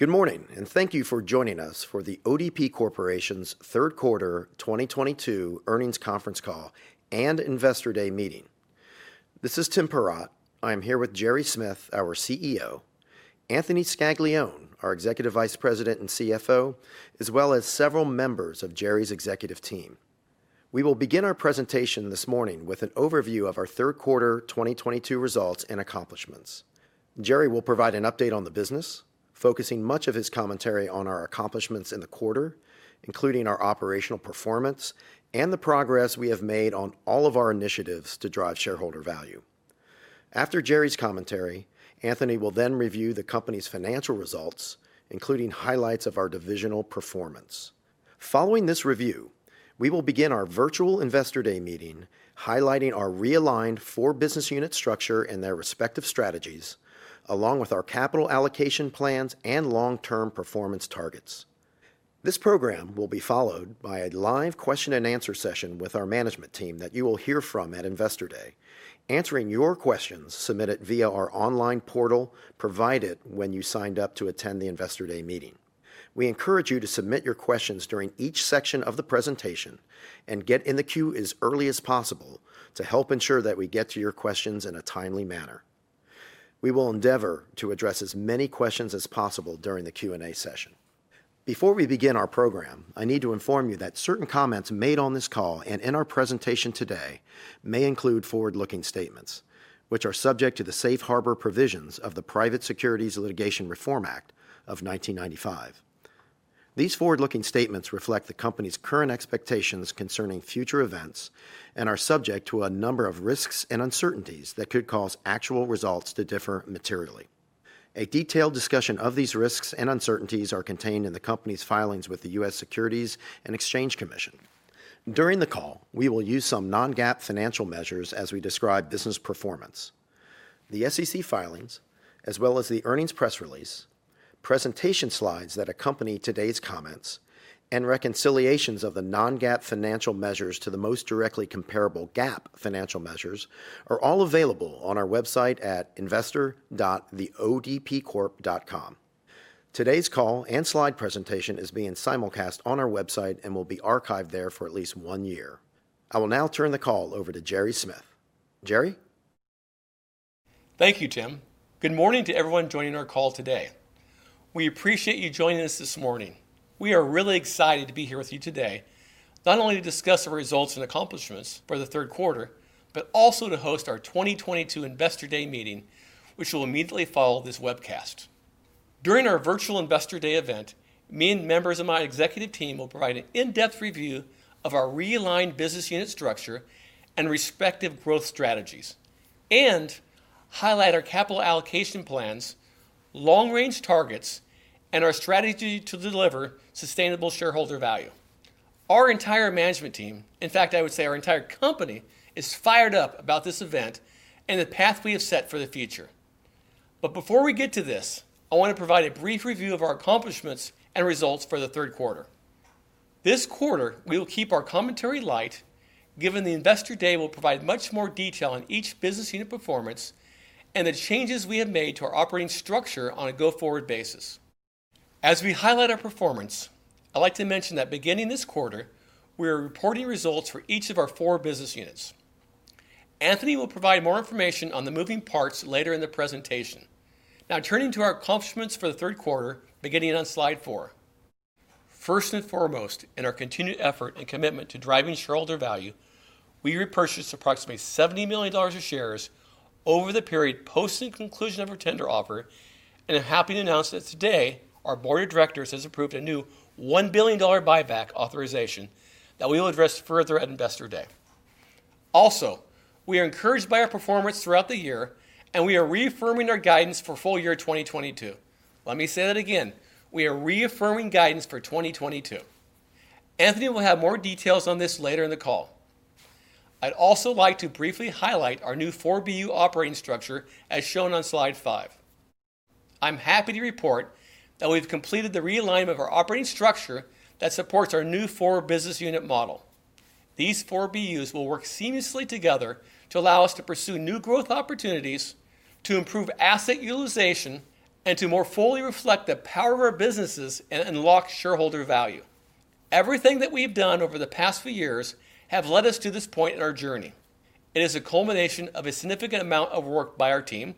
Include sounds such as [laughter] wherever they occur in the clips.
Good morning, and thank you for joining us for The ODP Corporation's third quarter 2022 earnings conference call and Investor Day meeting. This is Tim Perrott. I am here with Gerry Smith, our CEO, Anthony Scaglione, our Executive Vice President and CFO, as well as several members of Gerry's executive team. We will begin our presentation this morning with an overview of our third quarter 2022 results and accomplishments. Gerry will provide an update on the business, focusing much of his commentary on our accomplishments in the quarter, including our operational performance and the progress we have made on all of our initiatives to drive shareholder value. After Gerry's commentary, Anthony will then review the company's financial results, including highlights of our divisional performance. Following this review, we will begin our virtual Investor Day meeting, highlighting our realigned 4BUsiness unit structure and their respective strategies, along with our capital allocation plans and long-term performance targets. This program will be followed by a live question-and-answer session with our management team that you will hear from at Investor Day, answering your questions submitted via our online portal provided when you signed up to attend the Investor Day meeting. We encourage you to submit your questions during each section of the presentation and get in the queue as early as possible to help ensure that we get to your questions in a timely manner. We will endeavor to address as many questions as possible during the Q&A session. Before we begin our program, I need to inform you that certain comments made on this call and in our presentation today may include forward-looking statements, which are subject to the safe harbor provisions of the Private Securities Litigation Reform Act of 1995. These forward-looking statements reflect the company's current expectations concerning future events and are subject to a number of risks and uncertainties that could cause actual results to differ materially. A detailed discussion of these risks and uncertainties are contained in the company's filings with the U.S. Securities and Exchange Commission. During the call, we will use some non-GAAP financial measures as we describe business performance. The SEC filings, as well as the earnings press release, presentation slides that accompany today's comments, and reconciliations of the non-GAAP financial measures to the most directly comparable GAAP financial measures are all available on our website at investor.theodpcorp.com. Today's call and slide presentation is being simulcast on our website and will be archived there for at least one year. I will now turn the call over to Gerry Smith. Gerry? Thank you, Tim. Good morning to everyone joining our call today. We appreciate you joining us this morning. We are really excited to be here with you today, not only to discuss our results and accomplishments for the third quarter, but also to host our 2022 Investor Day meeting, which will immediately follow this webcast. During our virtual Investor Day event, me and members of my executive team will provide an in-depth review of our realigned business unit structure and respective growth strategies and highlight our capital allocation plans, long-range targets, and our strategy to deliver sustainable shareholder value. Our entire management team, in fact, I would say our entire company, is fired up about this event and the path we have set for the future. Before we get to this, I wanna provide a brief review of our accomplishments and results for the third quarter. This quarter, we will keep our commentary light, given the Investor Day will provide much more detail on each business unit performance and the changes we have made to our operating structure on a go-forward basis. As we highlight our performance, I'd like to mention that beginning this quarter, we are reporting results for each of our 4BUsiness units. Anthony will provide more information on the moving parts later in the presentation. Now turning to our accomplishments for the third quarter, beginning on slide four. First and foremost, in our continued effort and commitment to driving shareholder value, we repurchased approximately $70 million of shares over the period post the conclusion of our tender offer, and I'm happy to announce that today our board of directors has approved a new $1 billion buyback authorization that we will address further at Investor Day. Also, we are encouraged by our performance throughout the year, and we are reaffirming our guidance for full year 2022. Let me say that again. We are reaffirming guidance for 2022. Anthony will have more details on this later in the call. I'd also like to briefly highlight our new 4BU operating structure as shown on slide five. I'm happy to report that we've completed the realignment of our operating structure that supports our new 4BUsiness unit model. These 4BUs will work seamlessly together to allow us to pursue new growth opportunities, to improve asset utilization, and to more fully reflect the power of our businesses and unlock shareholder value. Everything that we've done over the past few years have led us to this point in our journey. It is a culmination of a significant amount of work by our team,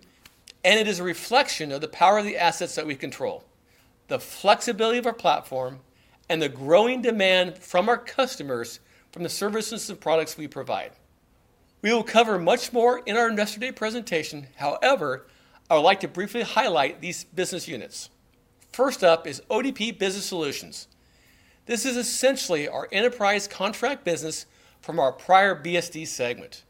and it is a reflection of the power of the assets that we control, the flexibility of our platform, and the growing demand from our customers from the services and products we provide. We will cover much more in our Investor Day presentation. However, I would like to briefly highlight these business units. First up is ODP Business Solutions. This is essentially our enterprise contract business from our prior BSD segment.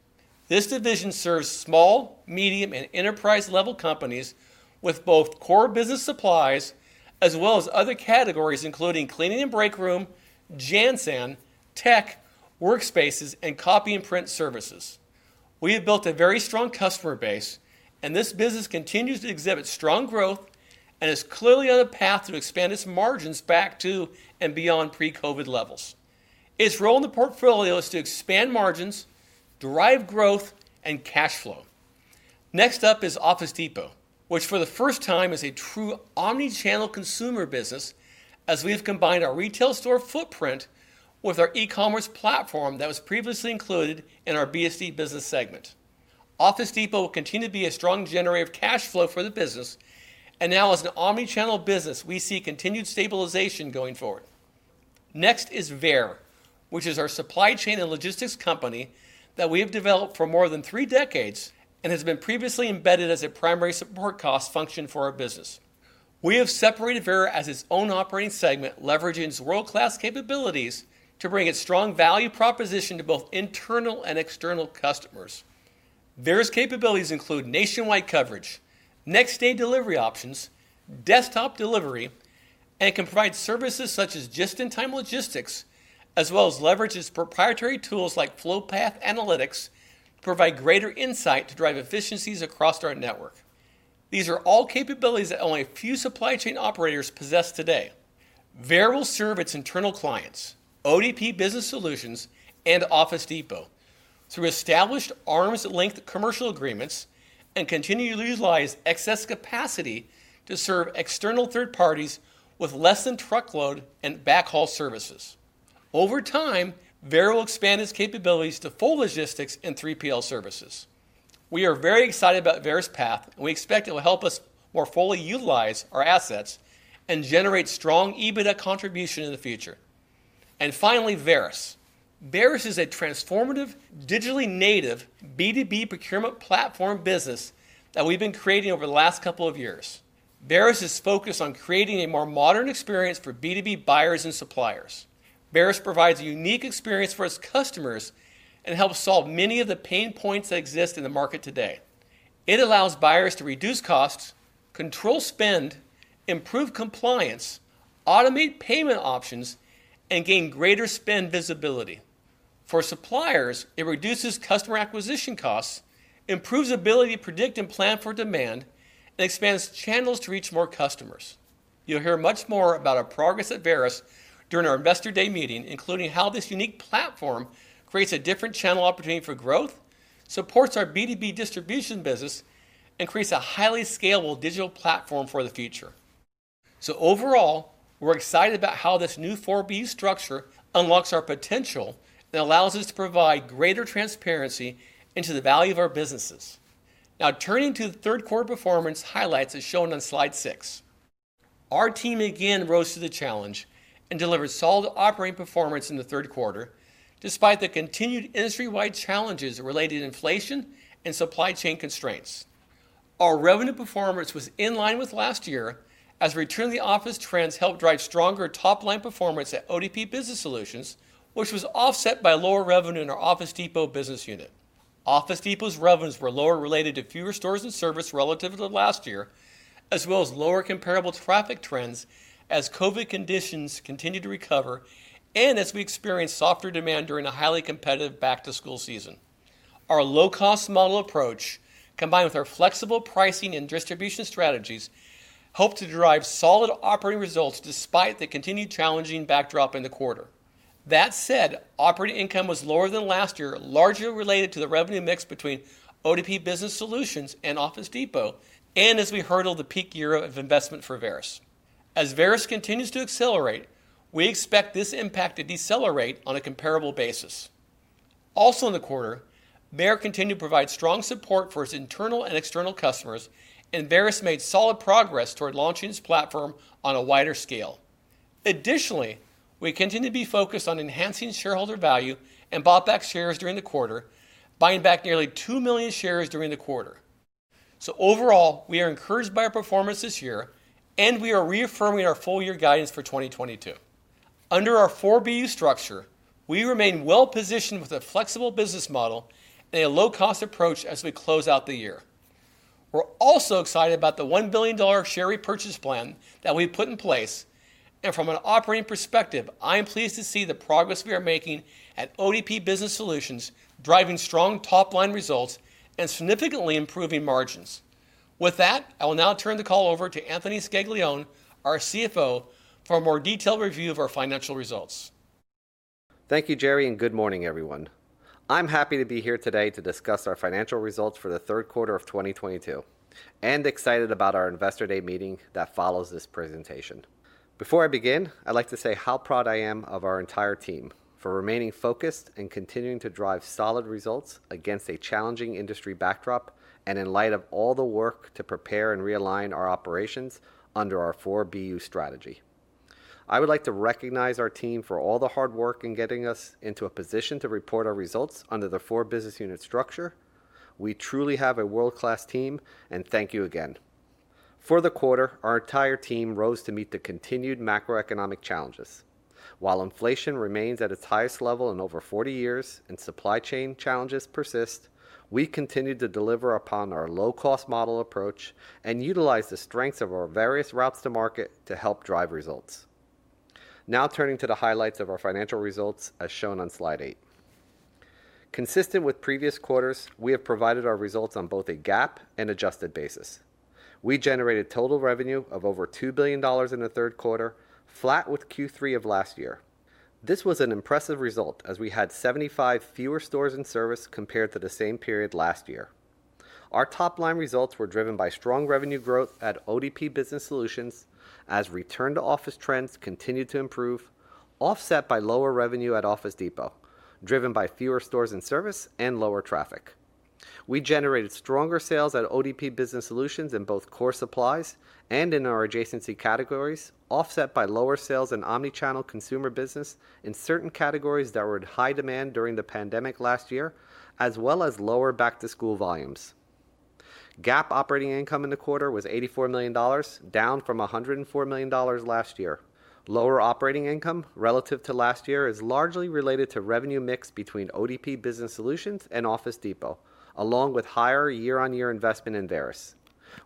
This division serves small, medium, and enterprise-level companies with both core business supplies as well as other categories including Cleaning and Breakroom, Jan/San, Tech, Workspaces, and Copy and Print Services. We have built a very strong customer base, and this business continues to exhibit strong growth and is clearly on a path to expand its margins back to and beyond pre-COVID levels. Its role in the portfolio is to expand margins, drive growth, and cash flow. Next up is Office Depot, which for the first time is a true omnichannel consumer business as we have combined our retail store footprint with our e-commerce platform that was previously included in our BSD business segment. Office Depot will continue to be a strong generator of cash flow for the business, and now as an omnichannel business, we see continued stabilization going forward. Next is VEYER, which is our supply chain and logistics company that we have developed for more than three decades and has been previously embedded as a primary support cost function for our business. We have separated VEYER as its own operating segment, leveraging its world-class capabilities to bring its strong value proposition to both internal and external customers. VEYER's capabilities include nationwide coverage, next-day delivery options, desk-side delivery, and can provide services such as just-in-time logistics, as well as leverage its proprietary tools like flow path analytics to provide greater insight to drive efficiencies across our network. These are all capabilities that only a few supply chain operators possess today. VEYER will serve its internal clients, ODP Business Solutions and Office Depot, through established arm's-length commercial agreements and continue to utilize excess capacity to serve external third parties with less than truckload and backhaul services. Over time, VEYER will expand its capabilities to full logistics and 3PL services. We are very excited about Varis' path, and we expect it will help us more fully utilize our assets and generate strong EBITDA contribution in the future. Finally, Varis. Varis is a transformative, digitally native B2B procurement platform business that we've been creating over the last couple of years. Varis is focused on creating a more modern experience for B2B buyers and suppliers. Varis provides a unique experience for its customers and helps solve many of the pain points that exist in the market today. It allows buyers to reduce costs, control spend, improve compliance, automate payment options, and gain greater spend visibility. For suppliers, it reduces customer acquisition costs, improves ability to predict and plan for demand, and expands channels to reach more customers. You'll hear much more about our progress at Varis during our Investor Day meeting, including how this unique platform creates a different channel opportunity for growth, supports our B2B distribution business, and creates a highly scalable digital platform for the future. Overall, we're excited about how this new four B structure unlocks our potential and allows us to provide greater transparency into the value of our businesses. Now turning to the third quarter performance highlights as shown on slide six. Our team again rose to the challenge and delivered solid operating performance in the third quarter, despite the continued industry-wide challenges related to inflation and supply chain constraints. Our revenue performance was in line with last year as return-to-the-office trends helped drive stronger top-line performance at ODP Business Solutions, which was offset by lower revenue in our Office Depot business unit. Office Depot's revenues were lower related to fewer stores and service relative to last year, as well as lower comparable traffic trends as COVID conditions continued to recover and as we experienced softer demand during a highly competitive back-to-school season. Our low-cost model approach, combined with our flexible pricing and distribution strategies, helped to drive solid operating results despite the continued challenging backdrop in the quarter. That said, operating income was lower than last year, largely related to the revenue mix between ODP Business Solutions and Office Depot, and as we hurdled the peak year of investment for Varis. As Varis continues to accelerate, we expect this impact to decelerate on a comparable basis. Also in the quarter, VEYER continued to provide strong support for its internal and external customers, and Varis made solid progress toward launching its platform on a wider scale. Additionally, we continue to be focused on enhancing shareholder value and bought back shares during the quarter, buying back nearly 2 million shares during the quarter. Overall, we are encouraged by our performance this year, and we are reaffirming our full year guidance for 2022. Under our 4BU structure, we remain well-positioned with a flexible business model and a low-cost approach as we close out the year. We're also excited about the $1 billion share repurchase plan that we've put in place. From an operating perspective, I am pleased to see the progress we are making at ODP Business Solutions, driving strong top-line results and significantly improving margins. With that, I will now turn the call over to Anthony Scaglione, our CFO, for a more detailed review of our financial results. Thank you, Gerry, and good morning, everyone. I'm happy to be here today to discuss our financial results for the third quarter of 2022 and excited about our Investor Day meeting that follows this presentation. Before I begin, I'd like to say how proud I am of our entire team for remaining focused and continuing to drive solid results against a challenging industry backdrop and in light of all the work to prepare and realign our operations under our 4BU strategy. I would like to recognize our team for all the hard work in getting us into a position to report our results under the 4BUsiness unit structure. We truly have a world-class team, and thank you again. For the quarter, our entire team rose to meet the continued macroeconomic challenges. While inflation remains at its highest level in over 40 years and supply chain challenges persist, we continued to deliver upon our low-cost model approach and utilize the strengths of our various routes to market to help drive results. Now turning to the highlights of our financial results as shown on slide eight. Consistent with previous quarters, we have provided our results on both a GAAP and adjusted basis. We generated total revenue of over $2 billion in the third quarter, flat with Q3 of last year. This was an impressive result as we had 75 fewer stores in service compared to the same period last year. Our top-line results were driven by strong revenue growth at ODP Business Solutions as return-to-office trends continued to improve, offset by lower revenue at Office Depot, driven by fewer stores in service and lower traffic. We generated stronger sales at ODP Business Solutions in both core supplies and in our adjacency categories, offset by lower sales in omnichannel consumer business in certain categories that were in high demand during the pandemic last year, as well as lower back-to-school volumes. GAAP operating income in the quarter was $84 million, down from $104 million last year. Lower operating income relative to last year is largely related to revenue mix between ODP Business Solutions and Office Depot, along with higher year-on-year investment in Varis.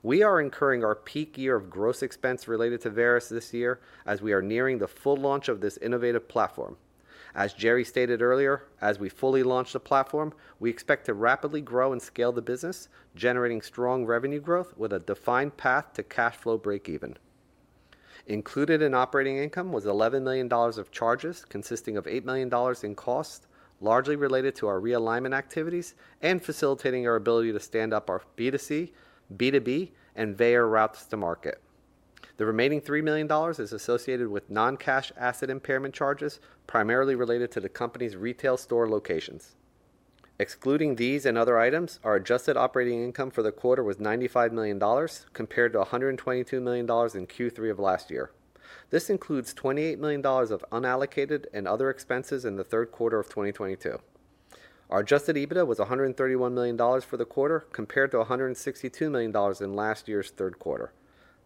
We are incurring our peak year of gross expense related to Varis this year as we are nearing the full launch of this innovative platform. As Gerry stated earlier, as we fully launch the platform, we expect to rapidly grow and scale the business, generating strong revenue growth with a defined path to cash flow breakeven. Included in operating income was $11 million of charges, consisting of $8 million in costs, largely related to our realignment activities and facilitating our ability to stand up our B2C, B2B, and VEYER routes to market. The remaining $3 million is associated with non-cash asset impairment charges, primarily related to the company's retail store locations. Excluding these and other items, our adjusted operating income for the quarter was $95 million, compared to $122 million in Q3 of last year. This includes $28 million of unallocated and other expenses in the third quarter of 2022. Our adjusted EBITDA was $131 million for the quarter, compared to $162 million in last year's third quarter.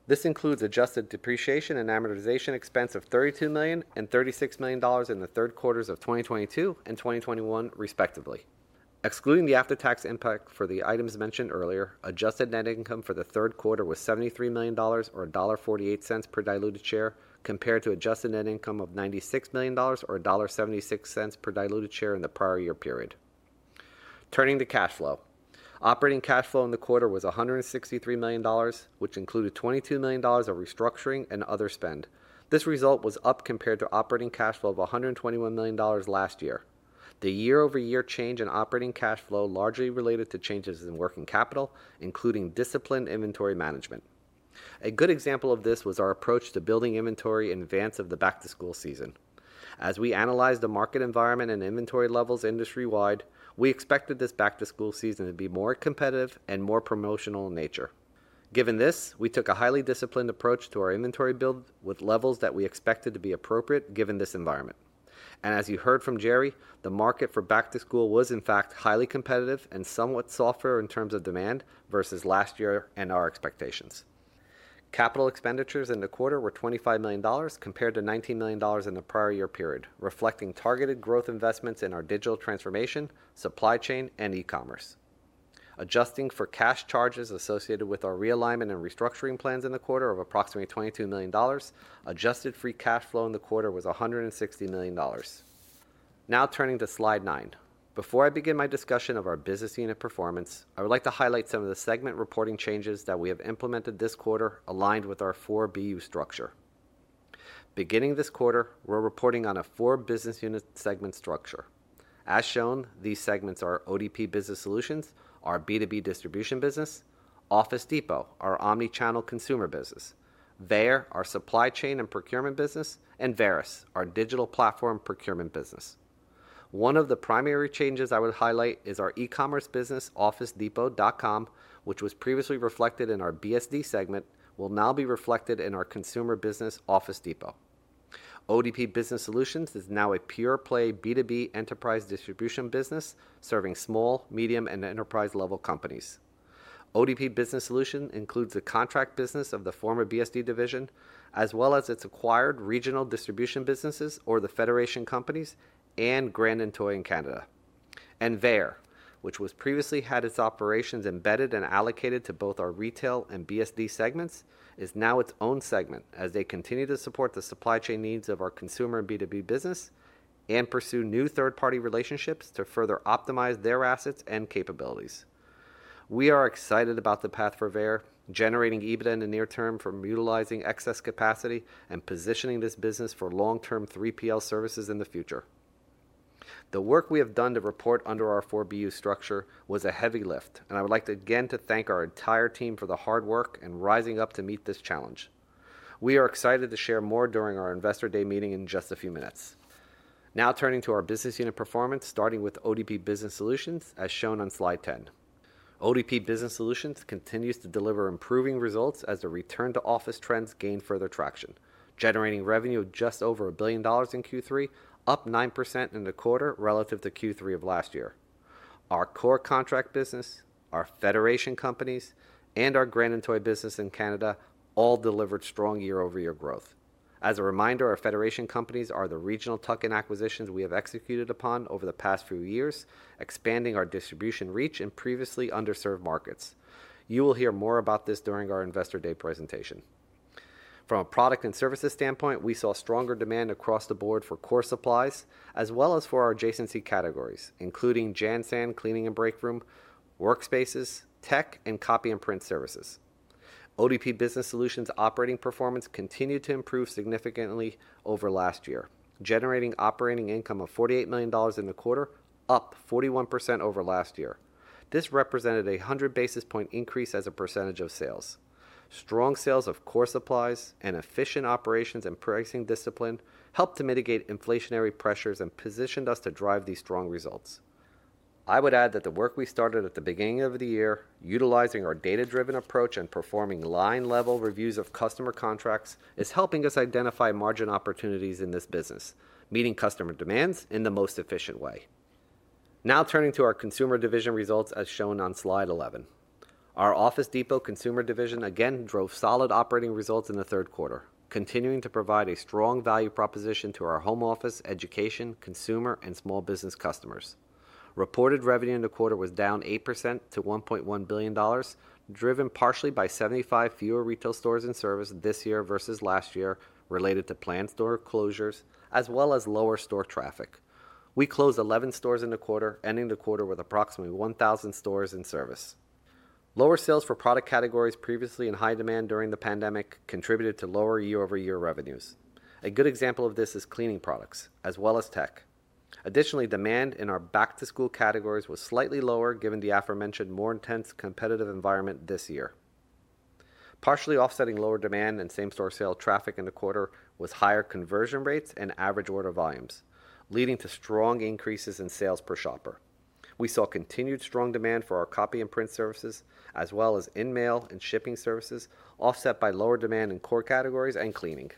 This includes adjusted depreciation and amortization expense of $32 million and $36 million in the third quarters of 2022 and 2021, respectively. Excluding the after-tax impact for the items mentioned earlier, adjusted net income for the third quarter was $73 million or $1.48 per diluted share compared to adjusted net income of $96 million or $1.76 per diluted share in the prior year period. Turning to cash flow. Operating cash flow in the quarter was $163 million, which included $22 million of restructuring and other spend. This result was up compared to operating cash flow of $121 million last year. The year-over-year change in operating cash flow largely related to changes in working capital, including disciplined inventory management. A good example of this was our approach to building inventory in advance of the back-to-school season. As we analyzed the market environment and inventory levels industry-wide, we expected this back-to-school season to be more competitive and more promotional in nature. Given this, we took a highly disciplined approach to our inventory build with levels that we expected to be appropriate given this environment. As you heard from Gerry, the market for back-to-school was, in fact, highly competitive and somewhat softer in terms of demand versus last year and our expectations. Capital expenditures in the quarter were $25 million compared to $19 million in the prior year period, reflecting targeted growth investments in our digital transformation, supply chain, and e-commerce. Adjusting for cash charges associated with our realignment and restructuring plans in the quarter of approximately $22 million, adjusted free cash flow in the quarter was $160 million. Now turning to slide nine. Before I begin my discussion of our business unit performance, I would like to highlight some of the segment reporting changes that we have implemented this quarter aligned with our 4BU structure. Beginning this quarter, we're reporting on a 4BUsiness unit segment structure. As shown, these segments are ODP Business Solutions, our B2B distribution business, Office Depot, our omnichannel consumer business, VEYER, our supply chain and procurement business, and Varis, our digital platform procurement business. One of the primary changes I would highlight is our e-commerce business, officedepot.com, which was previously reflected in our BSD segment, will now be reflected in our consumer business, Office Depot. ODP Business Solutions is now a pure-play B2B enterprise distribution business serving small, medium, and enterprise-level companies. ODP Business Solutions includes the contract business of the former BSD division, as well as its acquired regional distribution businesses or the Federation Companies and Grand & Toy in Canada. VEYER, which was previously had its operations embedded and allocated to both our retail and BSD segments, is now its own segment as they continue to support the supply chain needs of our consumer and B2B business and pursue new third-party relationships to further optimize their assets and capabilities. We are excited about the path for VEYER, generating EBITDA in the near term from utilizing excess capacity and positioning this business for long-term 3PL services in the future. The work we have done to report under our 4BU structure was a heavy lift, and I would like to again thank our entire team for the hard work and rising up to meet this challenge. We are excited to share more during our Investor Day meeting in just a few minutes. Now turning to our business unit performance, starting with ODP Business Solutions, as shown on slide 10. ODP Business Solutions continues to deliver improving results as the return-to-office trends gain further traction, generating revenue of just over $1 billion in Q3, up 9% in the quarter relative to Q3 of last year. Our core contract business, our Federation Companies, and our Grand & Toy business in Canada all delivered strong year-over-year growth. As a reminder, our Federation Companies are the regional tuck-in acquisitions we have executed upon over the past few years, expanding our distribution reach in previously underserved markets. You will hear more about this during our Investor Day presentation. From a product and services standpoint, we saw stronger demand across the board for core supplies as well as for our adjacency categories, including Jan/San, Cleaning and Breakroom, Workspaces, Tech, and Copy and Print services. ODP Business Solutions operating performance continued to improve significantly over last year, generating operating income of $48 million in the quarter, up 41% over last year. This represented a 100 basis point increase as a percentage of sales. Strong sales of core supplies and efficient operations and pricing discipline helped to mitigate inflationary pressures and positioned us to drive these strong results. I would add that the work we started at the beginning of the year, utilizing our data-driven approach and performing line-level reviews of customer contracts, is helping us identify margin opportunities in this business, meeting customer demands in the most efficient way. Now turning to our consumer division results as shown on slide 11. Our Office Depot consumer division again drove solid operating results in the third quarter, continuing to provide a strong value proposition to our home office, education, consumer and small business customers. Reported revenue in the quarter was down 8% to $1.1 billion, driven partially by 75 fewer retail stores in service this year versus last year related to planned store closures as well as lower store traffic. We closed 11 stores in the quarter, ending the quarter with approximately 1,000 stores in service. Lower sales for product categories previously in high demand during the pandemic contributed to lower year-over-year revenues. A good example of this is cleaning products as well as tech. Additionally, demand in our back-to-school categories was slightly lower given the aforementioned more intense competitive environment this year. Partially offsetting lower demand and same-store sales traffic in the quarter was higher conversion rates and average order values, leading to strong increases in sales per shopper. We saw continued strong demand for our Copy and Print services as well as email and shipping services, offset by lower demand in core categories and cleaning.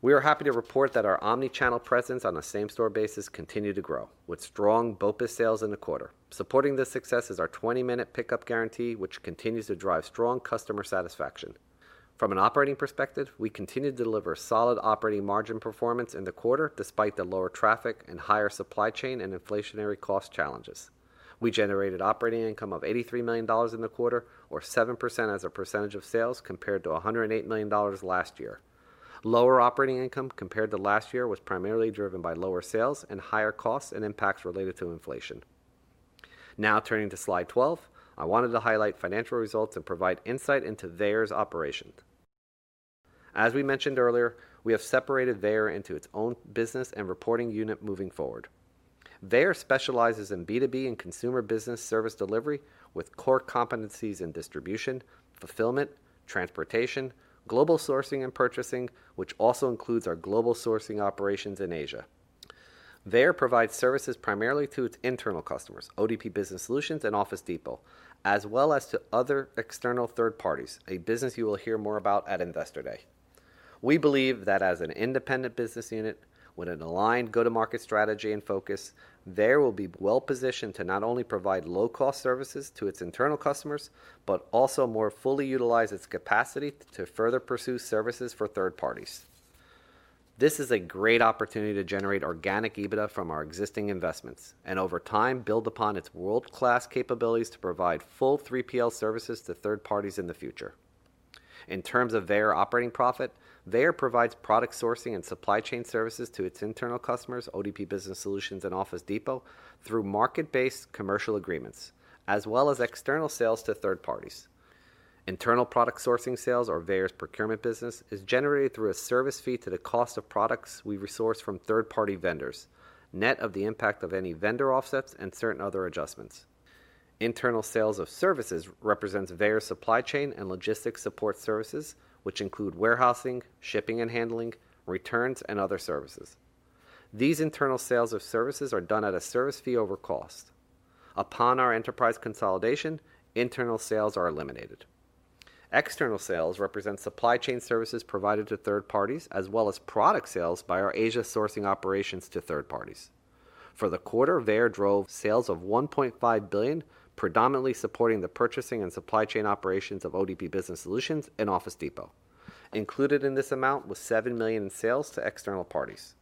We are happy to report that our omnichannel presence on a same-store basis continued to grow with strong BOPUS sales in the quarter. Supporting this success is our 20-minute pickup guarantee, which continues to drive strong customer satisfaction. From an operating perspective, we continue to deliver solid operating margin performance in the quarter despite the lower traffic and higher supply chain and inflationary cost challenges. We generated operating income of $83 million in the quarter, or 7% as a percentage of sales compared to $108 million last year. Lower operating income compared to last year was primarily driven by lower sales and higher costs and impacts related to inflation. Now turning to slide 12. I wanted to highlight financial results and provide insight into VEYER's operations. As we mentioned earlier, we have separated VEYER into its own business and reporting unit moving forward. VEYER specializes in B2B and consumer business service delivery with core competencies in distribution, fulfillment, transportation, global sourcing and purchasing, which also includes our global sourcing operations in Asia. VEYER provides services primarily to its internal customers, ODP Business Solutions and Office Depot, as well as to other external third parties, a business you will hear more about at Investor Day. We believe that as an independent business unit with an aligned go-to-market strategy and focus, VEYER will be well positioned to not only provide low cost services to its internal customers, but also more fully utilize its capacity to further pursue services for third parties. This is a great opportunity to generate organic EBITDA from our existing investments and over time, build upon its world-class capabilities to provide full 3PL services to third parties in the future. In terms of VEYER operating profit, VEYER provides product sourcing and supply chain services to its internal customers, ODP Business Solutions and Office Depot, through market-based commercial agreements, as well as external sales to third parties. Internal product sourcing sales or VEYER's procurement business is generated through a service fee to the cost of products we resource from third-party vendors, net of the impact of any vendor offsets and certain other adjustments. Internal sales of services represents VEYER's supply chain and logistics support services, which include warehousing, shipping and handling, returns and other services. These internal sales of services are done at a service fee over cost. Upon our enterprise consolidation, internal sales are eliminated. External sales represent supply chain services provided to third parties, as well as product sales by our Asia sourcing operations to third parties. For the quarter, VEYER drove sales of $1.5 billion, predominantly supporting the purchasing and supply chain operations of ODP Business Solutions and Office Depot. Included in this amount was $7 million in sales to external parties.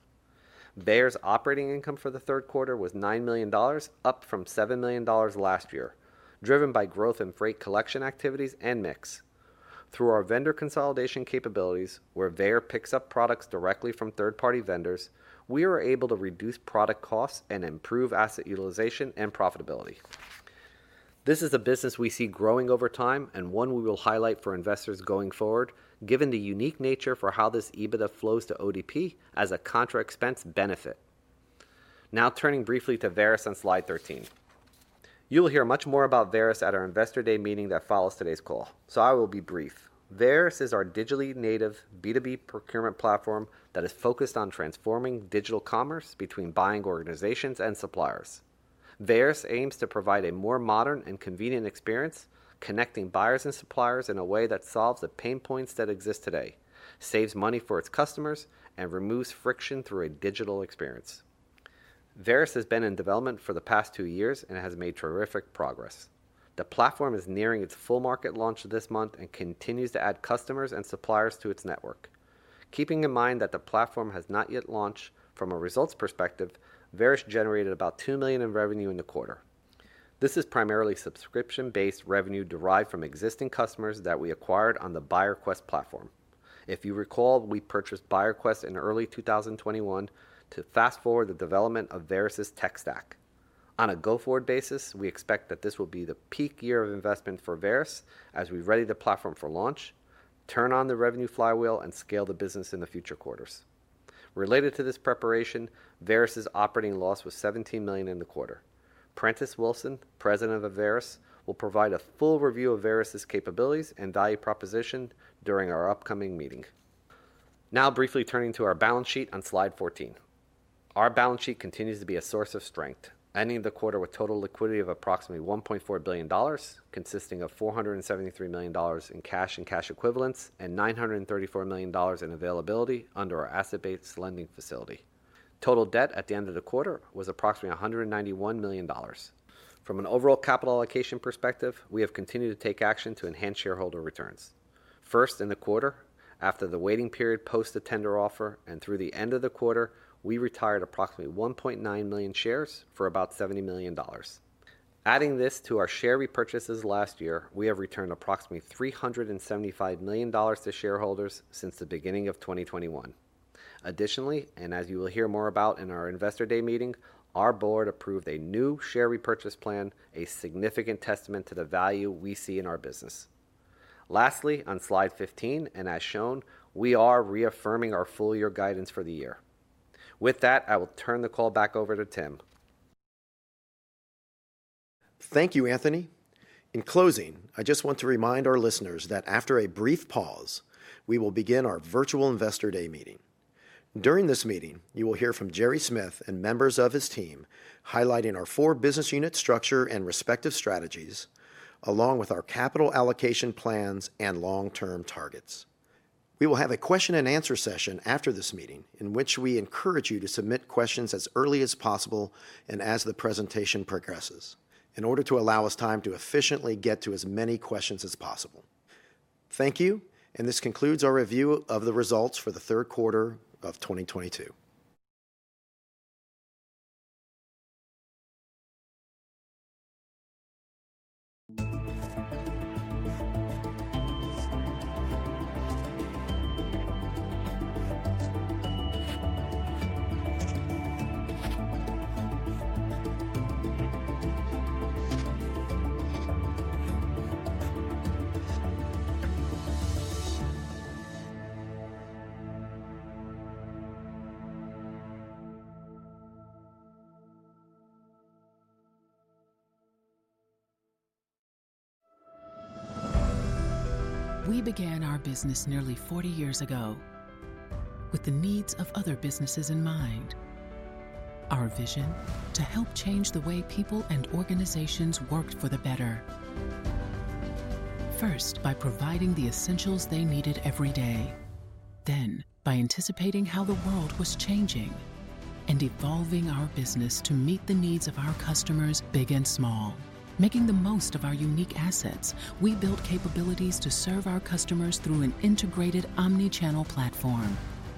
VEYER's operating income for the third quarter was $9 million, up from $7 million last year, driven by growth in freight collection activities and mix. Through our vendor consolidation capabilities, where VEYER picks up products directly from third party vendors, we are able to reduce product costs and improve asset utilization and profitability. This is a business we see growing over time and one we will highlight for investors going forward, given the unique nature for how this EBITDA flows to ODP as a contra expense benefit. Now turning briefly to Varis on slide 13. You'll hear much more about Varis at our Investor Day meeting that follows today's call, so I will be brief. Varis is our digitally native B2B procurement platform that is focused on transforming digital commerce between buying organizations and suppliers. Varis aims to provide a more modern and convenient experience connecting buyers and suppliers in a way that solves the pain points that exist today, saves money for its customers, and removes friction through a digital experience. Varis has been in development for the past two years and has made terrific progress. The platform is nearing its full market launch this month and continues to add customers and suppliers to its network. Keeping in mind that the platform has not yet launched from a results perspective, Varis generated about $2 million in revenue in the quarter. This is primarily subscription-based revenue derived from existing customers that we acquired on the BuyerQuest platform. If you recall, we purchased BuyerQuest in early 2021 to fast-forward the development of Varis' tech stack. On a go-forward basis, we expect that this will be the peak year of investment for Varis as we ready the platform for launch, turn on the revenue flywheel, and scale the business in the future quarters. Related to this preparation, Varis' operating loss was $17 million in the quarter. Prentis Wilson, President of Varis, will provide a full review of Varis' capabilities and value proposition during our upcoming meeting. Now briefly turning to our balance sheet on slide 14. Our balance sheet continues to be a source of strength, ending the quarter with total liquidity of approximately $1.4 billion, consisting of $473 million in cash and cash equivalents and $934 million in availability under our asset-based lending facility. Total debt at the end of the quarter was approximately $191 million. From an overall capital allocation perspective, we have continued to take action to enhance shareholder returns. First, in the quarter, after the waiting period post the tender offer and through the end of the quarter, we retired approximately 1.9 million shares for about $70 million. Adding this to our share repurchases last year, we have returned approximately $375 million to shareholders since the beginning of 2021. Additionally, and as you will hear more about in our Investor Day meeting, our board approved a new share repurchase plan, a significant testament to the value we see in our business. Lastly, on slide 15 and as shown, we are reaffirming our full year guidance for the year. With that, I will turn the call back over to Tim. Thank you, Anthony. In closing, I just want to remind our listeners that after a brief pause, we will begin our virtual Investor Day meeting. During this meeting, you will hear from Gerry Smith and members of his team highlighting our 4BUsiness unit structure and respective strategies, along with our capital allocation plans and long-term targets. We will have a question and answer session after this meeting in which we encourage you to submit questions as early as possible and as the presentation progresses in order to allow us time to efficiently get to as many questions as possible. Thank you, and this concludes our review of the results for the third quarter of 2022. We began our business nearly 40 years ago with the needs of other businesses in mind. Our vision, to help change the way people and organizations worked for the better. First, by providing the essentials they needed every day. By anticipating how the world was changing and evolving our business to meet the needs of our customers, big and small. Making the most of our unique assets, we built capabilities to serve our customers through an integrated omnichannel platform,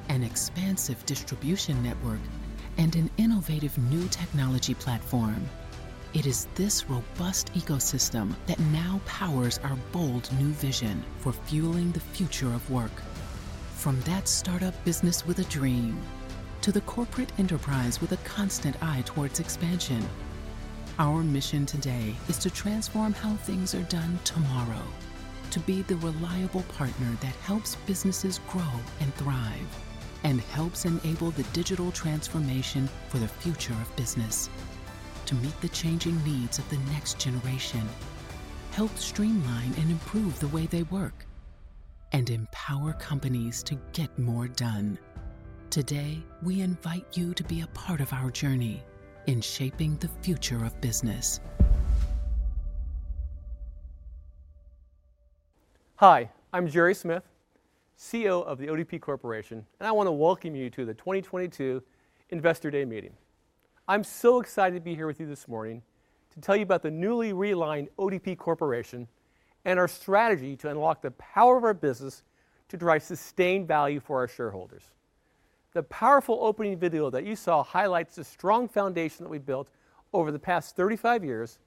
an expansive distribution network, and an innovative new technology platform. It is this robust ecosystem that now powers our bold new vision for fueling the future of work. From that startup business with a dream to the corporate enterprise with a constant eye towards expansion, our mission today is to transform how things are done tomorrow, to be the reliable partner that helps businesses grow and thrive, and helps enable the digital transformation for the future of business, to meet the changing needs of the next generation, help streamline and improve the way they work, and empower companies to get more done. Today, we invite you to be a part of our journey in shaping the future of business. Hi, I'm Gerry Smith, CEO of The ODP Corporation, and I want to welcome you to the 2022 Investor Day meeting. I'm so excited to be here with you this morning to tell you about the newly realigned ODP Corporation and our strategy to unlock the power of our business to drive sustained value for our shareholders. The powerful opening video that you saw highlights the strong foundation that we've built over the 35 years,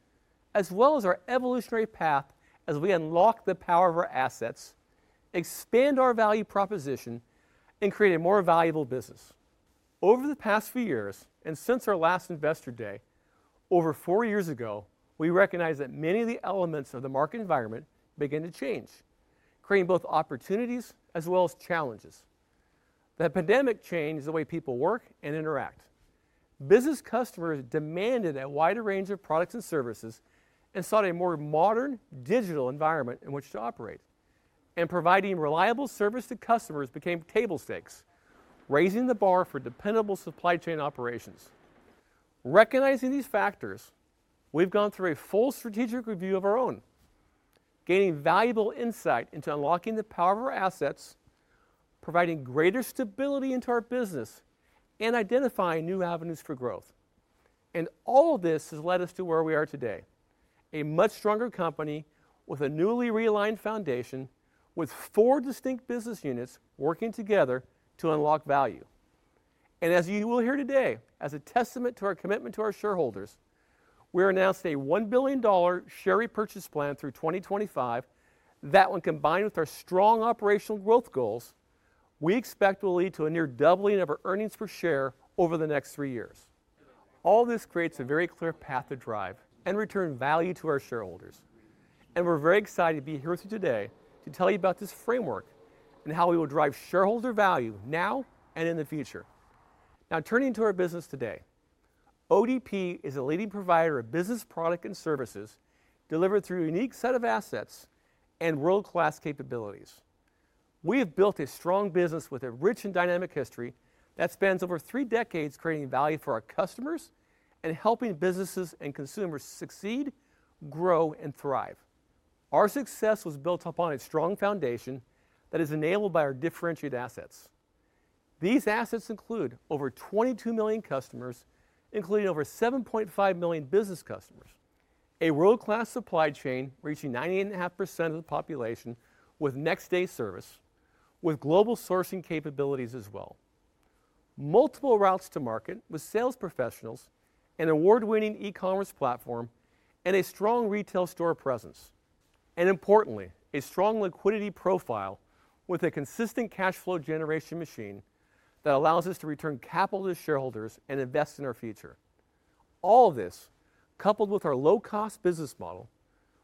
as well as our evolutionary path as we unlock the power of our assets, expand our value proposition, and create a more valuable business. Over the past few years, and since our last Investor Day over four years ago, we recognized that many of the elements of the market environment began to change, creating both opportunities as well as challenges. The pandemic changed the way people work and interact. Business customers demanded a wider range of products and services and sought a more modern digital environment in which to operate. Providing reliable service to customers became table stakes, raising the bar for dependable supply chain operations. Recognizing these factors, we've gone through a full strategic review of our own, gaining valuable insight into unlocking the power of our assets, providing greater stability into our business, and identifying new avenues for growth. All of this has led us to where we are today, a much stronger company with a newly realigned foundation with four distinct business units working together to unlock value. As you will hear today, as a testament to our commitment to our shareholders, we announced a $1 billion share repurchase plan through 2025 that, when combined with our strong operational growth goals, we expect will lead to a near doubling of our earnings per share over the next three years. All this creates a very clear path to drive and return value to our shareholders, and we're very excited to be here with you today to tell you about this framework and how we will drive shareholder value now and in the future. Now, turning to our business today. ODP is a leading provider of business product and services delivered through a unique set of assets and world-class capabilities. We have built a strong business with a rich and dynamic history that spans over three decades, creating value for our customers and helping businesses and consumers succeed, grow and thrive. Our success was built upon a strong foundation that is enabled by our differentiated assets. These assets include over 22 million customers, including over 7.5 million business customers, a world-class supply chain reaching 98.5% of the population with next day service, with global sourcing capabilities as well. Multiple routes to market with sales professionals, an award-winning e-commerce platform and a strong retail store presence. Importantly, a strong liquidity profile with a consistent cash flow generation machine that allows us to return capital to shareholders and invest in our future. All of this, coupled with our low cost business model,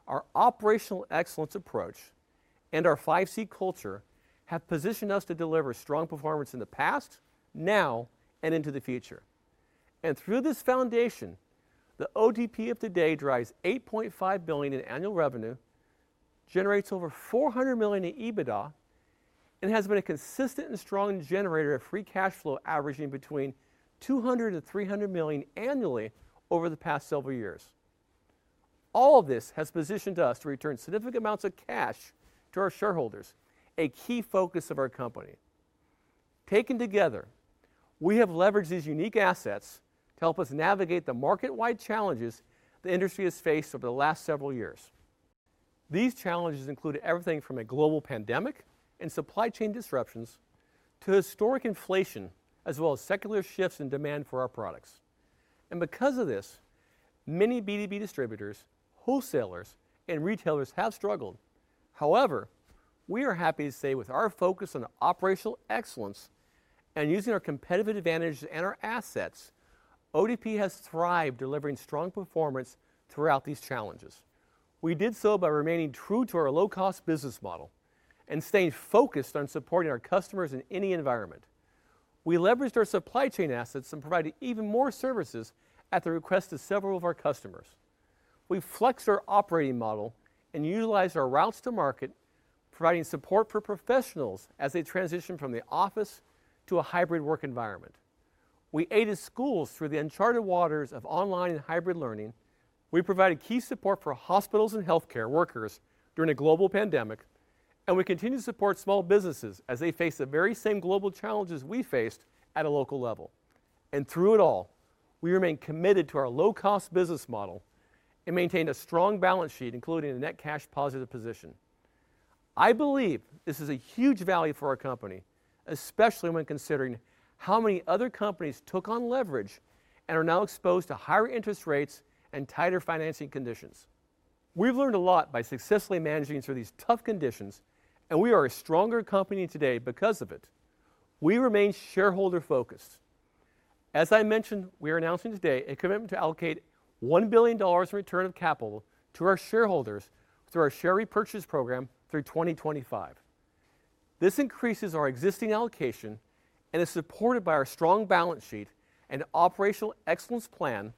our operational excellence approach, and our 5C Culture, have positioned us to deliver strong performance in the past, now and into the future. Through this foundation, the ODP of today drives $8.5 billion in annual revenue, generates over $400 million in EBITDA, and has been a consistent and strong generator of free cash flow, averaging between $200 million and $300 million annually over the past several years. All of this has positioned us to return significant amounts of cash to our shareholders, a key focus of our company. Taken together, we have leveraged these unique assets to help us navigate the market-wide challenges the industry has faced over the last several years. These challenges include everything from a global pandemic and supply chain disruptions to historic inflation, as well as secular shifts in demand for our products. Because of this, many B2B distributors, wholesalers and retailers have struggled. However, we are happy to say, with our focus on operational excellence and using our competitive advantages and our assets, ODP has thrived delivering strong performance throughout these challenges. We did so by remaining true to our low cost business model and staying focused on supporting our customers in any environment. We leveraged our supply chain assets and provided even more services at the request of several of our customers. We flexed our operating model and utilized our routes to market, providing support for professionals as they transition from the office to a hybrid work environment. We aided schools through the uncharted waters of online and hybrid learning. We provided key support for hospitals and healthcare workers during a global pandemic, and we continue to support small businesses as they face the very same global challenges we faced at a local level. Through it all, we remain committed to our low cost business model and maintain a strong balance sheet, including a net cash positive position. I believe this is a huge value for our company, especially when considering how many other companies took on leverage and are now exposed to higher interest rates and tighter financing conditions. We've learned a lot by successfully managing through these tough conditions, and we are a stronger company today because of it. We remain shareholder focused. As I mentioned, we are announcing today a commitment to allocate $1 billion in return of capital to our shareholders through our share repurchase program through 2025. This increases our existing allocation and is supported by our strong balance sheet and operational excellence plan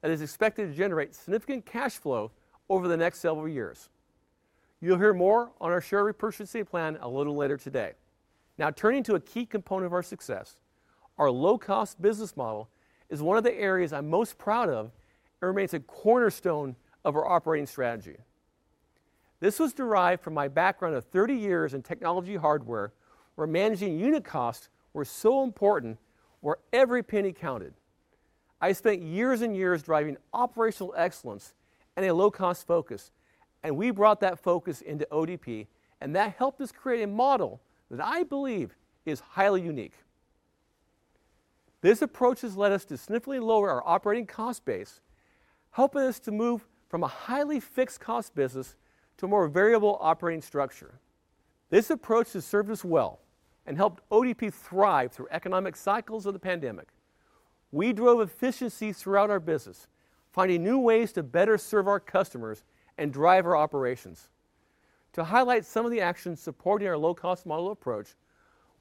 that is expected to generate significant cash flow over the next several years. You'll hear more on our share repurchase plan a little later today. Now, turning to a key component of our success, our low cost business model is one of the areas I'm most proud of and remains a cornerstone of our operating strategy. This was derived from my background of 30 years in technology hardware, where managing unit costs were so important, where every penny counted. I spent years and years driving operational excellence and a low cost focus, and we brought that focus into ODP, and that helped us create a model that I believe is highly unique. This approach has led us to significantly lower our operating cost base, helping us to move from a highly fixed cost business to a more variable operating structure. This approach has served us well and helped ODP thrive through economic cycles of the pandemic. We drove efficiency throughout our business, finding new ways to better serve our customers and drive our operations. To highlight some of the actions supporting our low cost model approach,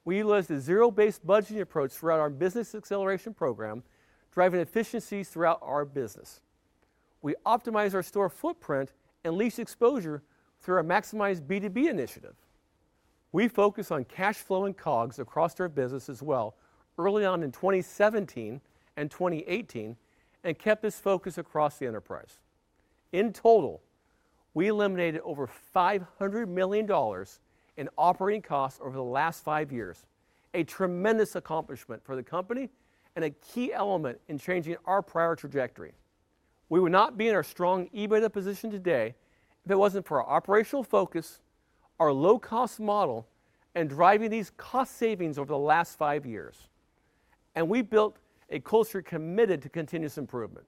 we utilized a zero-based budgeting approach throughout our business acceleration program, driving efficiencies throughout our business. We optimized our store footprint and lease exposure through our Maximized B2B initiative. We focused on cash flow and COGS across our business as well early on in 2017 and 2018 and kept this focus across the enterprise. In total, we eliminated over $500 million in operating costs over the last five years, a tremendous accomplishment for the company and a key element in changing our prior trajectory. We would not be in our strong EBITDA position today if it wasn't for our operational focus, our low-cost model, and driving these cost savings over the last five years. We built a culture committed to continuous improvement.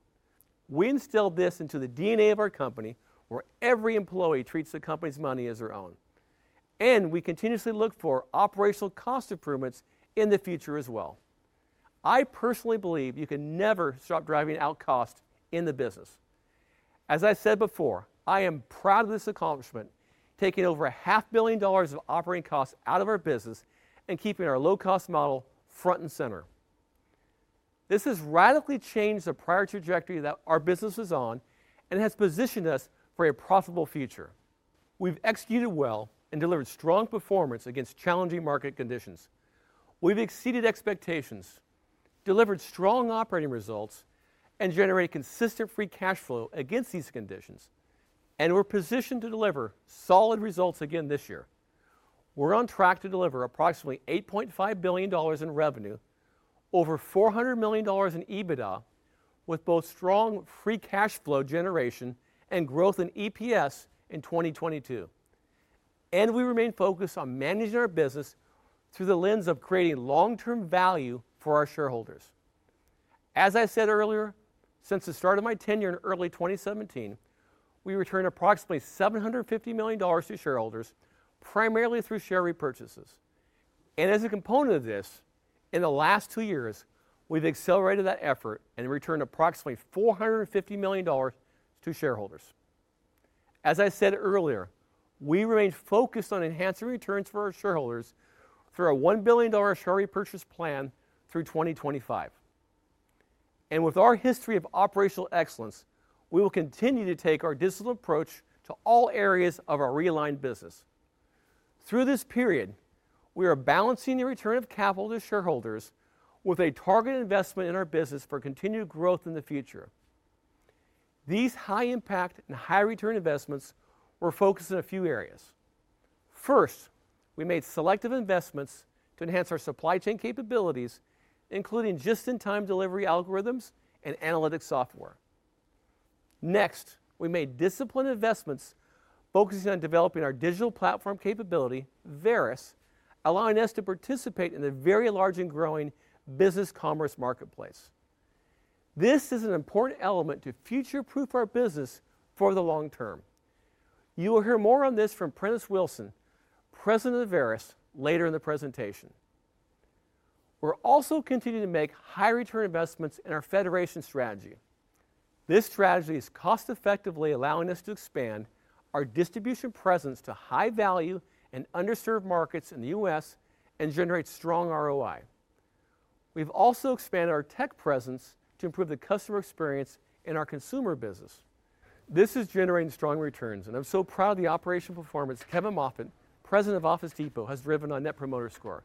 We instilled this into the DNA of our company, where every employee treats the company's money as their own. We continuously look for operational cost improvements in the future as well. I personally believe you can never stop driving out cost in the business. As I said before, I am proud of this accomplishment, taking over $500 billion of operating costs out of our business and keeping our low-cost model front and center. This has radically changed the prior trajectory that our business was on and has positioned us for a profitable future. We've executed well and delivered strong performance against challenging market conditions. We've exceeded expectations, delivered strong operating results, and generated consistent free cash flow against these conditions. We're positioned to deliver solid results again this year. We're on track to deliver approximately $8.5 billion in revenue, over $400 million in EBITDA, with both strong free cash flow generation and growth in EPS in 2022. We remain focused on managing our business through the lens of creating long-term value for our shareholders. As I said earlier, since the start of my tenure in early 2017, we returned approximately $750 million to shareholders, primarily through share repurchases. As a component of this, in the last two years, we've accelerated that effort and returned approximately $450 million to shareholders. As I said earlier, we remain focused on enhancing returns for our shareholders through our $1 billion share repurchase plan through 2025. With our history of operational excellence, we will continue to take our disciplined approach to all areas of our realigned business. Through this period, we are balancing the return of capital to shareholders with a targeted investment in our business for continued growth in the future. These high-impact and high-return investments were focused in a few areas. First, we made selective investments to enhance our supply chain capabilities, including just-in-time delivery algorithms and analytics software. Next, we made disciplined investments focusing on developing our digital platform capability, Varis, allowing us to participate in the very large and growing business commerce marketplace. This is an important element to future-proof our business for the long term. You will hear more on this from Prentis Wilson, President of Varis, later in the presentation. We're also continuing to make high-return investments in our federation strategy. This strategy is cost-effectively allowing us to expand our distribution presence to high-value and underserved markets in the U.S. and generate strong ROI. We've also expanded our tech presence to improve the customer experience in our consumer business. This is generating strong returns, and I'm so proud of the operational performance Kevin Moffitt, President of Office Depot, has driven on Net Promoter Score,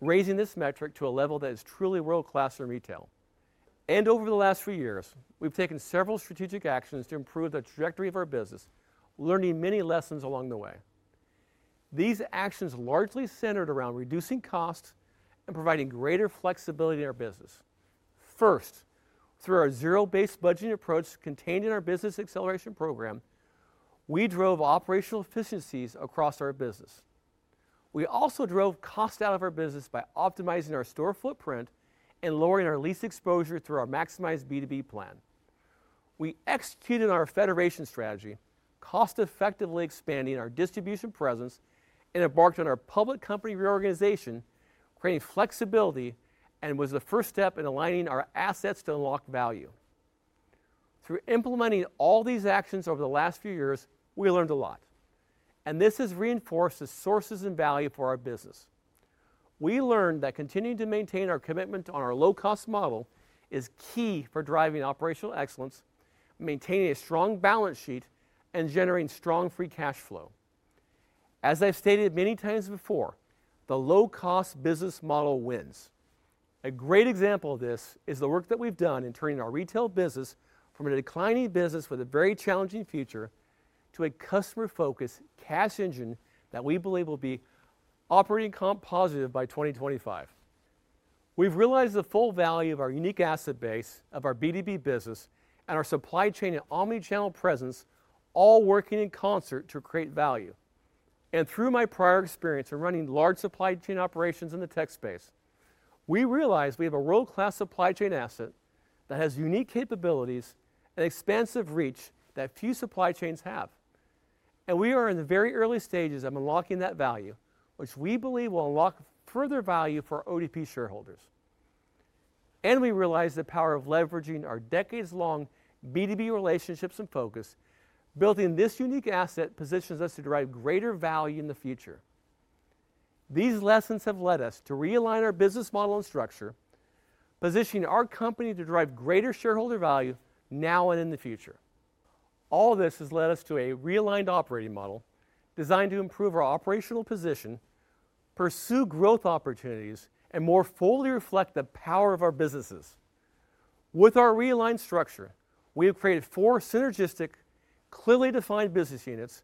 raising this metric to a level that is truly world-class in retail. Over the last few years, we've taken several strategic actions to improve the trajectory of our business, learning many lessons along the way. These actions largely centered around reducing costs and providing greater flexibility in our business. First, through our zero-based budgeting approach contained in our business acceleration program, we drove operational efficiencies across our business. We also drove cost out of our business by optimizing our store footprint and lowering our lease exposure through our Maximized B2B plan. We executed our federation strategy, cost-effectively expanding our distribution presence, and embarked on our public company reorganization, creating flexibility and was the first step in aligning our assets to unlock value. Through implementing all these actions over the last few years, we learned a lot, and this has reinforced the sources and value for our business. We learned that continuing to maintain our commitment to our low-cost model is key for driving operational excellence, maintaining a strong balance sheet, and generating strong free cash flow. As I've stated many times before, the low-cost business model wins. A great example of this is the work that we've done in turning our retail business from a declining business with a very challenging future to a customer-focused cash engine that we believe will be operating comp positive by 2025. We've realized the full value of our unique asset base of our B2B business and our supply chain and omnichannel presence all working in concert to create value. Through my prior experience of running large supply chain operations in the tech space, we realized we have a world-class supply chain asset that has unique capabilities and expansive reach that few supply chains have. We are in the very early stages of unlocking that value, which we believe will unlock further value for ODP shareholders. We realize the power of leveraging our decades-long B2B relationships and focus. Building this unique asset positions us to derive greater value in the future. These lessons have led us to realign our business model and structure, positioning our company to derive greater shareholder value now and in the future. All of this has led us to a realigned operating model designed to improve our operational position, pursue growth opportunities, and more fully reflect the power of our businesses. With our realigned structure, we have created four synergistic, clearly defined business units,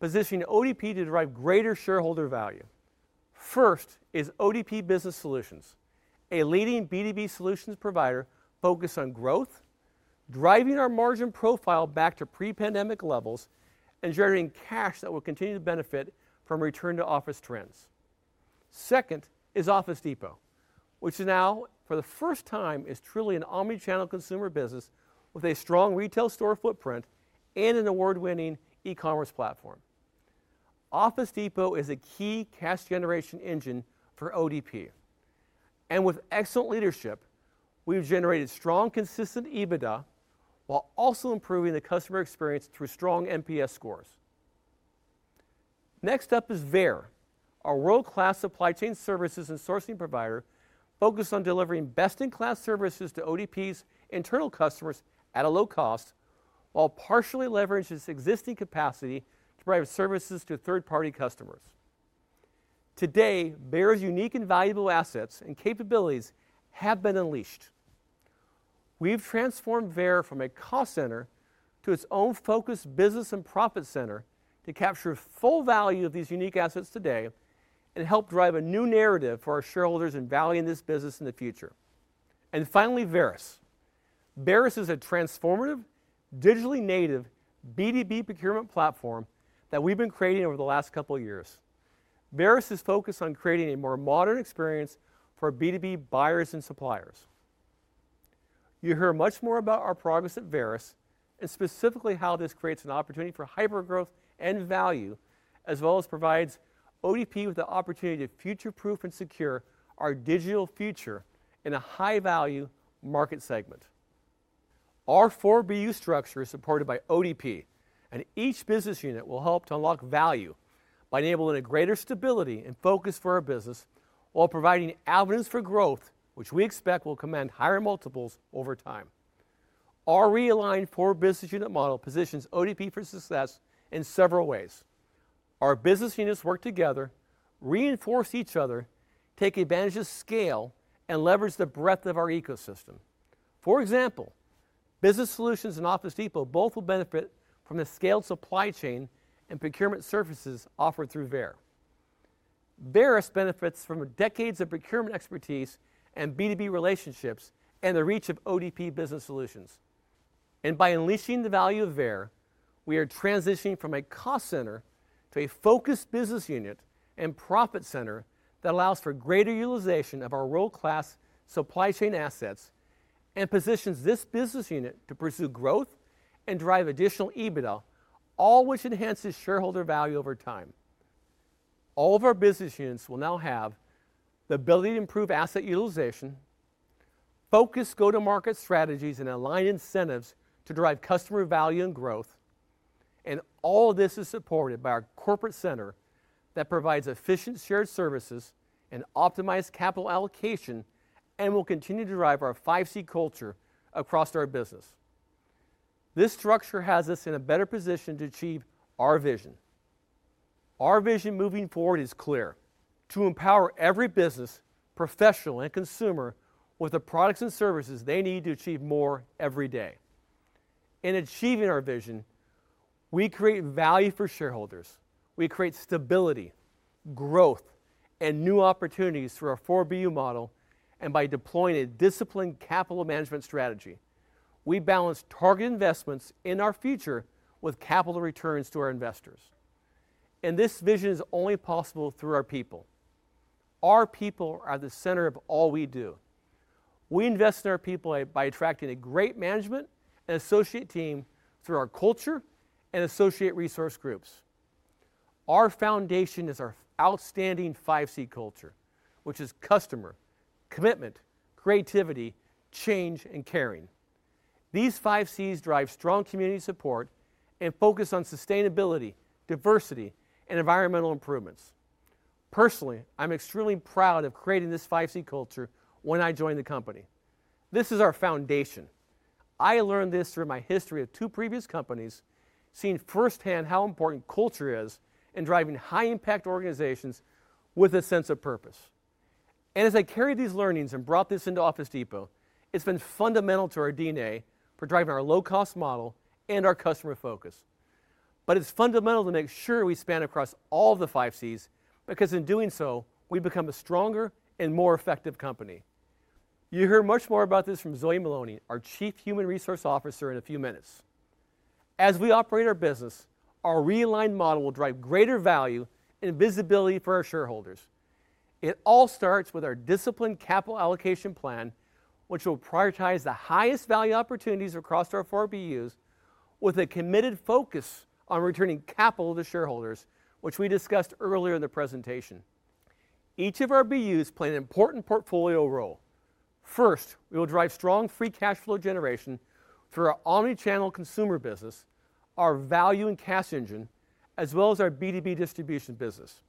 positioning ODP to derive greater shareholder value. First is ODP Business Solutions, a leading B2B solutions provider focused on growth, driving our margin profile back to pre-pandemic levels, and generating cash that will continue to benefit from return to office trends. Second is Office Depot, which now, for the first time, is truly an omnichannel consumer business with a strong retail store footprint and an award-winning e-commerce platform. Office Depot is a key cash generation engine for ODP. With excellent leadership, we've generated strong, consistent EBITDA while also improving the customer experience through strong NPS scores. Next up is VEYER, our world-class supply chain services and sourcing provider, focused on delivering best-in-class services to ODP's internal customers at a low cost while partially leveraging its existing capacity to provide services to third-party customers. Today, VEYER's unique and valuable assets and capabilities have been unleashed. We've transformed VEYER from a cost center to its own focused business and profit center to capture full value of these unique assets today and help drive a new narrative for our shareholders in valuing this business in the future. Finally, Varis. Varis is a transformative, digitally native B2B procurement platform that we've been creating over the last couple of years. Varis is focused on creating a more modern experience for B2B buyers and suppliers. You'll hear much more about our progress at Varis, and specifically how this creates an opportunity for hypergrowth and value, as well as provides ODP with the opportunity to future-proof and secure our digital future in a high-value market segment. Our 4BU structure is supported by ODP, and each business unit will help to unlock value by enabling a greater stability and focus for our business while providing avenues for growth, which we expect will command higher multiples over time. Our realigned 4BUsiness unit model positions ODP for success in several ways. Our business units work together, reinforce each other, take advantage of scale, and leverage the breadth of our ecosystem. For example, Business Solutions and Office Depot both will benefit from the scaled supply chain and procurement services offered through VEYER. Varis benefits from decades of procurement expertise and B2B relationships and the reach of ODP Business Solutions. By unleashing the value of VEYER, we are transitioning from a cost center to a focused business unit and profit center that allows for greater utilization of our world-class supply chain assets and positions this business unit to pursue growth and drive additional EBITDA, all which enhances shareholder value over time. All of our business units will now have the ability to improve asset utilization, focus go-to-market strategies, and align incentives to drive customer value and growth. All of this is supported by our corporate center that provides efficient shared services and optimized capital allocation and will continue to drive our 5C Culture across our business. This structure has us in a better position to achieve our vision. Our vision moving forward is clear. To empower every business, professional, and consumer with the products and services they need to achieve more every day. In achieving our vision, we create value for shareholders. We create stability, growth, and new opportunities through our 4BU model and by deploying a disciplined capital management strategy. We balance target investments in our future with capital returns to our investors. This vision is only possible through our people. Our people are the center of all we do. We invest in our people by attracting a great management and associate team through our culture and associate resource groups. Our foundation is our outstanding 5C Culture, which is Customer, Commitment, Creativity, Change, and Caring. These 5Cs drive strong community support and focus on sustainability, diversity, and environmental improvements. Personally, I'm extremely proud of creating this 5C Culture when I joined the company. This is our foundation. I learned this through my history at two previous companies, seeing firsthand how important culture is in driving high-impact organizations with a sense of purpose. As I carried these learnings and brought this into Office Depot, it's been fundamental to our DNA for driving our low-cost model and our customer focus. It's fundamental to make sure we span across all of the 5Cs, because in doing so, we become a stronger and more effective company. You'll hear much more about this from Zoe Maloney, our Chief Human Resources Officer, in a few minutes. As we operate our business, our realigned model will drive greater value and visibility for our shareholders. It all starts with our disciplined capital allocation plan, which will prioritize the highest value opportunities across our 4BUs with a committed focus on returning capital to shareholders, which we discussed earlier in the presentation. Each of our BUs play an important portfolio role. First, we will drive strong free cash flow generation through our omnichannel consumer business, our value and cash engine, as well as our B2B distribution business.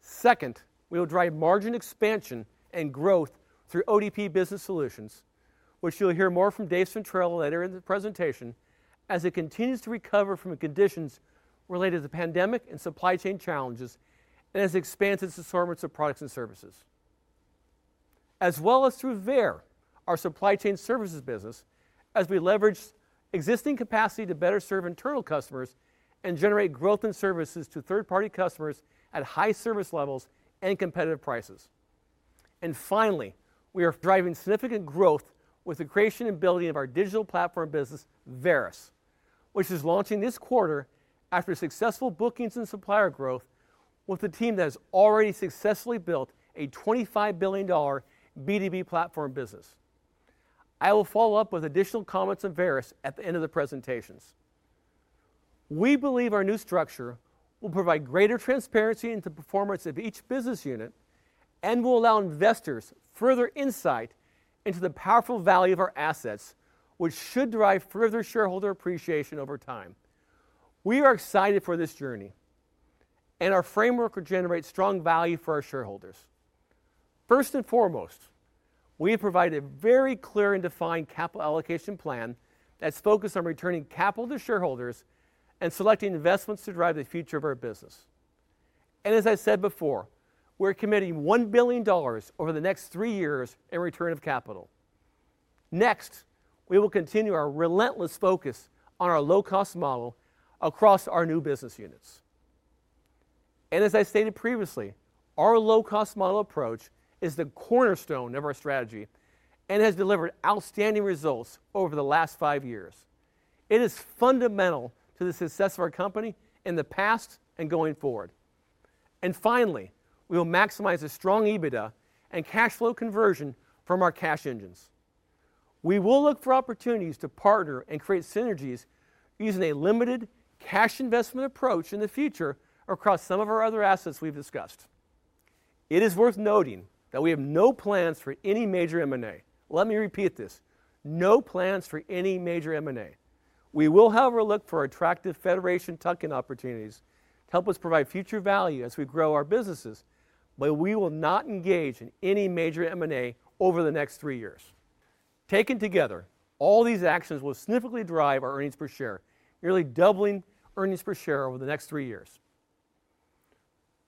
Second, we will drive margin expansion and growth through ODP Business Solutions, which you'll hear more from David Centrella later in the presentation, as it continues to recover from the conditions related to the pandemic and supply chain challenges, and as it expands its assortments of products and services. As well as through VEYER, our supply chain services business, as we leverage existing capacity to better serve internal customers and generate growth in services to third-party customers at high service levels and competitive prices. Finally, we are driving significant growth with the creation and building of our digital platform business, Varis, which is launching this quarter after successful bookings and supplier growth with a team that has already successfully built a $25 billion B2B platform business. I will follow up with additional comments on Varis at the end of the presentations. We believe our new structure will provide greater transparency into performance of each business unit and will allow investors further insight into the powerful value of our assets, which should drive further shareholder appreciation over time. We are excited for this journey, and our framework will generate strong value for our shareholders. First and foremost, we provide a very clear and defined capital allocation plan that's focused on returning capital to shareholders and selecting investments to drive the future of our business. As I said before, we're committing $1 billion over the next three years in return of capital. Next, we will continue our relentless focus on our low-cost model across our new business units. As I stated previously, our low-cost model approach is the cornerstone of our strategy and has delivered outstanding results over the last five years. It is fundamental to the success of our company in the past and going forward. Finally, we will maximize the strong EBITDA and cash flow conversion from our cash engines. We will look for opportunities to partner and create synergies using a limited cash investment approach in the future across some of our other assets we've discussed. It is worth noting that we have no plans for any major M&A. Let me repeat this. No plans for any major M&A. We will, however, look for attractive federation tuck-in opportunities to help us provide future value as we grow our businesses, but we will not engage in any major M&A over the next three years. Taken together, all these actions will significantly drive our earnings per share, nearly doubling earnings per share over the next three years.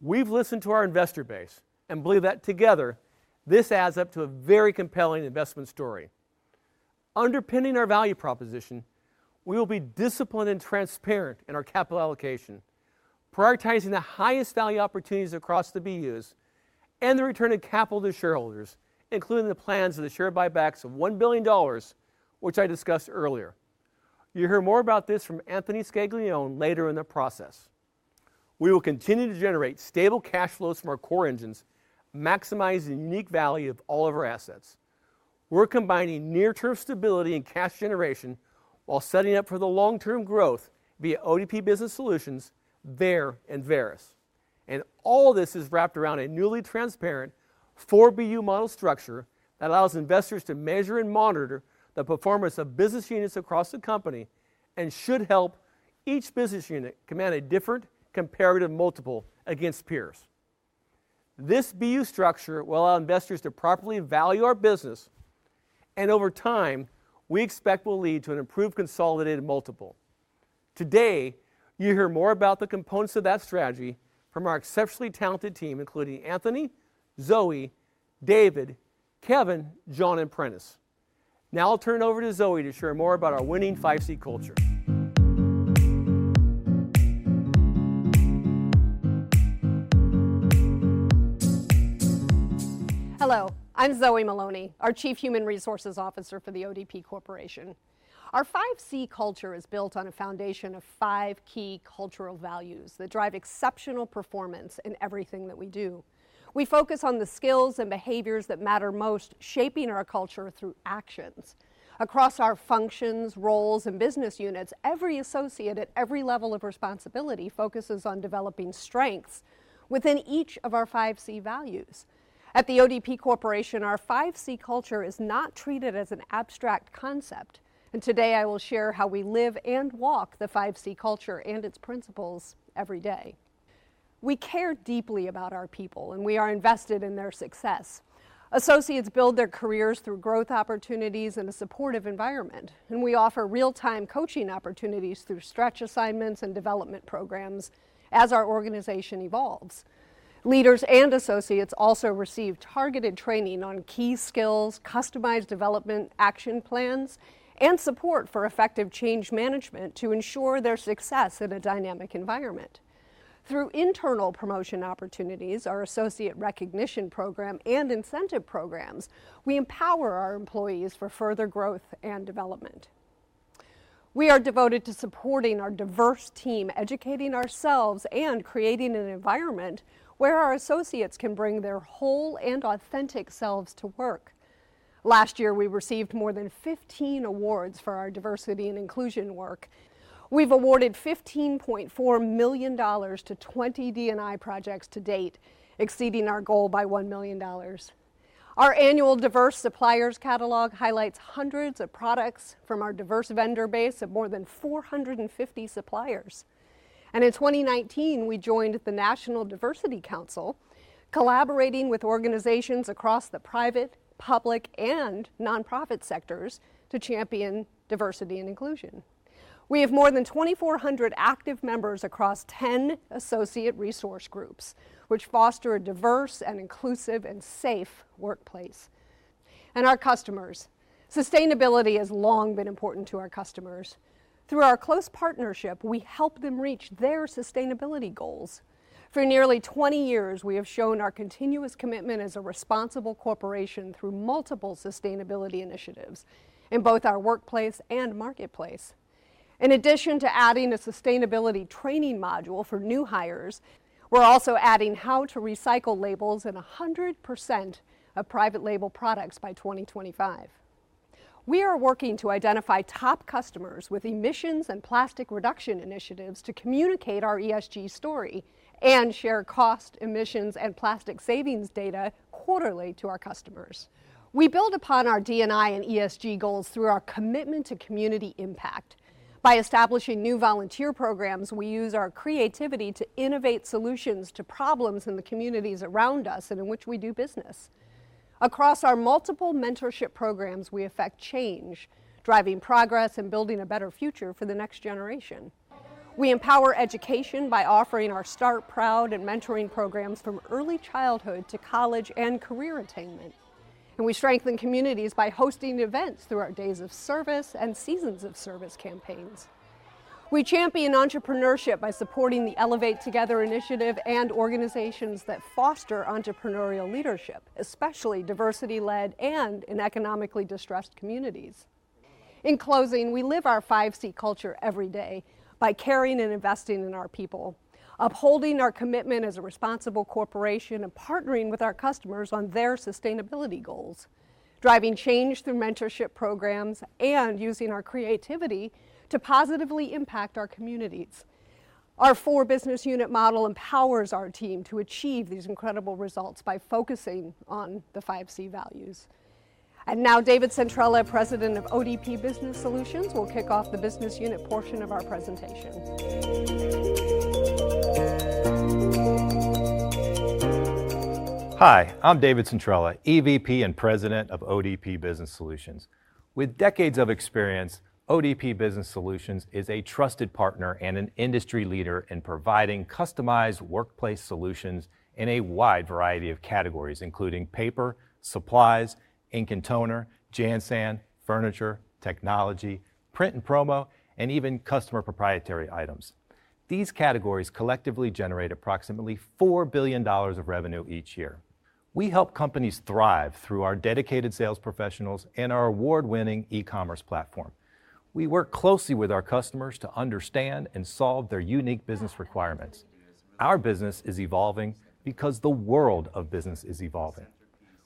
We've listened to our investor base and believe that together this adds up to a very compelling investment story. Underpinning our value proposition, we will be disciplined and transparent in our capital allocation, prioritizing the highest value opportunities across the BUs and the return of capital to shareholders, including the plans of the share buybacks of $1 billion, which I discussed earlier. You'll hear more about this from Anthony Scaglione later in the process. We will continue to generate stable cash flows from our core engines, maximizing the unique value of all of our assets. We're combining near-term stability and cash generation while setting up for the long-term growth via ODP Business Solutions, VEYER, and Varis. All this is wrapped around a newly transparent 4BU model structure that allows investors to measure and monitor the performance of business units across the company and should help each business unit command a different comparative multiple against peers. This BU structure will allow investors to properly value our business, and over time, we expect will lead to an improved consolidated multiple. Today, you'll hear more about the components of that strategy from our exceptionally talented team, including Anthony, Zoe, David, Kevin, John, and Prentis. Now I'll turn it over to Zoe to share more about our winning 5C Culture. Hello, I'm Zoe Maloney, our Chief Human Resources Officer for The ODP Corporation. Our 5C Culture is built on a foundation of five key cultural values that drive exceptional performance in everything that we do. We focus on the skills and behaviors that matter most, shaping our culture through actions. Across our functions, roles, and business units, every associate at every level of responsibility focuses on developing strengths within each of our 5C values. At The ODP Corporation, our 5C Culture is not treated as an abstract concept, and today I will share how we live and walk the 5C Culture and its principles every day. We care deeply about our people, and we are invested in their success. Associates build their careers through growth opportunities in a supportive environment, and we offer real-time coaching opportunities through stretch assignments and development programs as our organization evolves. Leaders and associates also receive targeted training on key skills, customized development action plans, and support for effective change management to ensure their success in a dynamic environment. Through internal promotion opportunities, our associate recognition program, and incentive programs, we empower our employees for further growth and development. We are devoted to supporting our diverse team, educating ourselves, and creating an environment where our associates can bring their whole and authentic selves to work. Last year, we received more than 15 awards for our diversity and inclusion work. We've awarded $15.4 million to 20 D&I projects to date, exceeding our goal by $1 million. Our annual Diverse Suppliers Catalog highlights hundreds of products from our diverse vendor base of more than 450 suppliers. In 2019, we joined the National Diversity Council, collaborating with organizations across the private, public, and nonprofit sectors to champion diversity and inclusion. We have more than 2,400 active members across 10 associate resource groups, which foster a diverse and inclusive and safe workplace. Our customers. Sustainability has long been important to our customers. Through our close partnership, we help them reach their sustainability goals. For nearly 20 years, we have shown our continuous commitment as a responsible corporation through multiple sustainability initiatives in both our workplace and marketplace. In addition to adding a sustainability training module for new hires, we're also adding how to recycle labels in 100% of private label products by 2025. We are working to identify top customers with emissions and plastic reduction initiatives to communicate our ESG story and share cost, emissions, and plastic savings data quarterly to our customers. We build upon our D&I and ESG goals through our commitment to community impact. By establishing new volunteer programs, we use our creativity to innovate solutions to problems in the communities around us and in which we do business. Across our multiple mentorship programs, we affect change, driving progress and building a better future for the next generation. We empower education by offering our Start Proud and mentoring programs from early childhood to college and career attainment. We strengthen communities by hosting events through our Days of Service and Seasons of Service campaigns. We champion entrepreneurship by supporting the Elevate Together initiative and organizations that foster entrepreneurial leadership, especially diversity-led and in economically distressed communities. In closing, we live our 5C Culture every day by caring and investing in our people, upholding our commitment as a responsible corporation and partnering with our customers on their sustainability goals, driving change through mentorship programs, and using our creativity to positively impact our communities. Our 4BUsiness unit model empowers our team to achieve these incredible results by focusing on the 5C values. Now David Centrella, President of ODP Business Solutions, will kick off the business unit portion of our presentation. Hi, I'm David Centrella, EVP and President of ODP Business Solutions. With decades of experience, ODP Business Solutions is a trusted partner and an industry leader in providing customized workplace solutions in a wide variety of categories, including paper, supplies, ink and toner, Jan/San, furniture, technology, print and promo, and even customer proprietary items. These categories collectively generate approximately $4 billion of revenue each year. We help companies thrive through our dedicated sales professionals and our award-winning e-commerce platform. We work closely with our customers to understand and solve their unique business requirements. Our business is evolving because the world of business is evolving.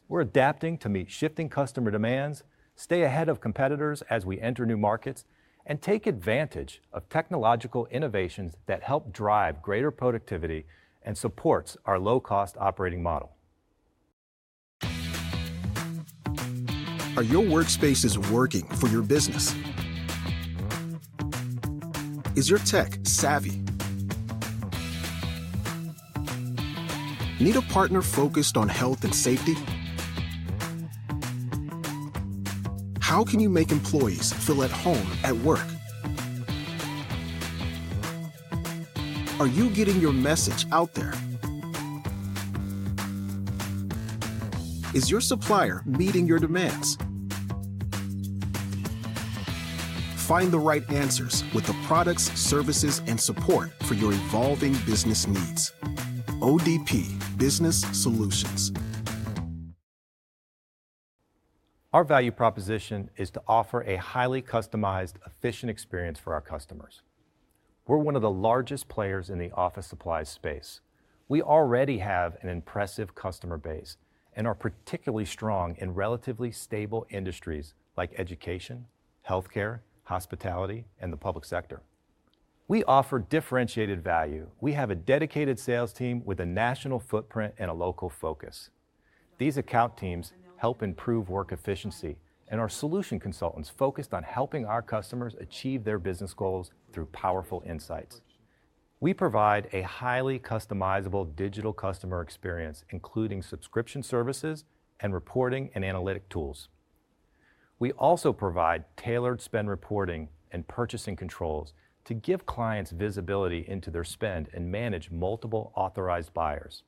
We're adapting to meet shifting customer demands, stay ahead of competitors as we enter new markets, and take advantage of technological innovations that help drive greater productivity and supports our low-cost operating model. Are your Workspaces working for your business? Is your tech savvy? Need a partner focused on health and safety? How can you make employees feel at home at work? Are you getting your message out there? Is your supplier meeting your demands? Find the right answers with the products, services, and support for your evolving business needs. ODP Business Solutions. Our value proposition is to offer a highly customized, efficient experience for our customers. We're one of the largest players in the office supplies space. We already have an impressive customer base and are particularly strong in relatively stable industries like education, healthcare, hospitality, and the public sector. We offer differentiated value. We have a dedicated sales team with a national footprint and a local focus. These account teams help improve work efficiency, and our solution consultants focused on helping our customers achieve their business goals through powerful insights. We provide a highly customizable digital customer experience, including subscription services and reporting and analytic tools. We also provide tailored spend reporting and purchasing controls to give clients visibility into their spend and manage multiple authorized buyers.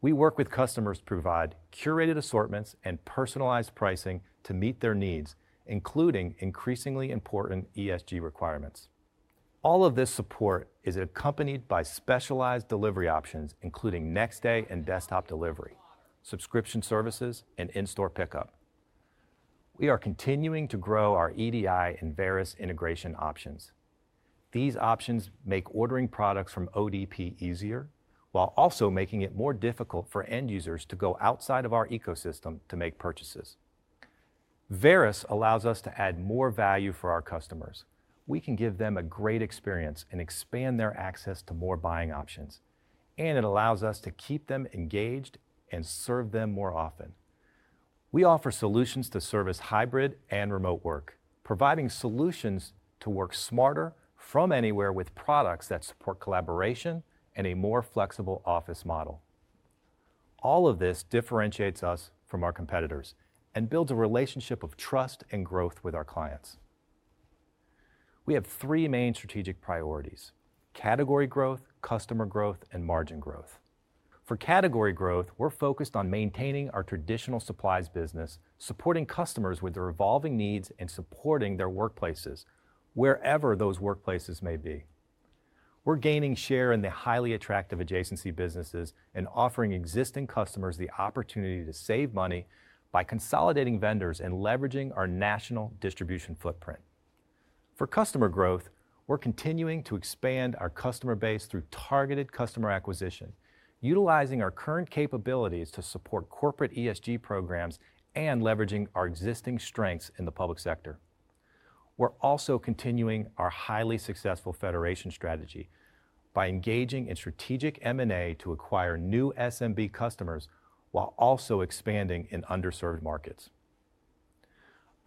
We work with customers to provide curated assortments and personalized pricing to meet their needs, including increasingly important ESG requirements. All of this support is accompanied by specialized delivery options, including next day and desktop delivery, subscription services, and in-store pickup. We are continuing to grow our EDI and Varis integration options. These options make ordering products from ODP easier, while also making it more difficult for end users to go outside of our ecosystem to make purchases. Varis allows us to add more value for our customers. We can give them a great experience and expand their access to more buying options, and it allows us to keep them engaged and serve them more often. We offer solutions to service hybrid and remote work, providing solutions to work smarter from anywhere with products that support collaboration and a more flexible office model. All of this differentiates us from our competitors and builds a relationship of trust and growth with our clients. We have three main strategic priorities, category growth, customer growth, and margin growth. For category growth, we're focused on maintaining our traditional supplies business, supporting customers with their evolving needs, and supporting their workplaces, wherever those workplaces may be. We're gaining share in the highly attractive adjacency businesses and offering existing customers the opportunity to save money by consolidating vendors and leveraging our national distribution footprint. For customer growth, we're continuing to expand our customer base through targeted customer acquisition, utilizing our current capabilities to support corporate ESG programs and leveraging our existing strengths in the public sector. We're also continuing our highly successful federation strategy by engaging in strategic M&A to acquire new SMB customers while also expanding in underserved markets.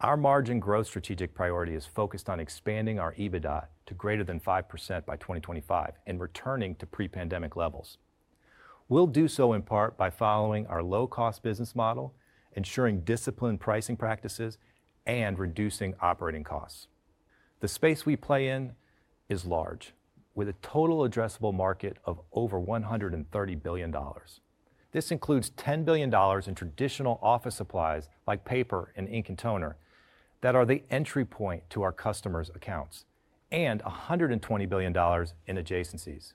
Our margin growth strategic priority is focused on expanding our EBITDA to greater than 5% by 2025 and returning to pre-pandemic levels. We'll do so in part by following our low-cost business model, ensuring disciplined pricing practices, and reducing operating costs. The space we play in is large, with a total addressable market of over $130 billion. This includes $10 billion in traditional office supplies, like paper and ink and toner, that are the entry point to our customers' accounts, and $120 billion in adjacencies.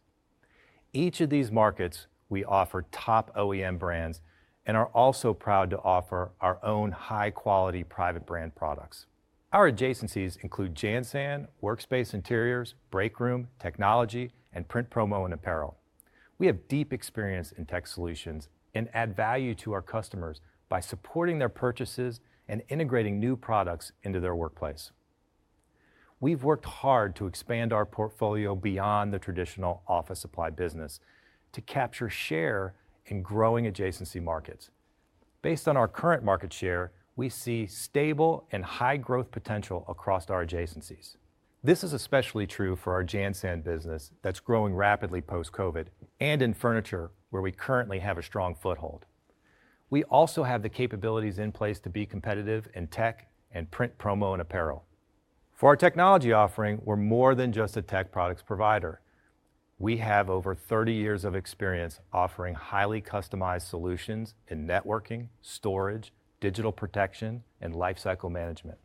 Each of these markets we offer top OEM brands and are also proud to offer our own high-quality private brand products. Our adjacencies include Jan/San, Workspace Interiors, Breakroom, Technology, and Print, Promo and Apparel. We have deep experience in tech solutions and add value to our customers by supporting their purchases and integrating new products into their workplace. We've worked hard to expand our portfolio beyond the traditional office supply business to capture share in growing adjacency markets. Based on our current market share, we see stable and high growth potential across our adjacencies. This is especially true for our Jan/San business that's growing rapidly post-COVID and in furniture, where we currently have a strong foothold. We also have the capabilities in place to be competitive in Tech and Print, Promo and Apparel. For our technology offering, we're more than just a tech products provider. We have over 30 years of experience offering highly customized solutions in networking, storage, digital protection, and lifecycle management.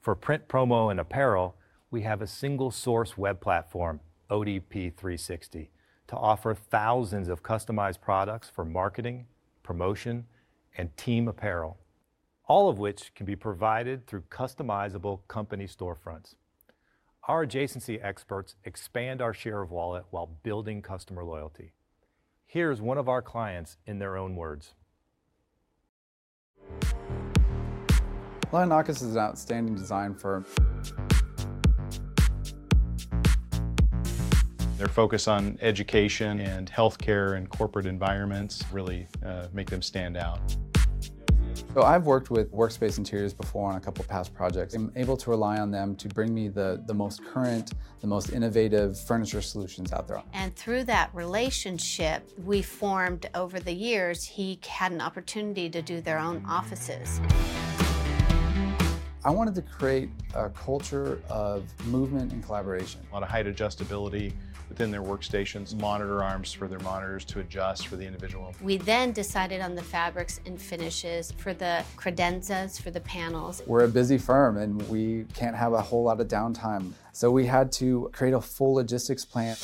For Print, Promo and Apparel, we have a single source web platform, ODP 360, to offer thousands of customized products for marketing, promotion, and team apparel, all of which can be provided through customizable company storefronts. Our adjacency experts expand our share of wallet while building customer loyalty. Here is one of our clients in their own words. Lionakis is an outstanding design firm. Their focus on education and healthcare and corporate environments really make them stand out. I've worked with Workspace Interiors before on a couple past projects. I'm able to rely on them to bring me the most current, the most innovative furniture solutions out there. Through that relationship we formed over the years, he had an opportunity to do their own offices. I wanted to create a culture of movement and collaboration. A lot of height adjustability within their workstations, monitor arms for their monitors to adjust for the individual. We decided on the fabrics and finishes for the credenzas, for the panels. We're a busy firm, and we can't have a whole lot of downtime, so we had to create a full logistics plan.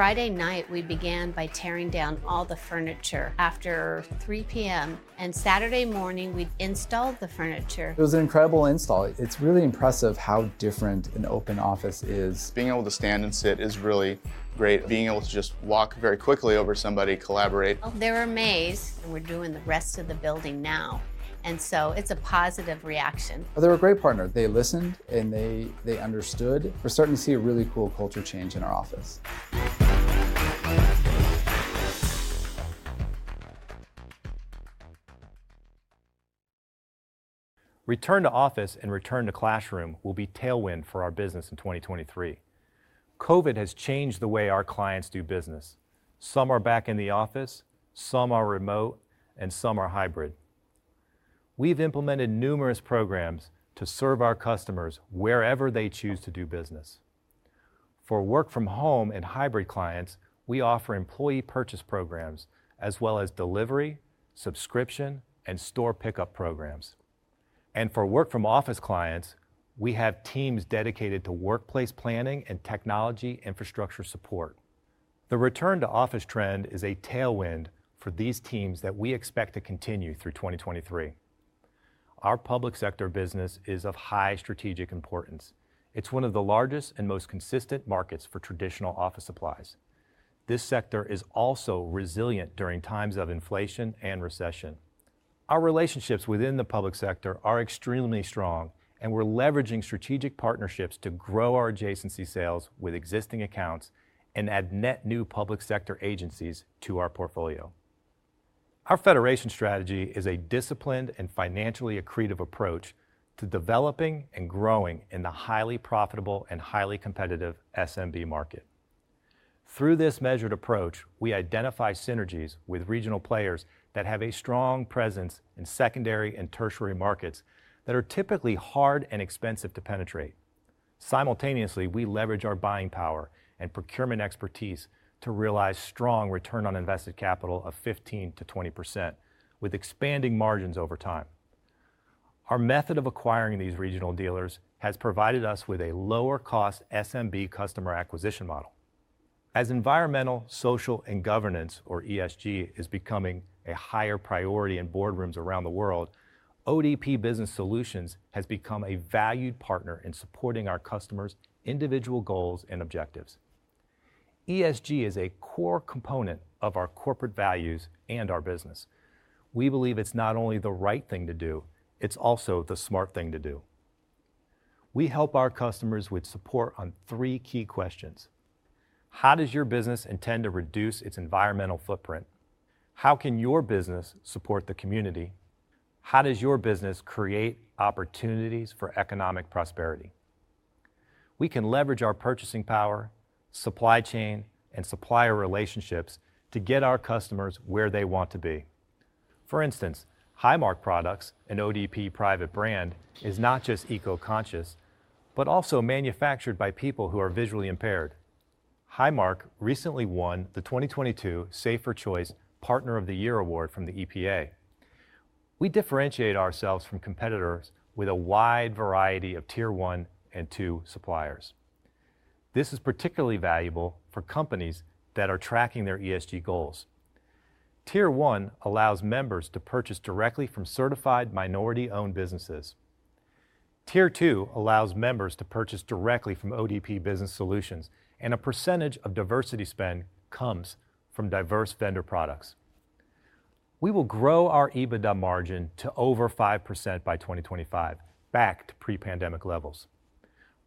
Friday night, we began by tearing down all the furniture after 3:00 P.M., and Saturday morning, we installed the furniture. It was an incredible install. It's really impressive how different an open office is. Being able to stand and sit is really great. Being able to just walk very quickly over to somebody, collaborate. They were amazed. We're doing the rest of the building now, and so it's a positive reaction. They're a great partner. They listened, and they understood. We're starting to see a really cool culture change in our office. Return to office and return to classroom will be tailwind for our business in 2023. COVID has changed the way our clients do business. Some are back in the office, some are remote, and some are hybrid. We've implemented numerous programs to serve our customers wherever they choose to do business. For work-from-home and hybrid clients, we offer employee purchase programs as well as delivery, subscription, and store pickup programs. For work-from-office clients, we have teams dedicated to workplace planning and technology infrastructure support. The return-to-office trend is a tailwind for these teams that we expect to continue through 2023. Our public sector business is of high strategic importance. It's one of the largest and most consistent markets for traditional office supplies. This sector is also resilient during times of inflation and recession. Our relationships within the public sector are extremely strong, and we're leveraging strategic partnerships to grow our adjacency sales with existing accounts and add net new public sector agencies to our portfolio. Our federation strategy is a disciplined and financially accretive approach to developing and growing in the highly profitable and highly competitive SMB market. Through this measured approach, we identify synergies with regional players that have a strong presence in secondary and tertiary markets that are typically hard and expensive to penetrate. Simultaneously, we leverage our buying power and procurement expertise to realize strong return on invested capital of 15%-20% with expanding margins over time. Our method of acquiring these regional dealers has provided us with a lower cost SMB customer acquisition model. As environmental, social, and governance, or ESG, is becoming a higher priority in boardrooms around the world, ODP Business Solutions has become a valued partner in supporting our customers' individual goals and objectives. ESG is a core component of our corporate values and our business. We believe it's not only the right thing to do, it's also the smart thing to do. We help our customers with support on three key questions. How does your business intend to reduce its environmental footprint? How can your business support the community? How does your business create opportunities for economic prosperity? We can leverage our purchasing power, supply chain, and supplier relationships to get our customers where they want to be. For instance, Highmark Products, an ODP private brand, is not just eco-conscious, but also manufactured by people who are visually impaired. Highmark recently won the 2022 Safer Choice Partner of the Year Award from the EPA. We differentiate ourselves from competitors with a wide variety of Tier 1 and 2 suppliers. This is particularly valuable for companies that are tracking their ESG goals. Tier 1 allows members to purchase directly from certified minority-owned businesses. Tier 2 allows members to purchase directly from ODP Business Solutions, and a percentage of diversity spend comes from diverse vendor products. We will grow our EBITDA margin to over 5% by 2025, back to pre-pandemic levels.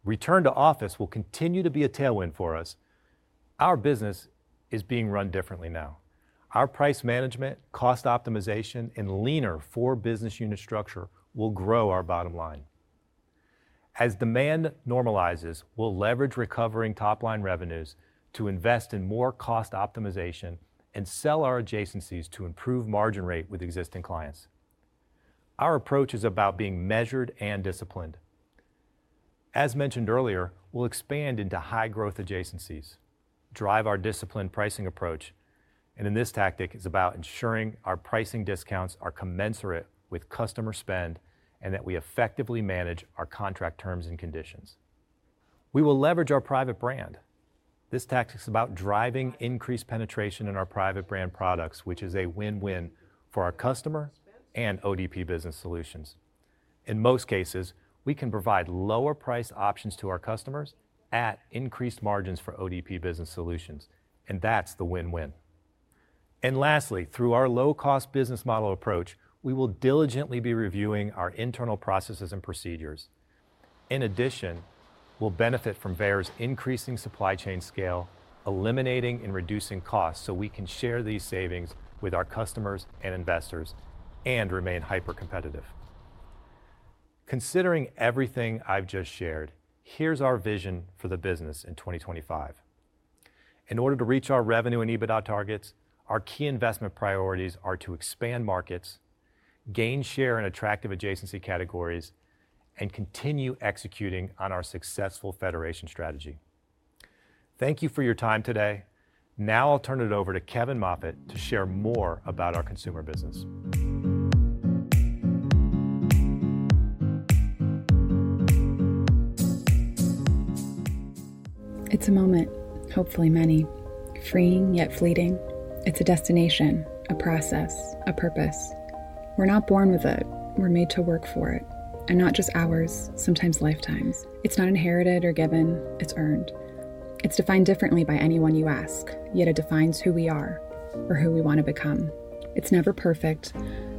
Return to office will continue to be a tailwind for us. Our business is being run differently now. Our price management, cost optimization, and leaner 4BUsiness unit structure will grow our bottom line. As demand normalizes, we'll leverage recovering top-line revenues to invest in more cost optimization and sell our adjacencies to improve margin rate with existing clients. Our approach is about being measured and disciplined. As mentioned earlier, we'll expand into high-growth adjacencies, drive our disciplined pricing approach, and in this tactic, it's about ensuring our pricing discounts are commensurate with customer spend and that we effectively manage our contract terms and conditions. We will leverage our private brand. This tactic is about driving increased penetration in our private brand products, which is a win-win for our customer and ODP Business Solutions. In most cases, we can provide lower price options to our customers at increased margins for ODP Business Solutions, and that's the win-win. Lastly, through our low-cost business model approach, we will diligently be reviewing our internal processes and procedures. In addition, we'll benefit from VEYER's increasing supply chain scale, eliminating and reducing costs so we can share these savings with our customers and investors and remain hyper-competitive. Considering everything I've just shared, here's our vision for the business in 2025. In order to reach our revenue and EBITDA targets, our key investment priorities are to expand markets, gain share in attractive adjacency categories, and continue executing on our successful federation strategy. Thank you for your time today. Now I'll turn it over to Kevin Moffitt to share more about our consumer business. It's a moment, hopefully many, freeing yet fleeting. It's a destination, a process, a purpose. We're not born with it. We're made to work for it, and not just hours, sometimes lifetimes. It's not inherited or given. It's earned. It's defined differently by anyone you ask, yet it defines who we are or who we want to become. It's never perfect.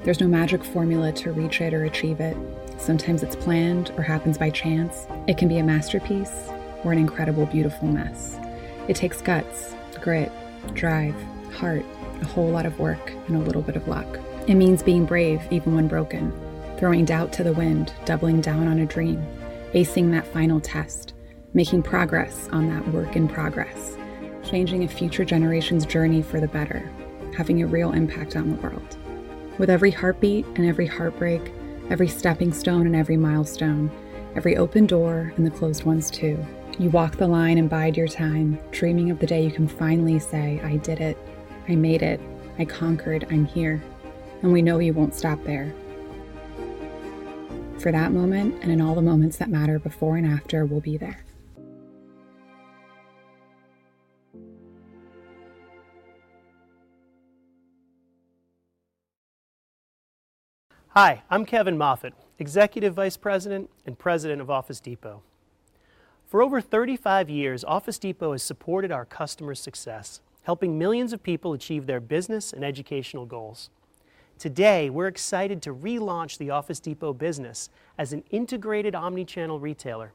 There's no magic formula to reach it or achieve it. Sometimes it's planned or happens by chance. It can be a masterpiece or an incredible, beautiful mess. It takes guts, grit, drive, heart, a whole lot of work, and a little bit of luck. It means being brave even when broken, throwing doubt to the wind, doubling down on a dream, acing that final test, making progress on that work in progress, changing a future generation's journey for the better, having a real impact on the world. With every heartbeat and every heartbreak, every stepping stone and every milestone, every open door and the closed ones too, you walk the line and bide your time, dreaming of the day you can finally say, "I did it. I made it. I conquered. I'm here." We know you won't stop there. For that moment and in all the moments that matter before and after, we'll be there. Hi, I'm Kevin Moffitt, Executive Vice President and President of Office Depot. For 35 years, office Depot has supported our customers' success, helping millions of people achieve their business and educational goals. Today, we're excited to relaunch the Office Depot business as an integrated omnichannel retailer,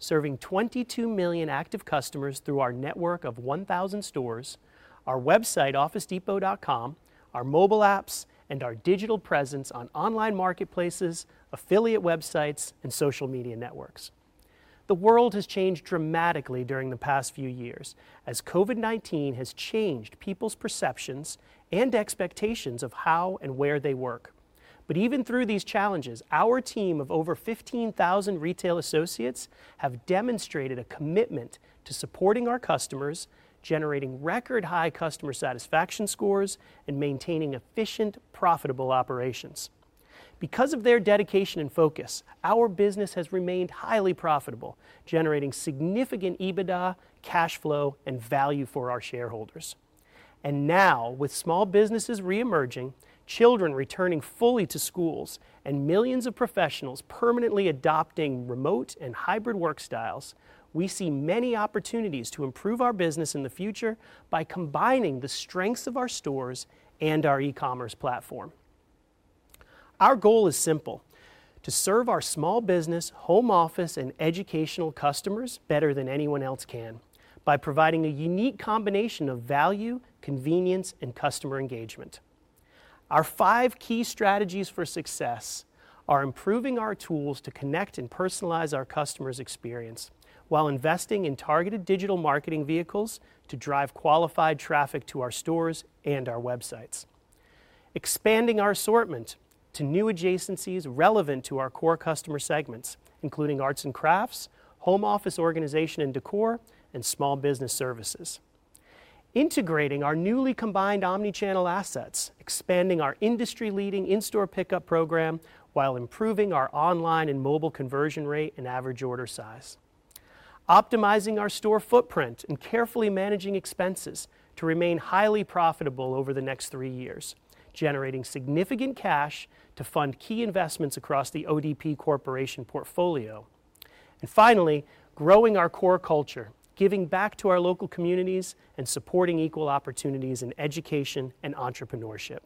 serving 22 million active customers through our network of 1,000 stores, our website officedepot.com, our mobile apps, and our digital presence on online marketplaces, affiliate websites, and social media networks. The world has changed dramatically during the past few years as COVID-19 has changed people's perceptions and expectations of how and where they work. Even through these challenges, our team of over 15,000 retail associates have demonstrated a commitment to supporting our customers, generating record high customer satisfaction scores, and maintaining efficient, profitable operations. Because of their dedication and focus, our business has remained highly profitable, generating significant EBITDA, cash flow, and value for our shareholders. Now, with small businesses reemerging, children returning fully to schools, and millions of professionals permanently adopting remote and hybrid work styles, we see many opportunities to improve our business in the future by combining the strengths of our stores and our e-commerce platform. Our goal is simple, to serve our small business, home office, and educational customers better than anyone else can by providing a unique combination of value, convenience, and customer engagement. Our five key strategies for success are improving our tools to connect and personalize our customer's experience while investing in targeted digital marketing vehicles to drive qualified traffic to our stores and our websites. Expanding our assortment to new adjacencies relevant to our core customer segments, including Arts and Crafts, Home Office Organization and Decor, and Small Business Services. Integrating our newly combined omnichannel assets, expanding our industry-leading in-store pickup program while improving our online and mobile conversion rate and average order size. Optimizing our store footprint and carefully managing expenses to remain highly profitable over the next three years, generating significant cash to fund key investments across The ODP Corporation portfolio. Finally, growing our core culture, giving back to our local communities, and supporting equal opportunities in education and entrepreneurship.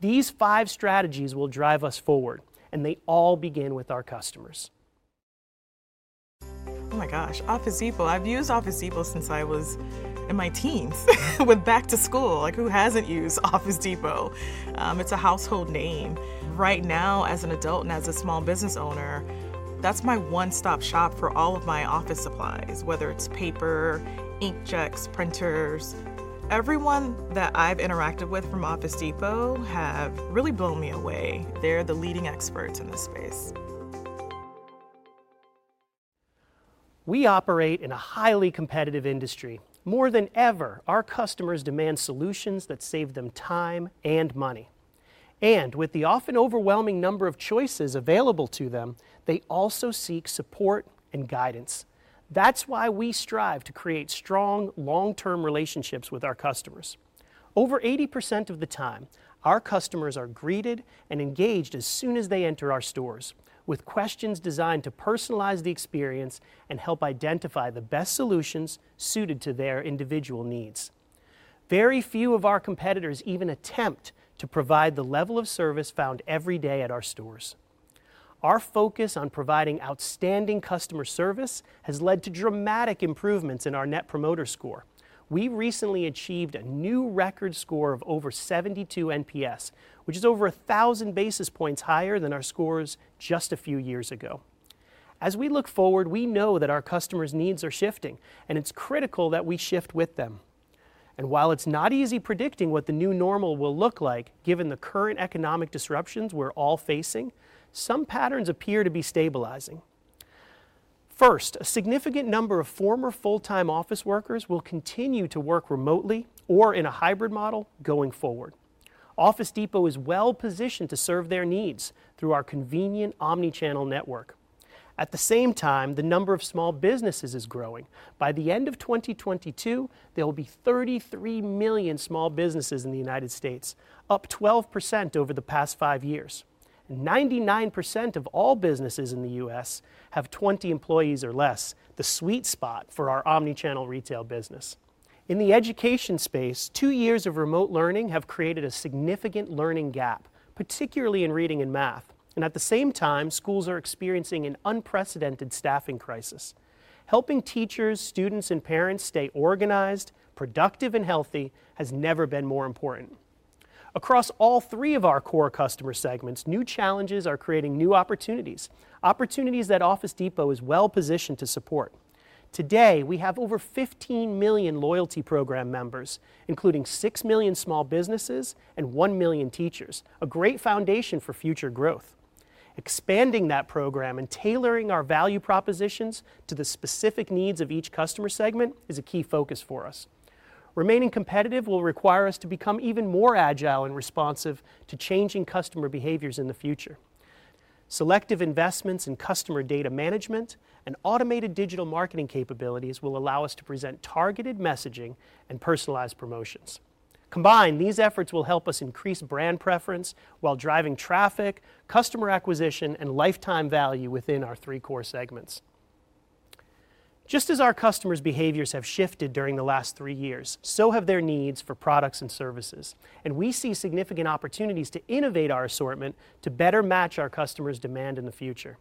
These five strategies will drive us forward, and they all begin with our customers. Oh my gosh, Office Depot. I've used Office Depot since I was in my teens. With back to school, like who hasn't used Office Depot? It's a household name. Right now, as an adult and as a small business owner, that's my one-stop shop for all of my office supplies, whether it's paper, inkjets, printers. Everyone that I've interacted with from Office Depot have really blown me away. They're the leading experts in this space. We operate in a highly competitive industry. More than ever, our customers demand solutions that save them time and money. With the often overwhelming number of choices available to them, they also seek support and guidance. That's why we strive to create strong, long-term relationships with our customers. Over 80% of the time, our customers are greeted and engaged as soon as they enter our stores with questions designed to personalize the experience and help identify the best solutions suited to their individual needs. Very few of our competitors even attempt to provide the level of service found every day at our stores. Our focus on providing outstanding customer service has led to dramatic improvements in our Net Promoter Score. We recently achieved a new record score of over 72 NPS, which is over 1,000 basis points higher than our scores just a few years ago. As we look forward, we know that our customers' needs are shifting, and it's critical that we shift with them. While it's not easy predicting what the new normal will look like, given the current economic disruptions we're all facing, some patterns appear to be stabilizing. First, a significant number of former full-time office workers will continue to work remotely or in a hybrid model going forward. Office Depot is well-positioned to serve their needs through our convenient omnichannel network. At the same time, the number of small businesses is growing. By the end of 2022, there will be 33 million small businesses in the United States, up 12% over the past five years. 99% of all businesses in the U.S. have 20 employees or less, the sweet spot for our omnichannel retail business. In the education space, two years of remote learning have created a significant learning gap, particularly in reading and math. At the same time, schools are experiencing an unprecedented staffing crisis. Helping teachers, students, and parents stay organized, productive, and healthy has never been more important. Across all three of our core customer segments, new challenges are creating new opportunities that Office Depot is well-positioned to support. Today, we have over 15 million loyalty program members, including 6 million small businesses and 1 million teachers, a great foundation for future growth. Expanding that program and tailoring our value propositions to the specific needs of each customer segment is a key focus for us. Remaining competitive will require us to become even more agile and responsive to changing customer behaviors in the future. Selective investments in customer data management and automated digital marketing capabilities will allow us to present targeted messaging and personalized promotions. Combined, these efforts will help us increase brand preference while driving traffic, customer acquisition, and lifetime value within our three core segments. Just as our customers' behaviors have shifted during the last three years, so have their needs for products and services, and we see significant opportunities to innovate our assortment to better match our customers' demand in the future.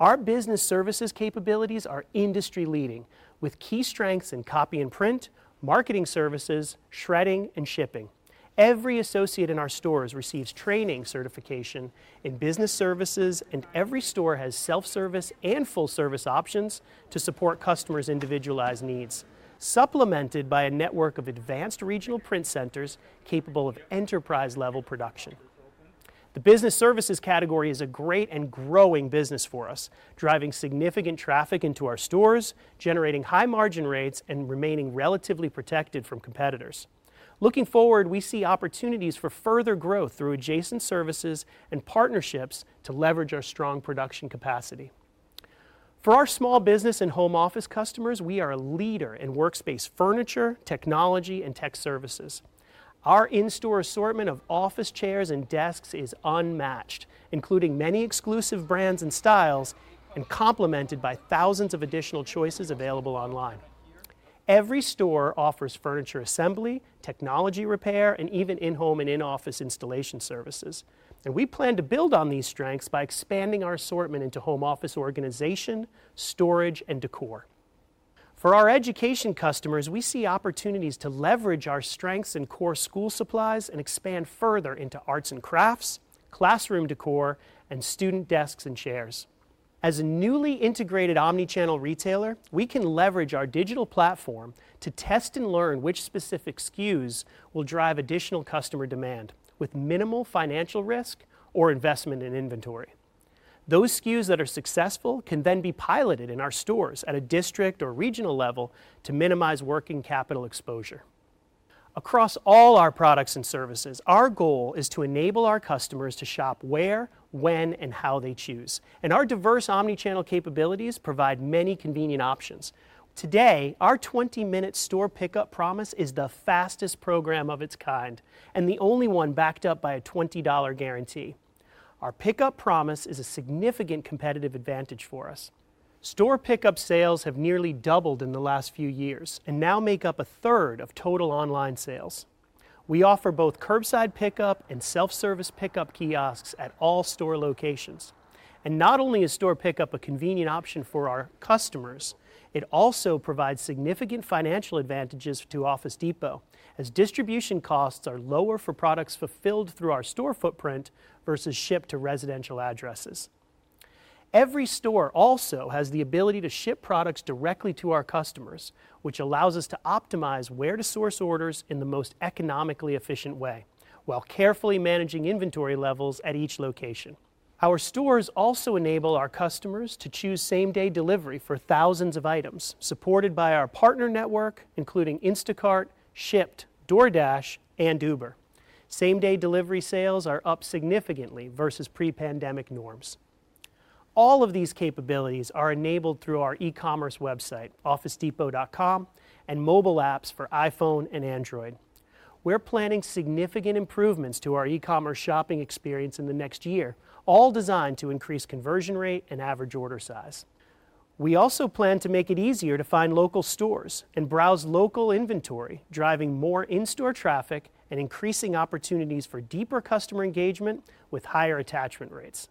Our business services capabilities are industry-leading, with key strengths in Copy and Print, marketing services, shredding, and shipping. Every associate in our stores receives training certification in business services, and every store has self-service and full-service options to support customers' individualized needs, supplemented by a network of advanced regional print centers capable of enterprise-level production. The business services category is a great and growing business for us, driving significant traffic into our stores, generating high margin rates, and remaining relatively protected from competitors. Looking forward, we see opportunities for further growth through adjacent services and partnerships to leverage our strong production capacity. For our small business and home office customers, we are a leader in workspace furniture, technology, and tech services. Our in-store assortment of office chairs and desks is unmatched, including many exclusive brands and styles, and complemented by thousands of additional choices available online. Every store offers furniture assembly, technology repair, and even in-home and in-office installation services, and we plan to build on these strengths by expanding our assortment into home office organization, storage, and decor. For our education customers, we see opportunities to leverage our strengths in core school supplies and expand further into Arts and Crafts, classroom decor, and student desks and chairs. As a newly integrated omnichannel retailer, we can leverage our digital platform to test and learn which specific SKUs will drive additional customer demand with minimal financial risk or investment in inventory. Those SKUs that are successful can then be piloted in our stores at a district or regional level to minimize working capital exposure. Across all our products and services, our goal is to enable our customers to shop where, when, and how they choose, and our diverse omnichannel capabilities provide many convenient options. Today, our 20-minute store pickup promise is the fastest program of its kind and the only one backed up by a $20 guarantee. Our pickup promise is a significant competitive advantage for us. Store pickup sales have nearly doubled in the last few years and now make up a third of total online sales. We offer both curbside pickup and self-service pickup kiosks at all store locations. Not only is store pickup a convenient option for our customers, it also provides significant financial advantages to Office Depot, as distribution costs are lower for products fulfilled through our store footprint versus shipped to residential addresses. Every store also has the ability to ship products directly to our customers, which allows us to optimize where to source orders in the most economically efficient way while carefully managing inventory levels at each location. Our stores also enable our customers to choose same-day delivery for thousands of items, supported by our partner network, including Instacart, Shipt, DoorDash, and Uber. Same-day delivery sales are up significantly versus pre-pandemic norms. All of these capabilities are enabled through our e-commerce website, officedepot.com, and mobile apps for iPhone and Android. We're planning significant improvements to our e-commerce shopping experience in the next year, all designed to increase conversion rate and average order size. We also plan to make it easier to find local stores and browse local inventory, driving more in-store traffic and increasing opportunities for deeper customer engagement with higher attachment rates.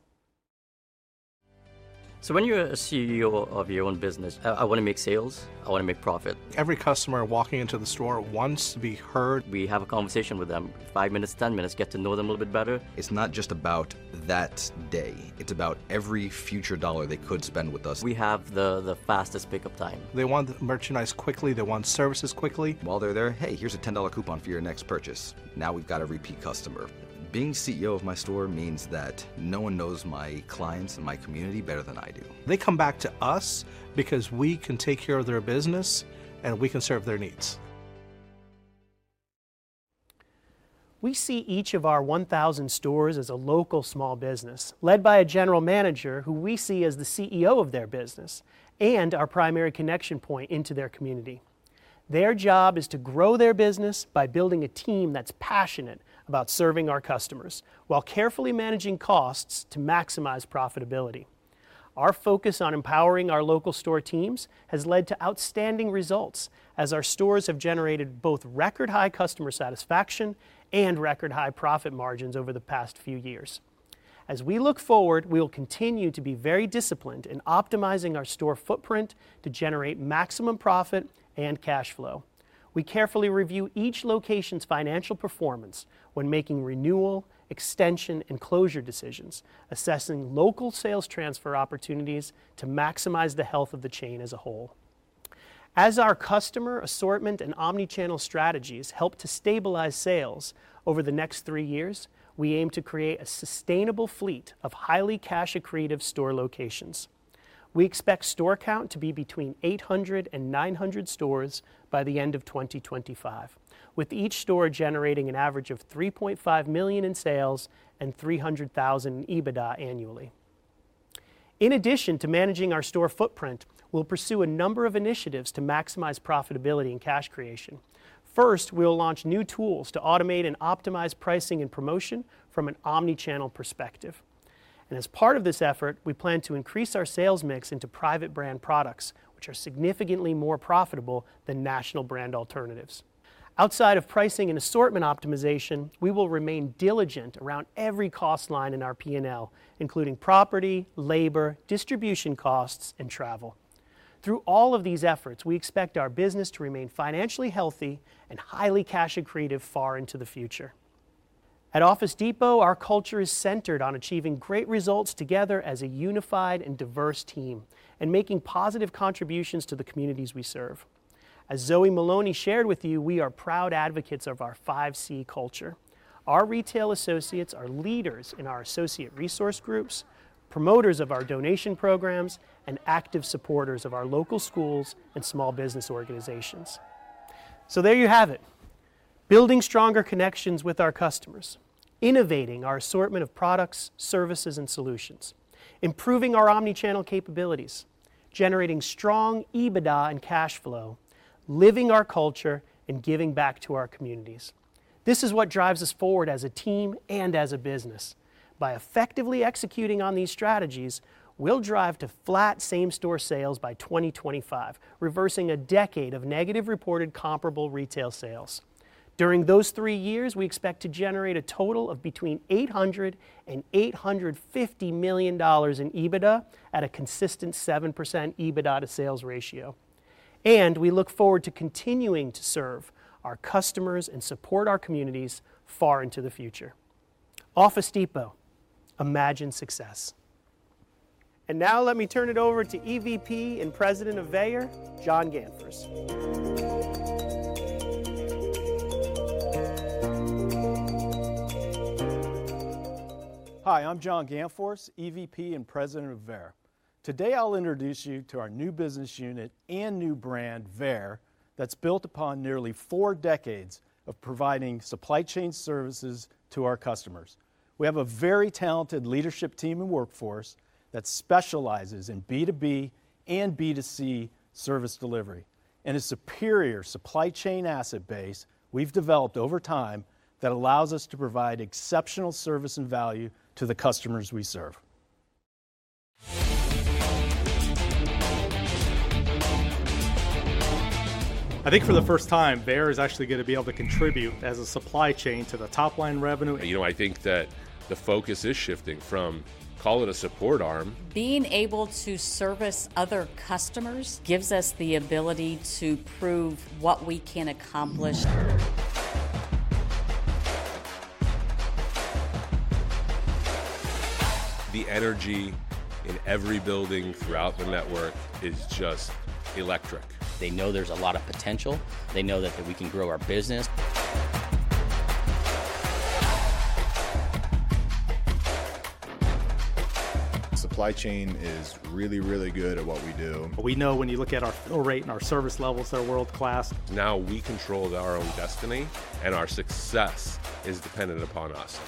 When you're a CEO of your own business, I wanna make sales, I wanna make profit. Every customer walking into the store wants to be heard. We have a conversation with them, five minutes, 10 minutes, get to know them a little bit better. It's not just about that day, it's about every future dollar they could spend with us. We have the fastest pickup time. They want the merchandise quickly. They want services quickly. While they're there, "Hey, here's a $10 coupon for your next purchase." Now we've got a repeat customer. Being CEO of my store means that no one knows my clients and my community better than I do. They come back to us because we can take care of their business, and we can serve their needs. We see each of our 1,000 stores as a local small business led by a general manager who we see as the CEO of their business and our primary connection point into their community. Their job is to grow their business by building a team that's passionate about serving our customers while carefully managing costs to maximize profitability. Our focus on empowering our local store teams has led to outstanding results as our stores have generated both record high customer satisfaction and record high profit margins over the past few years. As we look forward, we will continue to be very disciplined in optimizing our store footprint to generate maximum profit and cash flow. We carefully review each location's financial performance when making renewal, extension, and closure decisions, assessing local sales transfer opportunities to maximize the health of the chain as a whole. As our customer assortment and omnichannel strategies help to stabilize sales over the next three years, we aim to create a sustainable fleet of highly cash accretive store locations. We expect store count to be between 800 and 900 stores by the end of 2025, with each store generating an average of $3.5 million in sales and $300,000 in EBITDA annually. In addition to managing our store footprint, we'll pursue a number of initiatives to maximize profitability and cash creation. First, we will launch new tools to automate and optimize pricing and promotion from an omnichannel perspective. As part of this effort, we plan to increase our sales mix into private brand products, which are significantly more profitable than national brand alternatives. Outside of pricing and assortment optimization, we will remain diligent around every cost line in our P&L, including property, labor, distribution costs, and travel. Through all of these efforts, we expect our business to remain financially healthy and highly cash accretive far into the future. At Office Depot, our culture is centered on achieving great results together as a unified and diverse team and making positive contributions to the communities we serve. As Zoe Maloney shared with you, we are proud advocates of our 5C Culture. Our retail associates are leaders in our associate resource groups, promoters of our donation programs, and active supporters of our local schools and small business organizations. There you have it. Building stronger connections with our customers, innovating our assortment of products, services, and solutions, improving our omnichannel capabilities, generating strong EBITDA and cash flow, living our culture, and giving back to our communities. This is what drives us forward as a team and as a business. By effectively executing on these strategies, we'll drive to flat same-store sales by 2025, reversing a decade of negative reported comparable retail sales. During those three years, we expect to generate a total of between $800 million and $850 million in EBITDA at a consistent 7% EBITDA to sales ratio. We look forward to continuing to serve our customers and support our communities far into the future. Office Depot, imagine success. Now let me turn it over to EVP and President of VEYER, John Gannfors. Hi, I'm John Gannfors, EVP and President of VEYER. Today, I'll introduce you to our new business unit and new brand, VEYER, that's built upon nearly four decades of providing supply chain services to our customers. We have a very talented leadership team and workforce that specializes in B2B and B2C service delivery and a superior supply chain asset base we've developed over time that allows us to provide exceptional service and value to the customers we serve. I think for the first time, VEYER is actually gonna be able to contribute as a supply chain to the top-line revenue. You know, I think that the focus is shifting from, call it a support arm. Being able to service other customers gives us the ability to prove what we can accomplish. The energy in every building throughout the network is just electric. They know there's a lot of potential. They know that we can grow our business. Supply chain is really, really good at what we do. We know when you look at our fill rate and our service levels, they're world-class. Now we control our own destiny, and our success is dependent upon us.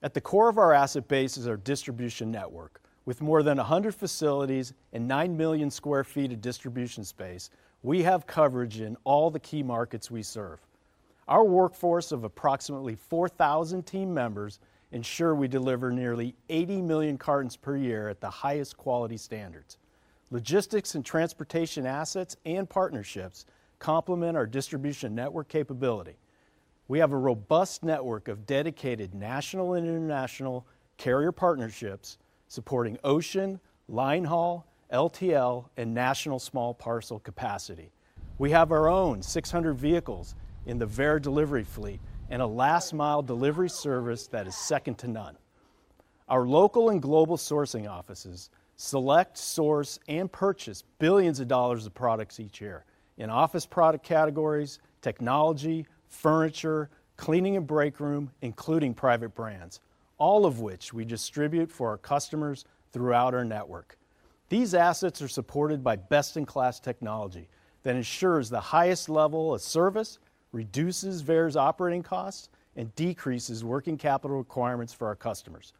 At the core of our asset base is our distribution network. With more than 100 facilities and 9 million sq ft of distribution space, we have coverage in all the key markets we serve. Our workforce of approximately 4,000 team members ensure we deliver nearly 80 million cartons per year at the highest quality standards. Logistics and transportation assets and partnerships complement our distribution network capability. We have a robust network of dedicated national and international carrier partnerships supporting ocean, line haul, LTL, and national small parcel capacity. We have our own 600 vehicles in the VEYER delivery fleet and a last-mile delivery service that is second to none. Our local and global sourcing offices select, source, and purchase billions of dollars of products each year in office product categories, technology, furniture, cleaning, and break room, including private brands, all of which we distribute for our customers throughout our network. These assets are supported by best-in-class technology that ensures the highest level of service, reduces VEYER's operating costs, and decreases working capital requirements for our customers.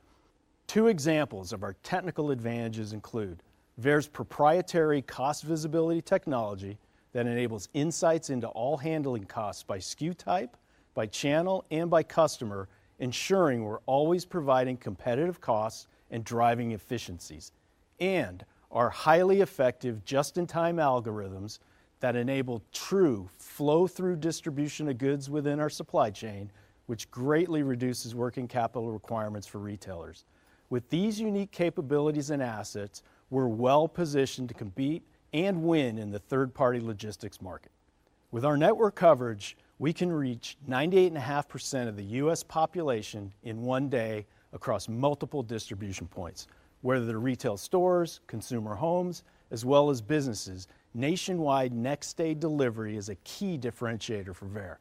Two examples of our technical advantages include VEYER's proprietary cost visibility technology that enables insights into all handling costs by SKU type, by channel, and by customer, ensuring we're always providing competitive costs and driving efficiencies, and our highly effective just-in-time algorithms that enable true flow-through distribution of goods within our supply chain, which greatly reduces working capital requirements for retailers. With these unique capabilities and assets, we're well-positioned to compete and win in the third-party logistics market. With our network coverage, we can reach 98.5% of the U.S. population in one day across multiple distribution points, whether they're retail stores, consumer homes, as well as businesses. Nationwide next-day delivery is a key differentiator for VEYER.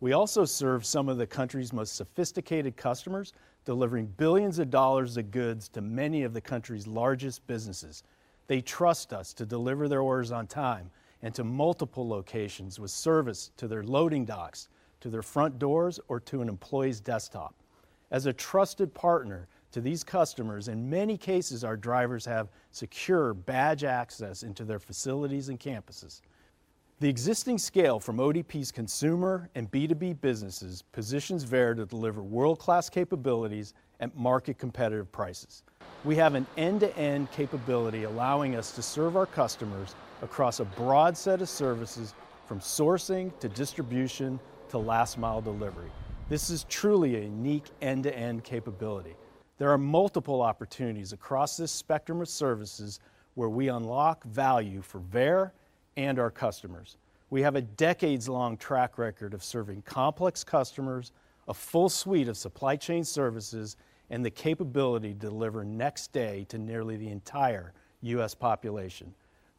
We also serve some of the country's most sophisticated customers, delivering billions of dollars of goods to many of the country's largest businesses. They trust us to deliver their orders on time and to multiple locations with service to their loading docks, to their front doors, or to an employee's desktop. As a trusted partner to these customers, in many cases, our drivers have secure badge access into their facilities and campuses. The existing scale from ODP's consumer and B2B businesses positions VEYER to deliver world-class capabilities at market-competitive prices. We have an end-to-end capability allowing us to serve our customers across a broad set of services from sourcing to distribution to last-mile delivery. This is truly a unique end-to-end capability. There are multiple opportunities across this spectrum of services where we unlock value for VEYER and our customers. We have a decades-long track record of serving complex customers, a full suite of supply chain services, and the capability to deliver next day to nearly the entire U.S. population.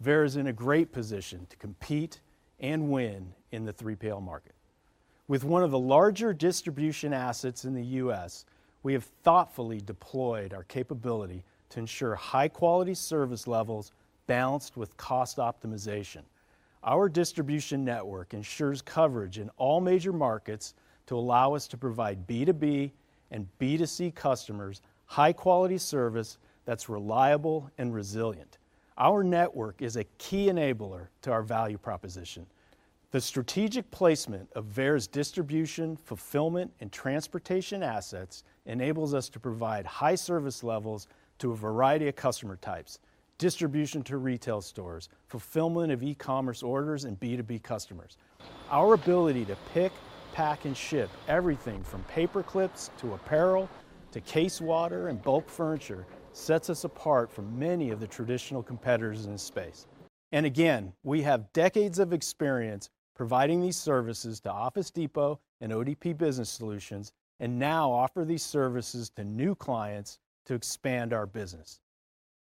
VEYER is in a great position to compete and win in the 3PL market. With one of the larger distribution assets in the U.S., we have thoughtfully deployed our capability to ensure high-quality service levels balanced with cost optimization. Our distribution network ensures coverage in all major markets to allow us to provide B2B and B2C customers high-quality service that's reliable and resilient. Our network is a key enabler to our value proposition. The strategic placement of VEYER's distribution, fulfillment, and transportation assets enables us to provide high service levels to a variety of customer types, distribution to retail stores, fulfillment of e-commerce orders, and B2B customers. Our ability to pick, pack, and ship everything from paperclips to apparel to case water and bulk furniture sets us apart from many of the traditional competitors in the space. Again, we have decades of experience providing these services to Office Depot and ODP Business Solutions, and now offer these services to new clients to expand our business.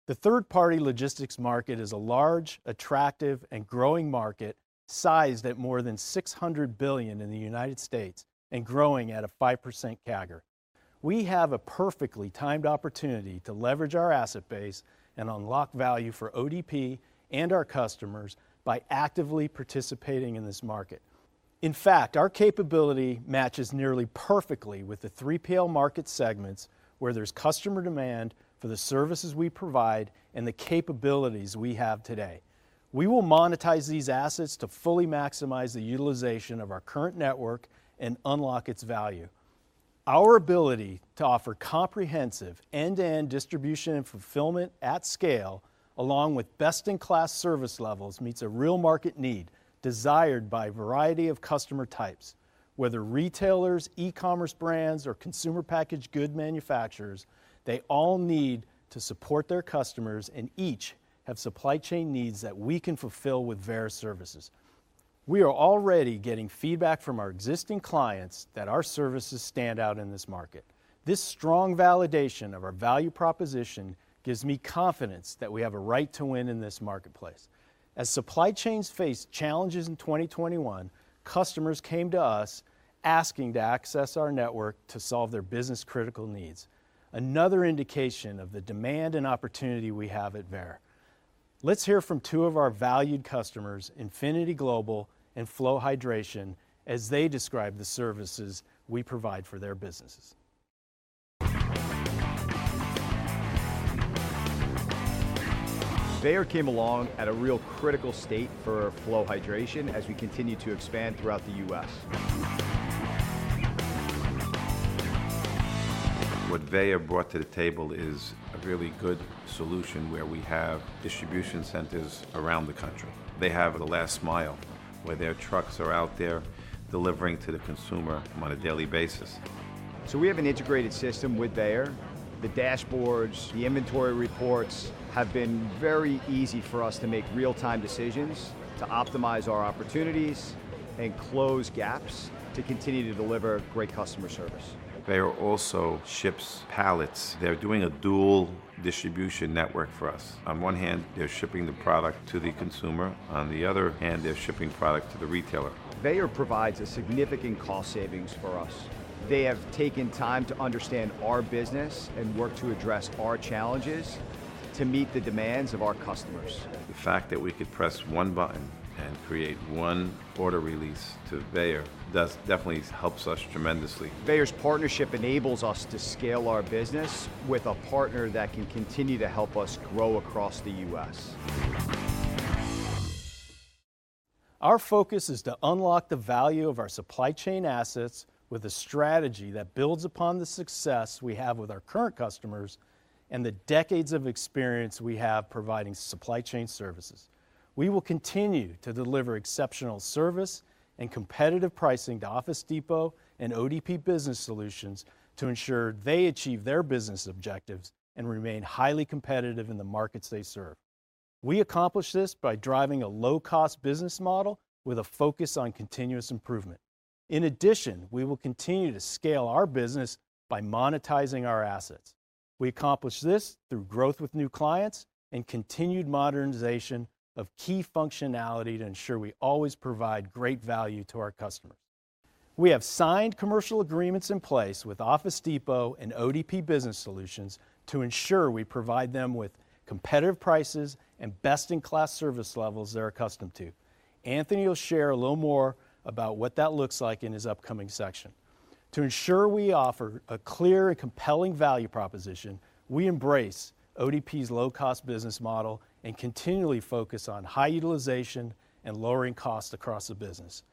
The third-party logistics market is a large, attractive, and growing market sized at more than $600 billion in the United States and growing at a 5% CAGR. We have a perfectly timed opportunity to leverage our asset base and unlock value for ODP and our customers by actively participating in this market. In fact, our capability matches nearly perfectly with the 3PL market segments where there's customer demand for the services we provide and the capabilities we have today. We will monetize these assets to fully maximize the utilization of our current network and unlock its value. Our ability to offer comprehensive end-to-end distribution and fulfillment at scale, along with best-in-class service levels, meets a real market need desired by a variety of customer types. Whether retailers, e-commerce brands, or consumer packaged good manufacturers, they all need to support their customers, and each have supply chain needs that we can fulfill with VEYER services. We are already getting feedback from our existing clients that our services stand out in this market. This strong validation of our value proposition gives me confidence that we have a right to win in this marketplace. Supply chains faced challenges in 2021, customers came to us asking to access our network to solve their business-critical needs, another indication of the demand and opportunity we have at VEYER. Let's hear from two of our valued customers, Infinity Global and Flow Hydration, as they describe the services we provide for their businesses. VEYER came along at a real critical state for Flow Hydration as we continued to expand throughout the U.S. What VEYER brought to the table is a really good solution where we have distribution centers around the country. They have the last mile, where their trucks are out there delivering to the consumer on a daily basis. We have an integrated system with VEYER. The dashboards, the inventory reports have been very easy for us to make real-time decisions, to optimize our opportunities, and close gaps to continue to deliver great customer service. VEYER also ships pallets. They're doing a dual distribution network for us. On one hand, they're shipping the product to the consumer. On the other hand, they're shipping product to the retailer. VEYER provides a significant cost savings for us. They have taken time to understand our business and work to address our challenges to meet the demands of our customers. The fact that we could press one button and create one order release to VEYER does definitely help us tremendously. VEYER's partnership enables us to scale our business with a partner that can continue to help us grow across the U.S. Our focus is to unlock the value of our supply chain assets with a strategy that builds upon the success we have with our current customers and the decades of experience we have providing supply chain services. We will continue to deliver exceptional service and competitive pricing to Office Depot and ODP Business Solutions to ensure they achieve their business objectives and remain highly competitive in the markets they serve. We accomplish this by driving a low-cost business model with a focus on continuous improvement. In addition, we will continue to scale our business by monetizing our assets. We accomplish this through growth with new clients and continued modernization of key functionality to ensure we always provide great value to our customers. We have signed commercial agreements in place with Office Depot and ODP Business Solutions to ensure we provide them with competitive prices and best-in-class service levels they're accustomed to. Anthony will share a little more about what that looks like in his upcoming section. To ensure we offer a clear and compelling value proposition, we embrace ODP's low-cost business model and continually focus on high utilization and lowering costs across the business.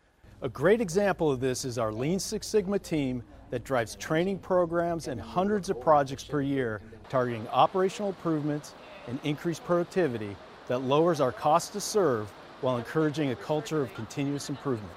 A great example of this is our Lean Six Sigma team that drives training programs and hundreds of projects per year, targeting operational improvements and increased productivity that lowers our cost to serve while encouraging a culture of continuous improvement.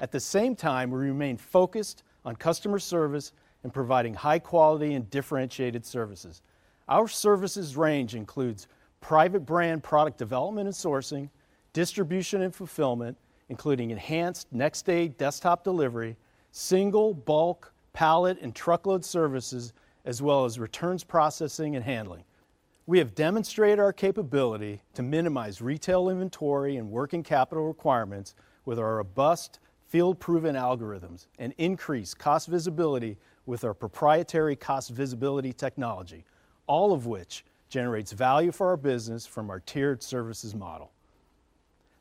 At the same time, we remain focused on customer service and providing high quality and differentiated services. Our services range includes private brand product development and sourcing, distribution and fulfillment, including enhanced next-day desktop delivery, single, bulk, pallet, and truckload services, as well as returns processing and handling. We have demonstrated our capability to minimize retail inventory and working capital requirements with our robust field-proven algorithms, and increase cost visibility with our proprietary cost visibility technology, all of which generates value for our business from our tiered services model.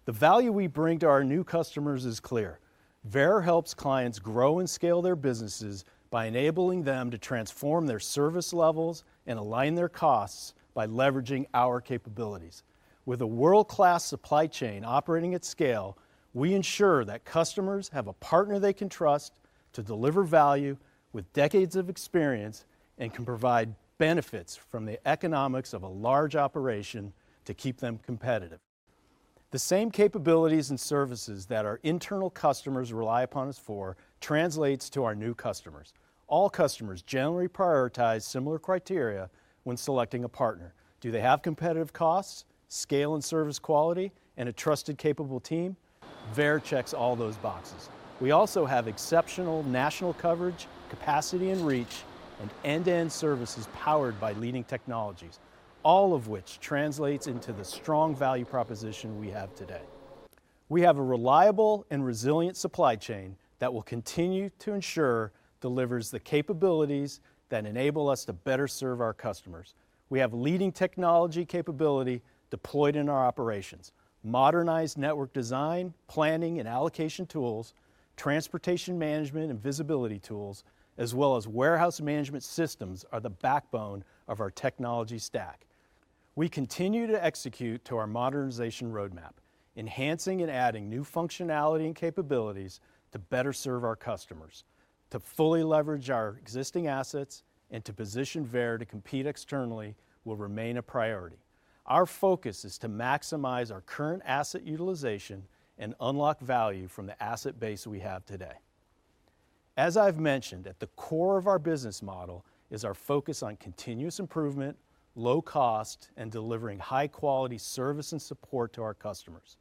The value we bring to our new customers is clear. VEYER helps clients grow and scale their businesses by enabling them to transform their service levels and align their costs by leveraging our capabilities. With a world-class supply chain operating at scale, we ensure that customers have a partner they can trust to deliver value with decades of experience and can provide benefits from the economics of a large operation to keep them competitive. The same capabilities and services that our internal customers rely upon us for translates to our new customers. All customers generally prioritize similar criteria when selecting a partner. Do they have competitive costs, scale and service quality, and a trusted capable team? VEYER checks all those boxes. We also have exceptional national coverage, capacity and reach, and end-to-end services powered by leading technologies, all of which translates into the strong value proposition we have today. We have a reliable and resilient supply chain that we'll continue to ensure delivers the capabilities that enable us to better serve our customers. We have leading technology capability deployed in our operations, modernized network design, planning, and allocation tools, transportation management, and visibility tools, as well as warehouse management systems, are the backbone of our technology stack. We continue to execute to our modernization roadmap, enhancing and adding new functionality and capabilities to better serve our customers. To fully leverage our existing assets and to position VEYER to compete externally will remain a priority. Our focus is to maximize our current asset utilization and unlock value from the asset base we have today. As I've mentioned, at the core of our business model is our focus on continuous improvement, low cost, and delivering high-quality service and support to our customers.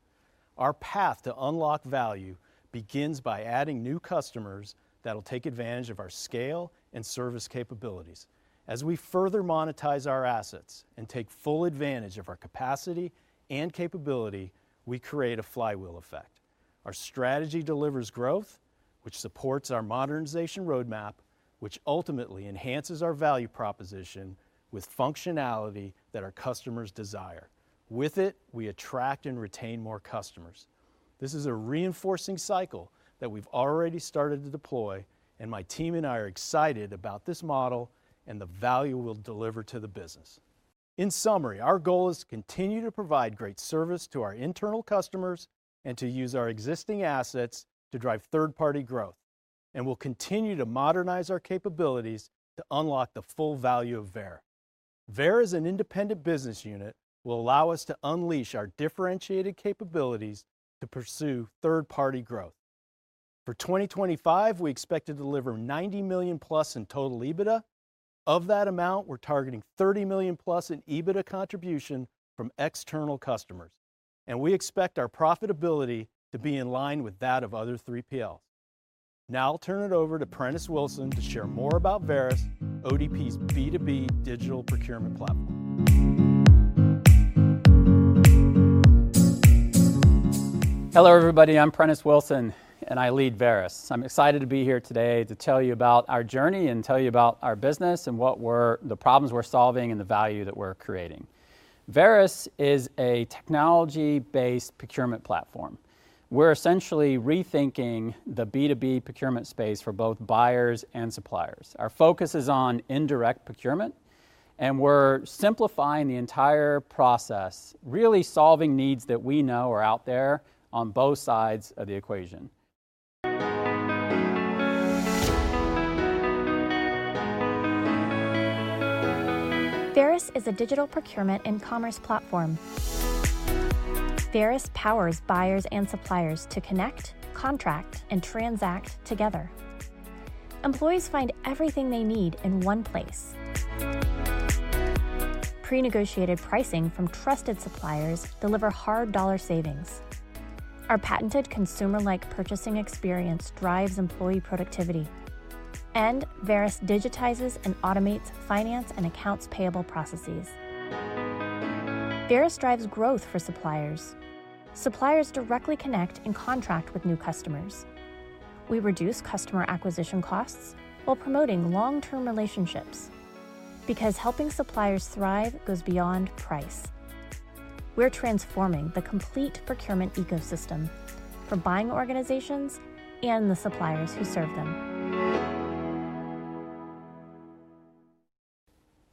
Our path to unlock value begins by adding new customers that'll take advantage of our scale and service capabilities. As we further monetize our assets and take full advantage of our capacity and capability, we create a flywheel effect. Our strategy delivers growth, which supports our modernization roadmap, which ultimately enhances our value proposition with functionality that our customers desire. With it, we attract and retain more customers. This is a reinforcing cycle that we've already started to deploy, and my team and I are excited about this model and the value it will deliver to the business. In summary, our goal is to continue to provide great service to our internal customers and to use our existing assets to drive third-party growth, and we'll continue to modernize our capabilities to unlock the full value of VEYER. VEYER as an independent business unit will allow us to unleash our differentiated capabilities to pursue third-party growth. For 2025, we expect to deliver $90 million+ in total EBITDA. Of that amount, we're targeting $30 million+ in EBITDA contribution from external customers, and we expect our profitability to be in line with that of other 3PLs. Now I'll turn it over to Prentis Wilson to share more about Varis, ODP's B2B digital procurement platform. Hello, everybody. I'm Prentis Wilson, and I lead Varis. I'm excited to be here today to tell you about our journey and tell you about our business and the problems we're solving and the value that we're creating. Varis is a technology-based procurement platform. We're essentially rethinking the B2B procurement space for both buyers and suppliers. Our focus is on indirect procurement, and we're simplifying the entire process, really solving needs that we know are out there on both sides of the equation. Varis is a digital procurement and commerce platform. Varis powers buyers and suppliers to connect, contract, and transact together. Employees find everything they need in one place. Pre-negotiated pricing from trusted suppliers deliver hard dollar savings. Our patented consumer-like purchasing experience drives employee productivity, and Varis digitizes and automates finance and accounts payable processes. Varis drives growth for suppliers. Suppliers directly connect and contract with new customers. We reduce customer acquisition costs while promoting long-term relationships because helping suppliers thrive goes beyond price. We're transforming the complete procurement ecosystem for buying organizations and the suppliers who serve them.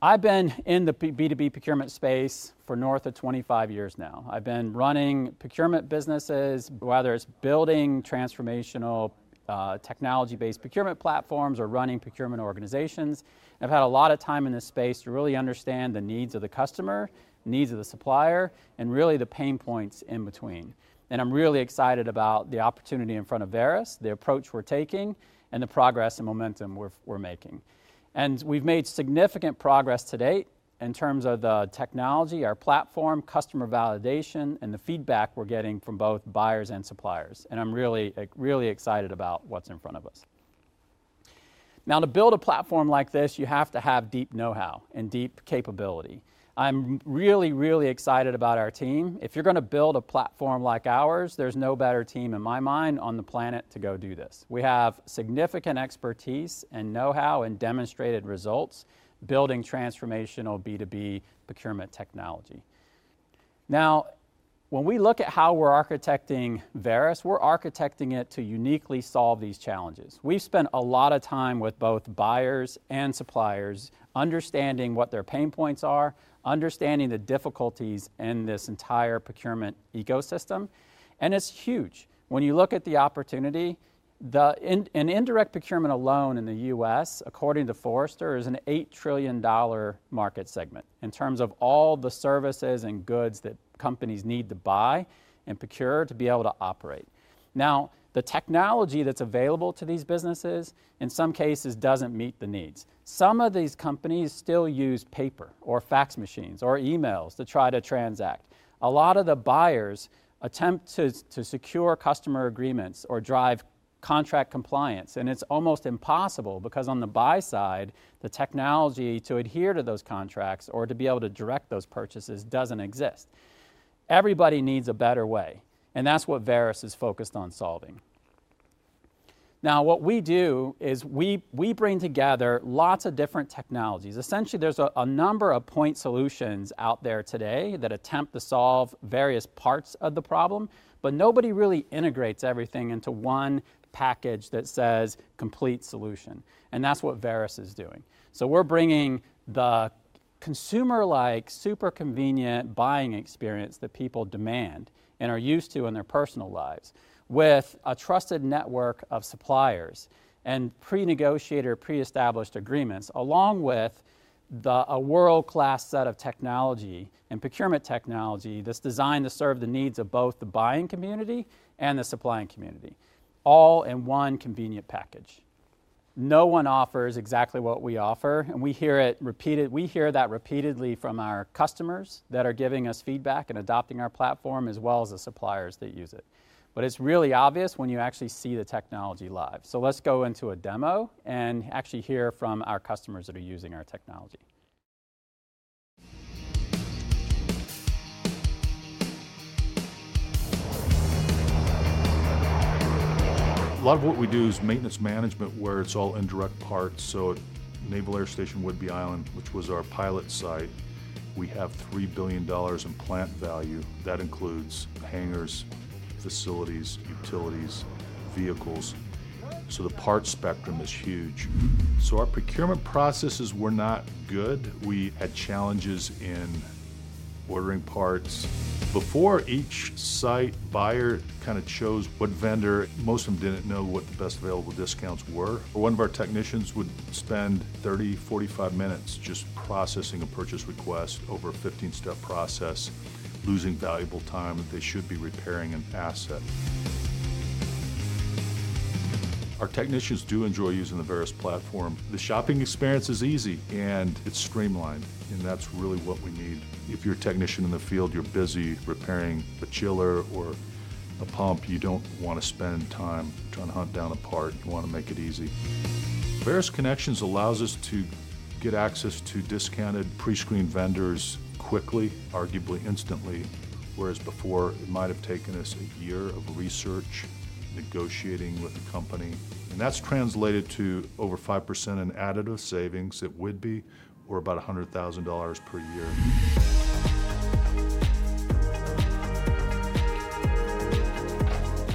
I've been in the B2B procurement space for north of 25 years now. I've been running procurement businesses, whether it's building transformational, technology-based procurement platforms or running procurement organizations. I've had a lot of time in this space to really understand the needs of the customer, needs of the supplier, and really the pain points in between, and I'm really excited about the opportunity in front of Varis, the approach we're taking, and the progress and momentum we're making. We've made significant progress to date in terms of the technology, our platform, customer validation, and the feedback we're getting from both buyers and suppliers, and I'm really, like really excited about what's in front of us. Now, to build a platform like this, you have to have deep know-how and deep capability. I'm really, really excited about our team. If you're gonna build a platform like ours, there's no better team in my mind on the planet to go do this. We have significant expertise and know-how and demonstrated results building transformational B2B procurement technology. Now, when we look at how we're architecting Varis, we're architecting it to uniquely solve these challenges. We've spent a lot of time with both buyers and suppliers understanding what their pain points are, understanding the difficulties in this entire procurement ecosystem, and it's huge. When you look at the opportunity, the indirect procurement alone in the U.S., according to Forrester, is an $8 trillion market segment in terms of all the services and goods that companies need to buy and procure to be able to operate. Now, the technology that's available to these businesses in some cases doesn't meet the needs. Some of these companies still use paper or fax machines or emails to try to transact. A lot of the buyers attempt to secure customer agreements or drive contract compliance, and it's almost impossible because on the buy side, the technology to adhere to those contracts or to be able to direct those purchases doesn't exist. Everybody needs a better way, and that's what Varis is focused on solving. Now, what we do is we bring together lots of different technologies. Essentially, there's a number of point solutions out there today that attempt to solve various parts of the problem, but nobody really integrates everything into one package that says complete solution, and that's what Varis is doing. We're bringing the consumer-like, super convenient buying experience that people demand and are used to in their personal lives with a trusted network of suppliers and pre-negotiated or pre-established agreements along with a world-class set of technology and procurement technology that's designed to serve the needs of both the buying community and the supplying community all in one convenient package. No one offers exactly what we offer, and we hear it repeated. We hear that repeatedly from our customers that are giving us feedback and adopting our platform as well as the suppliers that use it. It's really obvious when you actually see the technology live, so let's go into a demo and actually hear from our customers that are using our technology. A lot of what we do is maintenance management where it's all indirect parts, so at Naval Air Station Whidbey Island, which was our pilot site, we have $3 billion in plant value. That includes hangars, facilities, utilities, vehicles, so the parts spectrum is huge. Our procurement processes were not good. We had challenges in ordering parts. Before, each site buyer kinda chose what vendor. Most of them didn't know what the best available discounts were. One of our technicians would spend 30-45 minutes just processing a purchase request over a 15-step process, losing valuable time that they should be repairing an asset. Our technicians do enjoy using the Varis platform. The shopping experience is easy, and it's streamlined, and that's really what we need. If you're a technician in the field, you're busy repairing a chiller or a pump. You don't wanna spend time trying to hunt down a part. You wanna make it easy. Varis Connections allows us to get access to discounted pre-screened vendors quickly, arguably instantly, whereas before it might have taken us a year of research negotiating with a company, and that's translated to over 5% in additive savings at Whidbey or about $100,000 per year.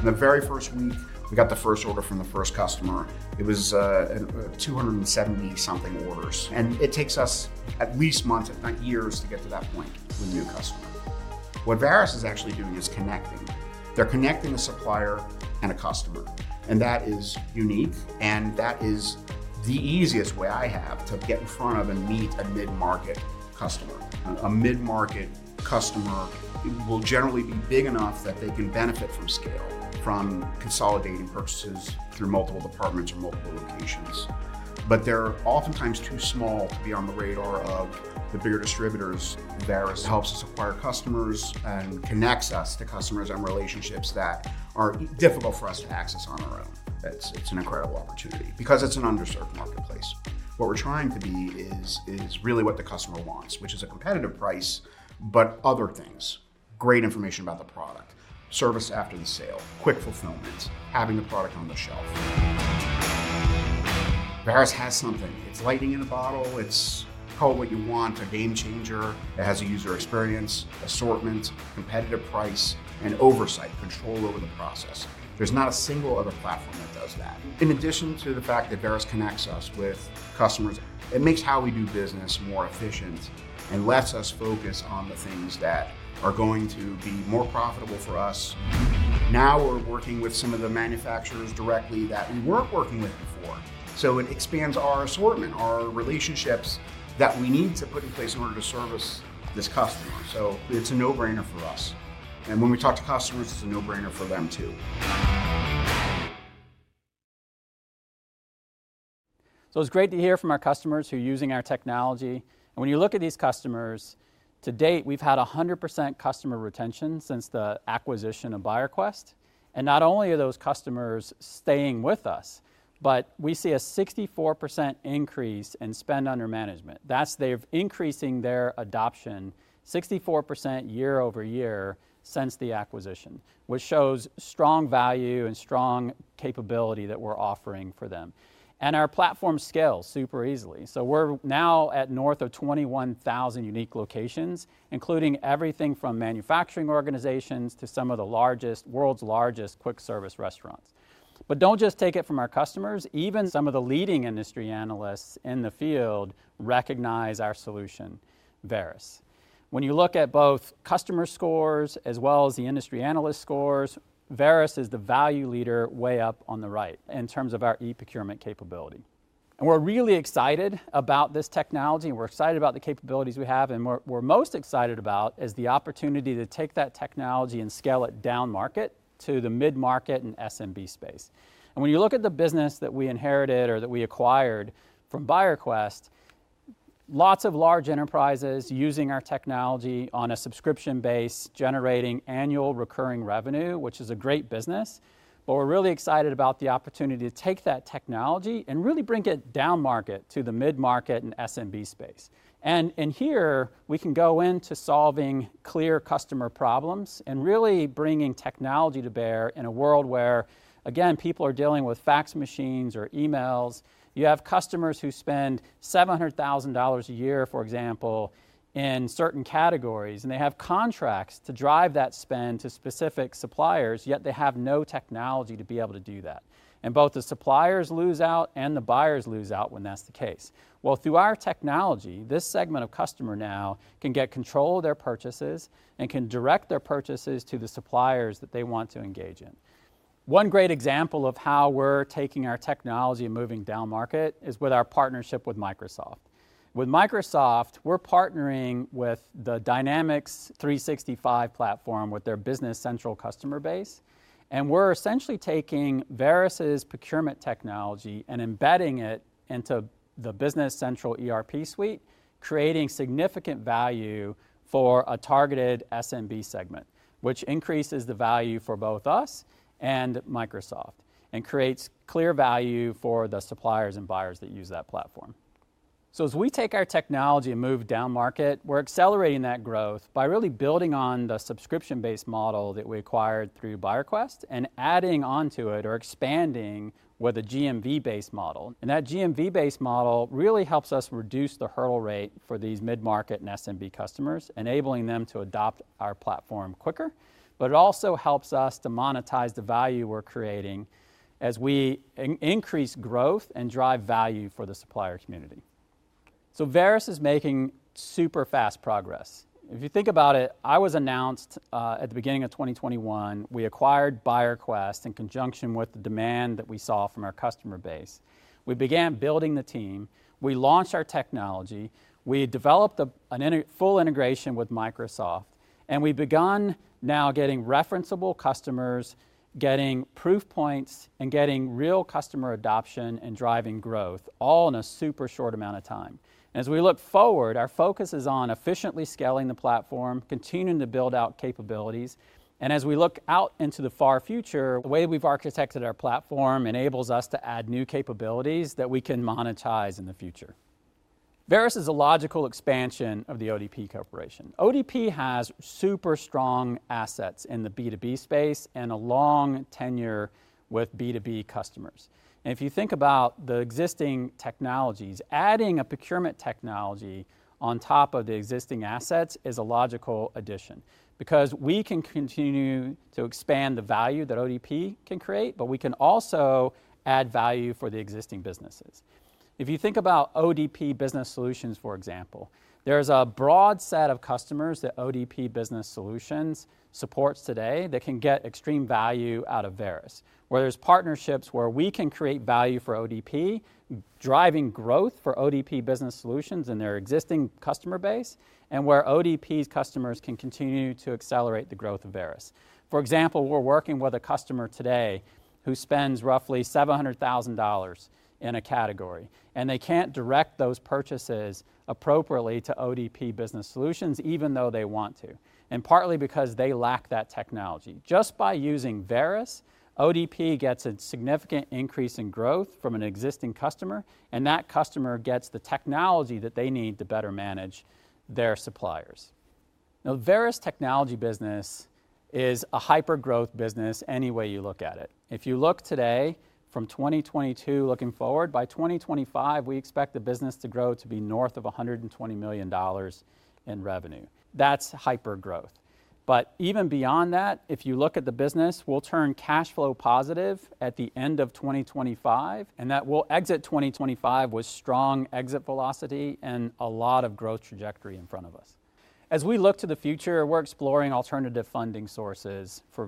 The very first week we got the first order from the first customer. It was 270-something orders, and it takes us at least months if not years to get to that point with a new customer. What Varis is actually doing is connecting. They're connecting the supplier and a customer, and that is unique, and that is the easiest way I have to get in front of and meet a mid-market customer. A mid-market customer will generally be big enough that they can benefit from scale from consolidating purchases through multiple departments or multiple locations, but they're oftentimes too small to be on the radar of the bigger distributors. Varis helps us acquire customers and connects us to customers and relationships that are difficult for us to access on our own. It's an incredible opportunity because it's an underserved marketplace. What we're trying to be is really what the customer wants, which is a competitive price but other things, great information about the product, service after the sale, quick fulfillment, having the product on the shelf. Varis has something. It's lightning in a bottle. It's, call it what you want, a game changer. It has a user experience, assortment, competitive price, and oversight, control over the process. There's not a single other platform that does that. In addition to the fact that Varis connects us with customers, it makes how we do business more efficient and lets us focus on the things that are going to be more profitable for us. Now we're working with some of the manufacturers directly that we weren't working with before, so it expands our assortment, our relationships that we need to put in place in order to service this customer. It's a no-brainer for us, and when we talk to customers, it's a no-brainer for them too. It's great to hear from our customers who are using our technology, and when you look at these customers, to date, we've had 100% customer retention since the acquisition of BuyerQuest. Not only are those customers staying with us, but we see a 64% increase in spend under management. That's they're increasing their adoption 64% year-over-year since the acquisition, which shows strong value and strong capability that we're offering for them. Our platform scales super easily. We're now at north of 21,000 unique locations, including everything from manufacturing organizations to some of the largest, world's largest quick service restaurants. Don't just take it from our customers. Even some of the leading industry analysts in the field recognize our solution, Varis. When you look at both customer scores as well as the industry analyst scores, Varis is the value leader way up on the right in terms of our e-procurement capability. We're really excited about this technology, and we're excited about the capabilities we have, and what we're most excited about is the opportunity to take that technology and scale it down market to the mid-market and SMB space. When you look at the business that we inherited or that we acquired from BuyerQuest, lots of large enterprises using our technology on a subscription base, generating annual recurring revenue, which is a great business. We're really excited about the opportunity to take that technology and really bring it down market to the mid-market and SMB space. Here we can go into solving clear customer problems and really bringing technology to bear in a world where, again, people are dealing with fax machines or emails. You have customers who spend $700,000 a year, for example, in certain categories, and they have contracts to drive that spend to specific suppliers, yet they have no technology to be able to do that. Both the suppliers lose out and the buyers lose out when that's the case. Well, through our technology, this segment of customer now can get control of their purchases and can direct their purchases to the suppliers that they want to engage in. One great example of how we're taking our technology and moving down market is with our partnership with Microsoft. With Microsoft, we're partnering with the Dynamics 365 platform, with their Business Central customer base, and we're essentially taking Varis' procurement technology and embedding it into the Business Central ERP suite, creating significant value for a targeted SMB segment, which increases the value for both us and Microsoft and creates clear value for the suppliers and buyers that use that platform. As we take our technology and move down market, we're accelerating that growth by really building on the subscription-based model that we acquired through BuyerQuest and adding onto it or expanding with a GMV-based model. That GMV-based model really helps us reduce the hurdle rate for these mid-market and SMB customers, enabling them to adopt our platform quicker. It also helps us to monetize the value we're creating as we increase growth and drive value for the supplier community. Varis is making super fast progress. If you think about it, I was announced at the beginning of 2021. We acquired BuyerQuest in conjunction with the demand that we saw from our customer base. We began building the team. We launched our technology. We developed a full integration with Microsoft, and we've begun now getting referenceable customers, getting proof points, and getting real customer adoption and driving growth, all in a super short amount of time. As we look forward, our focus is on efficiently scaling the platform, continuing to build out capabilities, and as we look out into the far future, the way we've architected our platform enables us to add new capabilities that we can monetize in the future. Varis is a logical expansion of The ODP Corporation. ODP has super strong assets in the B2B space and a long tenure with B2B customers. If you think about the existing technologies, adding a procurement technology on top of the existing assets is a logical addition, because we can continue to expand the value that ODP can create, but we can also add value for the existing businesses. If you think about ODP Business Solutions, for example, there's a broad set of customers that ODP Business Solutions supports today that can get extreme value out of Varis, where there's partnerships where we can create value for ODP, driving growth for ODP Business Solutions and their existing customer base, and where ODP's customers can continue to accelerate the growth of Varis. For example, we're working with a customer today who spends roughly $700,000 in a category, and they can't direct those purchases appropriately to ODP Business Solutions, even though they want to, and partly because they lack that technology. Just by using Varis, ODP gets a significant increase in growth from an existing customer, and that customer gets the technology that they need to better manage their suppliers. Now, Varis technology business is a hyper-growth business any way you look at it. If you look today from 2022 looking forward, by 2025, we expect the business to grow to be north of $120 million in revenue. That's hyper-growth. Even beyond that, if you look at the business, we'll turn cash flow positive at the end of 2025, and that we'll exit 2025 with strong exit velocity and a lot of growth trajectory in front of us. As we look to the future, we're exploring alternative funding sources for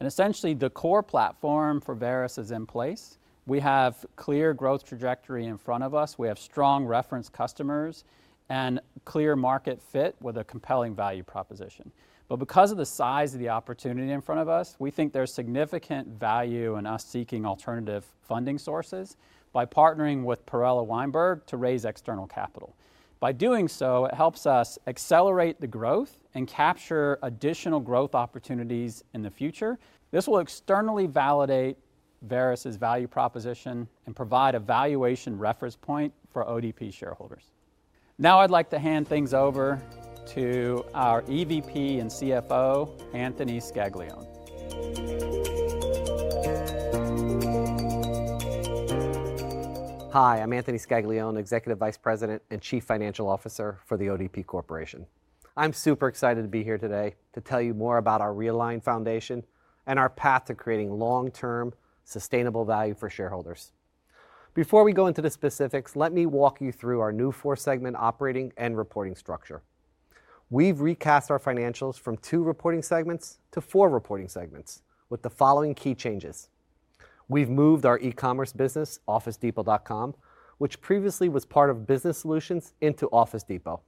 Varis. Essentially, the core platform for Varis is in place. We have clear growth trajectory in front of us. We have strong reference customers and clear market fit with a compelling value proposition. Because of the size of the opportunity in front of us, we think there's significant value in us seeking alternative funding sources by partnering with Perella Weinberg to raise external capital. By doing so, it helps us accelerate the growth and capture additional growth opportunities in the future. This will externally validate Varis' value proposition and provide a valuation reference point for ODP shareholders. Now I'd like to hand things over to our EVP and CFO, Anthony Scaglione. Hi, I'm Anthony Scaglione, Executive Vice President and Chief Financial Officer for The ODP Corporation. I'm super excited to be here today to tell you more about our realigned foundation and our path to creating long-term sustainable value for shareholders. Before we go into the specifics, let me walk you through our new four-segment operating and reporting structure. We've recast our financials from two reporting segments to four reporting segments with the following key changes. We've moved our e-commerce business, officedepot.com, which previously was part of Business Solutions, into Office Depot.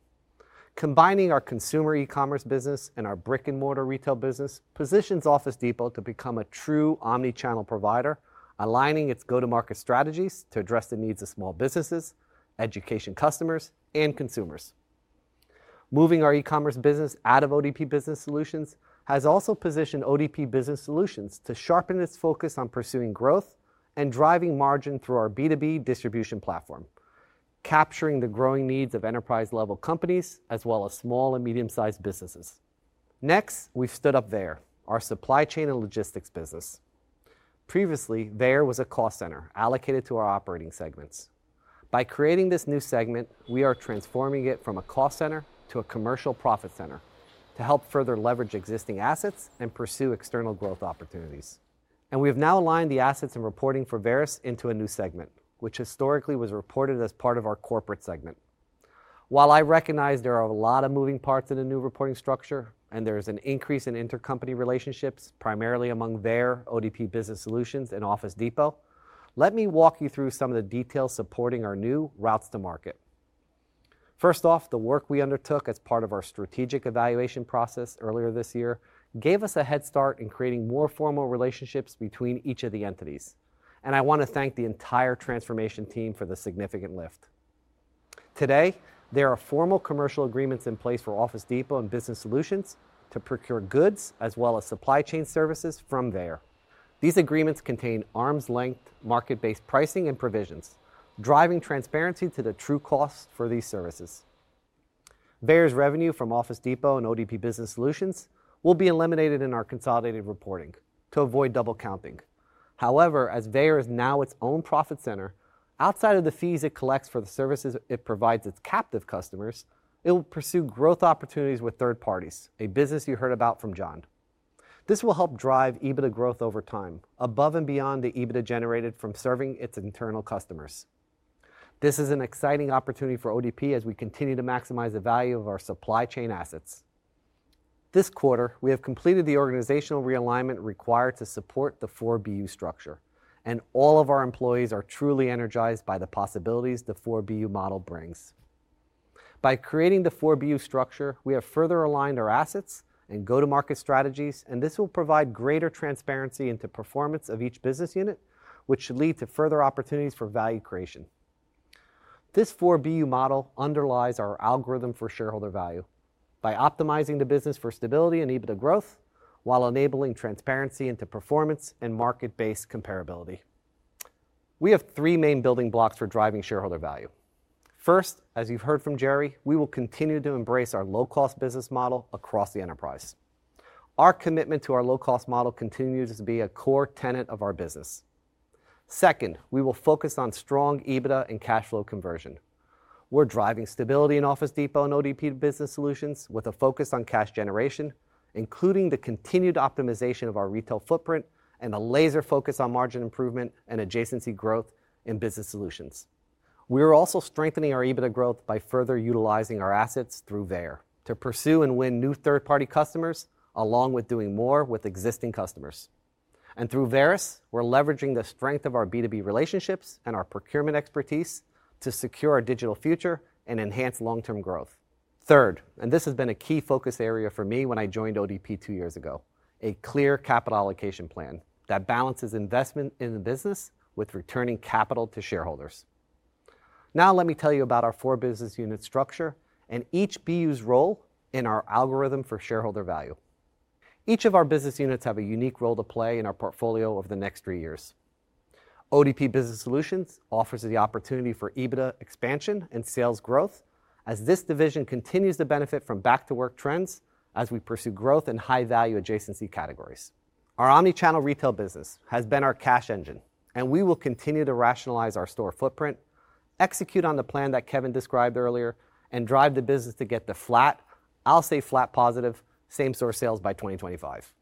Combining our consumer e-commerce business and our brick-and-mortar retail business positions Office Depot to become a true omnichannel provider, aligning its go-to-market strategies to address the needs of small businesses, education customers, and consumers. Moving our e-commerce business out of ODP Business Solutions has also positioned ODP Business Solutions to sharpen its focus on pursuing growth and driving margin through our B2B distribution platform, capturing the growing needs of enterprise-level companies as well as small and medium-sized businesses. Next, we've stood up our supply chain and logistics business. Previously, there was a cost center allocated to our operating segments. By creating this new segment, we are transforming it from a cost center to a commercial profit center to help further leverage existing assets and pursue external growth opportunities. We have now aligned the assets and reporting for Varis into a new segment, which historically was reported as part of our corporate segment. While I recognize there are a lot of moving parts in a new reporting structure, and there is an increase in intercompany relationships, primarily among their ODP Business Solutions and Office Depot, let me walk you through some of the details supporting our new routes to market. First off, the work we undertook as part of our strategic evaluation process earlier this year gave us a head start in creating more formal relationships between each of the entities, and I want to thank the entire transformation team for the significant lift. Today, there are formal commercial agreements in place for Office Depot and Business Solutions to procure goods as well as supply chain services from there. These agreements contain arm's length market-based pricing and provisions, driving transparency to the true costs for these services. Varis revenue from Office Depot and ODP Business Solutions will be eliminated in our consolidated reporting to avoid double counting. However, as VEYER is now its own profit center, outside of the fees it collects for the services it provides its captive customers, it will pursue growth opportunities with third parties, a business you heard about from John. This will help drive EBITDA growth over time, above and beyond the EBITDA generated from serving its internal customers. This is an exciting opportunity for ODP as we continue to maximize the value of our supply chain assets. This quarter, we have completed the organizational realignment required to support the 4BU structure, and all of our employees are truly energized by the possibilities the 4BU model brings. By creating the 4BU structure, we have further aligned our assets and go-to-market strategies, and this will provide greater transparency into performance of each business unit, which should lead to further opportunities for value creation. This 4BU model underlies our algorithm for shareholder value by optimizing the business for stability and EBITDA growth while enabling transparency into performance and market-based comparability. We have three main building blocks for driving shareholder value. First, as you've heard from Gerry, we will continue to embrace our low-cost business model across the enterprise. Our commitment to our low-cost model continues to be a core tenet of our business. Second, we will focus on strong EBITDA and cash flow conversion. We're driving stability in Office Depot and ODP Business Solutions with a focus on cash generation, including the continued optimization of our retail footprint and a laser focus on margin improvement and adjacency growth in Business Solutions. We are also strengthening our EBITDA growth by further utilizing our assets through VEYER to pursue and win new third-party customers along with doing more with existing customers. Through Varis, we're leveraging the strength of our B2B relationships and our procurement expertise to secure our digital future and enhance long-term growth. Third, and this has been a key focus area for me when I joined ODP two years ago. A clear capital allocation plan that balances investment in the business with returning capital to shareholders. Now let me tell you about our 4BUsiness unit structure and each BU's role in our algorithm for shareholder value. Each of our business units have a unique role to play in our portfolio over the next three years. ODP Business Solutions offers the opportunity for EBITDA expansion and sales growth as this division continues to benefit from back-to-work trends as we pursue growth in high-value adjacency categories. Our omnichannel retail business has been our cash engine, and we will continue to rationalize our store footprint, execute on the plan that Kevin described earlier, and drive the business to get to flat, I'll say flat positive, same-store sales by 2025.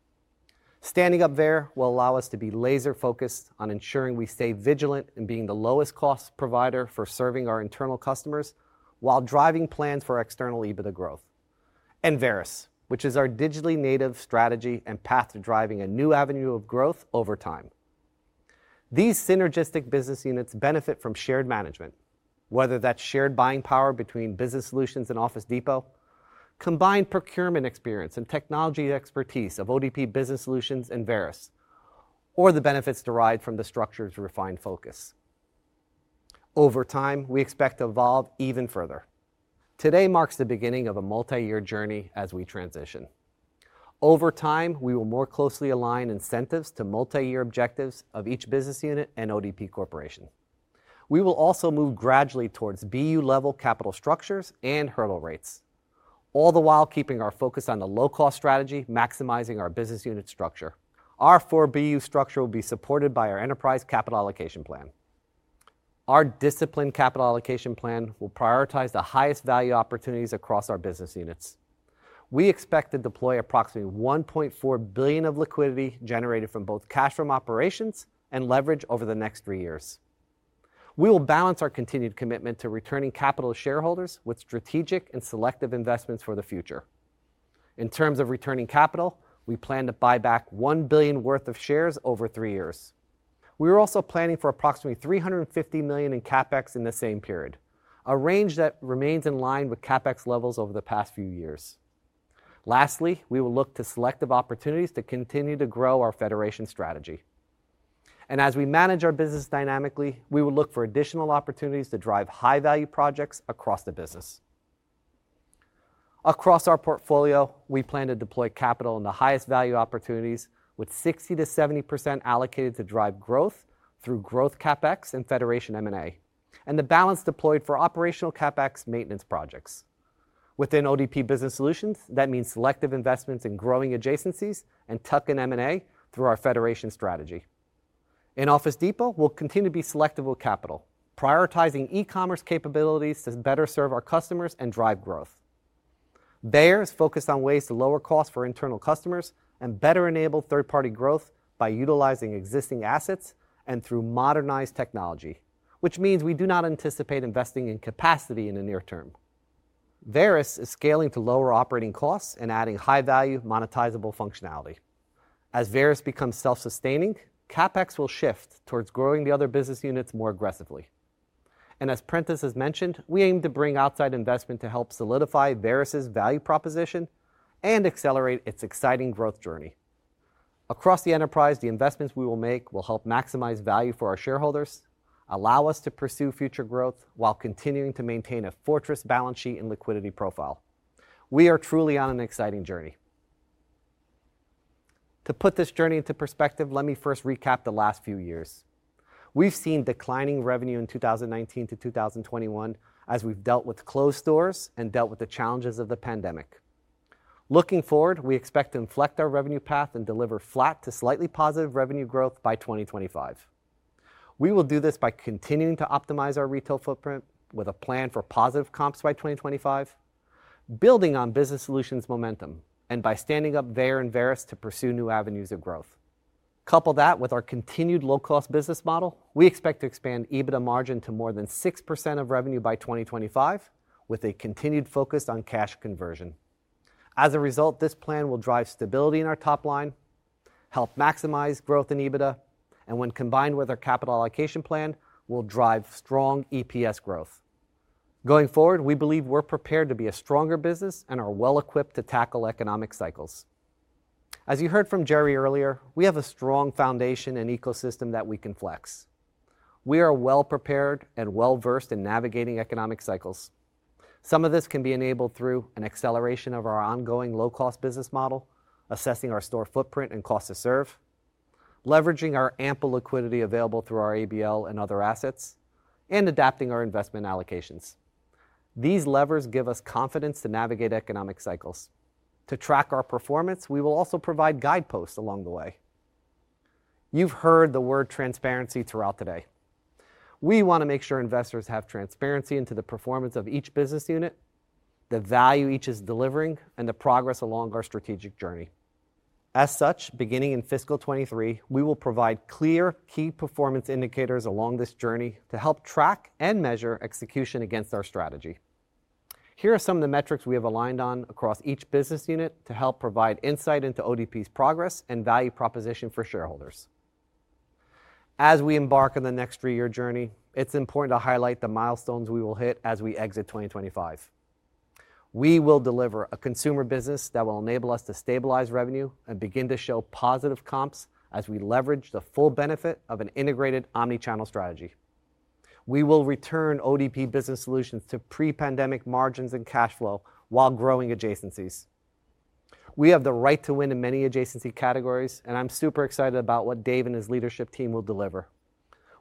Standing up VEYER will allow us to be laser-focused on ensuring we stay vigilant in being the lowest cost provider for serving our internal customers while driving plans for external EBITDA growth. Varis, which is our digitally native strategy and path to driving a new avenue of growth over time. These synergistic business units benefit from shared management, whether that's shared buying power between business solutions and Office Depot, combined procurement experience and technology expertise of ODP Business Solutions and Varis, or the benefits derived from the structure to refine focus. Over time, we expect to evolve even further. Today marks the beginning of a multi-year journey as we transition. Over time, we will more closely align incentives to multi-year objectives of each business unit and ODP Corporation. We will also move gradually towards BU-level capital structures and hurdle rates, all the while keeping our focus on the low-cost strategy, maximizing our business unit structure. Our 4BU structure will be supported by our enterprise capital allocation plan. Our disciplined capital allocation plan will prioritize the highest value opportunities across our business units. We expect to deploy approximately $1.4 billion of liquidity generated from both cash from operations and leverage over the next three years. We will balance our continued commitment to returning capital to shareholders with strategic and selective investments for the future. In terms of returning capital, we plan to buy back $1 billion worth of shares over three years. We are also planning for approximately $350 million in CapEx in the same period, a range that remains in line with CapEx levels over the past few years. Lastly, we will look to selective opportunities to continue to grow our Federation strategy. As we manage our business dynamically, we will look for additional opportunities to drive high-value projects across the business. Across our portfolio, we plan to deploy capital in the highest value opportunities with 60%-70% allocated to drive growth through growth CapEx and federation M&A, and the balance deployed for operational CapEx maintenance projects. Within ODP Business Solutions, that means selective investments in growing adjacencies and tuck-in M&A through our federation strategy. In Office Depot, we'll continue to be selective with capital, prioritizing e-commerce capabilities to better serve our customers and drive growth. VEYER is focused on ways to lower costs for internal customers and better enable third-party growth by utilizing existing assets and through modernized technology, which means we do not anticipate investing in capacity in the near term. Varis is scaling to lower operating costs and adding high-value monetizable functionality. As Varis becomes self-sustaining, CapEx will shift towards growing the other business units more aggressively. As Prentis has mentioned, we aim to bring outside investment to help solidify Varis' value proposition and accelerate its exciting growth journey. Across the enterprise, the investments we will make will help maximize value for our shareholders, allow us to pursue future growth while continuing to maintain a fortress balance sheet and liquidity profile. We are truly on an exciting journey. To put this journey into perspective, let me first recap the last few years. We've seen declining revenue in 2019 to 2021 as we've dealt with closed stores and dealt with the challenges of the pandemic. Looking forward, we expect to inflect our revenue path and deliver flat to slightly positive revenue growth by 2025. We will do this by continuing to optimize our retail footprint with a plan for positive comps by 2025, building on Business Solutions momentum, and by standing up Varis to pursue new avenues of growth. Couple that with our continued low-cost business model. We expect to expand EBITDA margin to more than 6% of revenue by 2025, with a continued focus on cash conversion. As a result, this plan will drive stability in our top line, help maximize growth in EBITDA, and when combined with our capital allocation plan, will drive strong EPS growth. Going forward, we believe we're prepared to be a stronger business and are well equipped to tackle economic cycles. As you heard from Gerry earlier, we have a strong foundation and ecosystem that we can flex. We are well prepared and well-versed in navigating economic cycles. Some of this can be enabled through an acceleration of our ongoing low-cost business model, assessing our store footprint and cost to serve, leveraging our ample liquidity available through our ABL and other assets, and adapting our investment allocations. These levers give us confidence to navigate economic cycles. To track our performance, we will also provide guideposts along the way. You've heard the word transparency throughout today. We wanna make sure investors have transparency into the performance of each business unit, the value each is delivering, and the progress along our strategic journey. As such, beginning in fiscal 2023, we will provide clear key performance indicators along this journey to help track and measure execution against our strategy. Here are some of the metrics we have aligned on across each business unit to help provide insight into ODP's progress and value proposition for shareholders. As we embark on the next three-year journey, it's important to highlight the milestones we will hit as we exit 2025. We will deliver a consumer business that will enable us to stabilize revenue and begin to show positive comps as we leverage the full benefit of an integrated omnichannel strategy. We will return ODP Business Solutions to pre-pandemic margins and cash flow while growing adjacencies. We have the right to win in many adjacency categories, and I'm super excited about what Dave and his leadership team will deliver.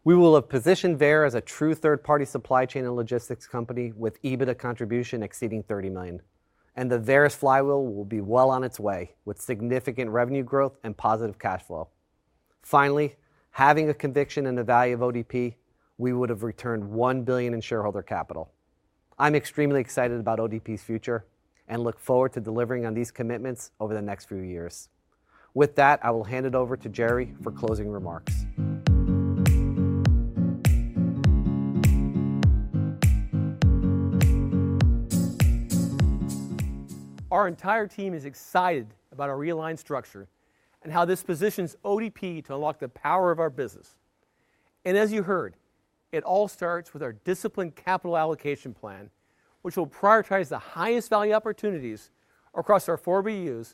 We will have positioned VEYER as a true third-party supply chain and logistics company with EBITDA contribution exceeding $30 million. The Varis flywheel will be well on its way with significant revenue growth and positive cash flow. Finally, having a conviction in the value of ODP, we would have returned $1 billion in shareholder capital. I'm extremely excited about ODP's future and look forward to delivering on these commitments over the next few years. With that, I will hand it over to Gerry for closing remarks. Our entire team is excited about our realigned structure and how this positions ODP to unlock the power of our business. As you heard, it all starts with our disciplined capital allocation plan, which will prioritize the highest value opportunities across our 4BUs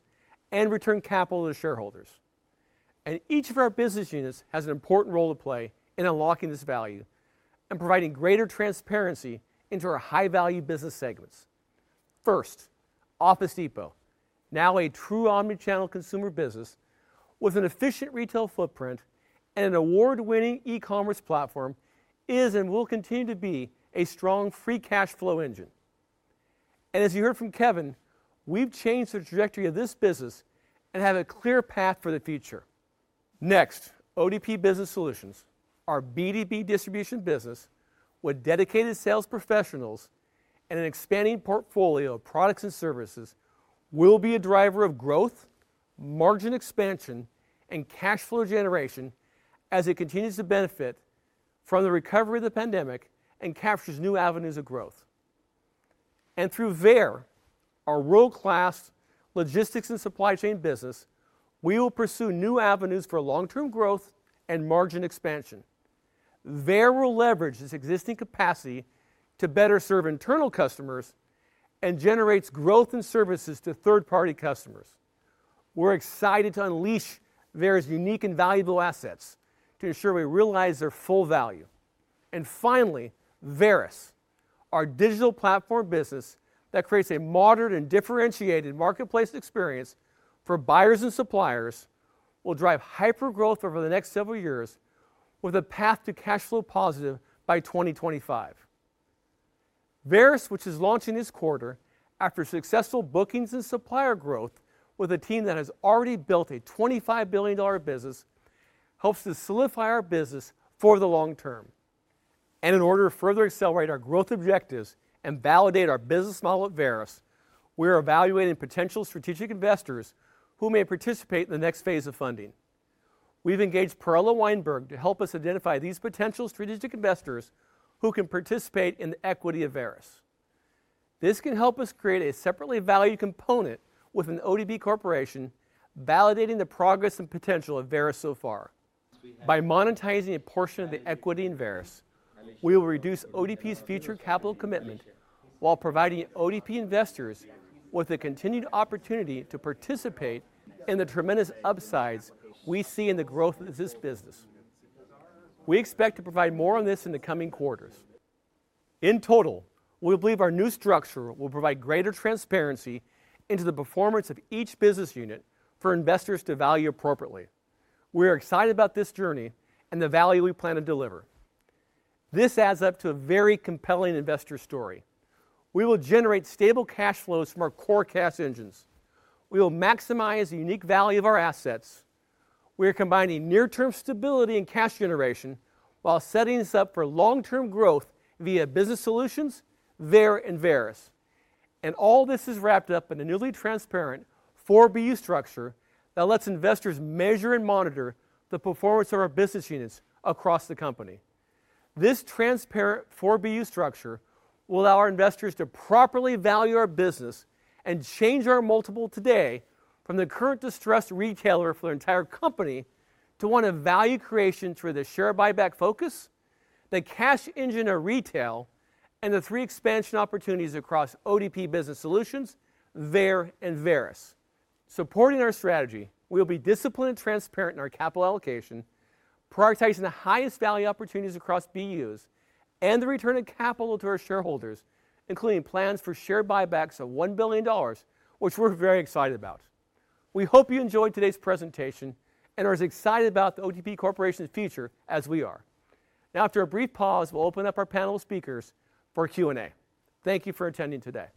and return capital to shareholders. Each of our business units has an important role to play in unlocking this value and providing greater transparency into our high-value business segments. First, Office Depot, now a true omnichannel consumer business with an efficient retail footprint and an award-winning e-commerce platform, is and will continue to be a strong free cash flow engine. As you heard from Kevin, we've changed the trajectory of this business and have a clear path for the future. Next, ODP Business Solutions, our B2B distribution business with dedicated sales professionals and an expanding portfolio of products and services will be a driver of growth, margin expansion, and cash flow generation as it continues to benefit from the recovery of the pandemic and captures new avenues of growth. Through VEYER, our world-class logistics and supply chain business, we will pursue new avenues for long-term growth and margin expansion. VEYER will leverage its existing capacity to better serve internal customers and generates growth in services to third-party customers. We're excited to unleash VEYER's unique and valuable assets to ensure we realize their full value. Finally, Varis, our digital platform business that creates a modern and differentiated marketplace experience for buyers and suppliers, will drive hyper-growth over the next several years with a path to cash flow positive by 2025. Varis, which is launching this quarter after successful bookings and supplier growth with a team that has already built a $25 billion business, helps to solidify our business for the long term. In order to further accelerate our growth objectives and validate our business model at Varis, we are evaluating potential strategic investors who may participate in the next phase of funding. We've engaged Perella Weinberg to help us identify these potential strategic investors who can participate in the equity of Varis. This can help us create a separately valued component The ODP Corporation, validating the progress and potential of Varis so far. By monetizing a portion of the equity in Varis, we will reduce ODP's future capital commitment while providing ODP investors with the continued opportunity to participate in the tremendous upsides we see in the growth of this business. We expect to provide more on this in the coming quarters. In total, we believe our new structure will provide greater transparency into the performance of each business unit for investors to value appropriately. We are excited about this journey and the value we plan to deliver. This adds up to a very compelling investor story. We will generate stable cash flows from our core cash engines. We will maximize the unique value of our assets. We are combining near-term stability and cash generation while setting this up for long-term growth via Business Solutions, VEYER, and Varis. All this is wrapped up in a newly transparent 4BU structure that lets investors measure and monitor the performance of our business units across the company. This transparent 4BU structure will allow our investors to properly value our business and change our multiple today from the current distressed retailer for the entire company to one of value creation through the share buyback focus, the cash engine of retail, and the three expansion opportunities across ODP Business Solutions, VEYER, and Varis. Supporting our strategy, we will be disciplined and transparent in our capital allocation, prioritizing the highest value opportunities across BUs and the return of capital to our shareholders, including plans for share buybacks of $1 billion, which we're very excited about. We hope you enjoyed today's presentation and are as excited about The ODP Corporation's future as we are. Now after a brief pause, we'll open up our panel of speakers for Q&A. Thank you for attending today.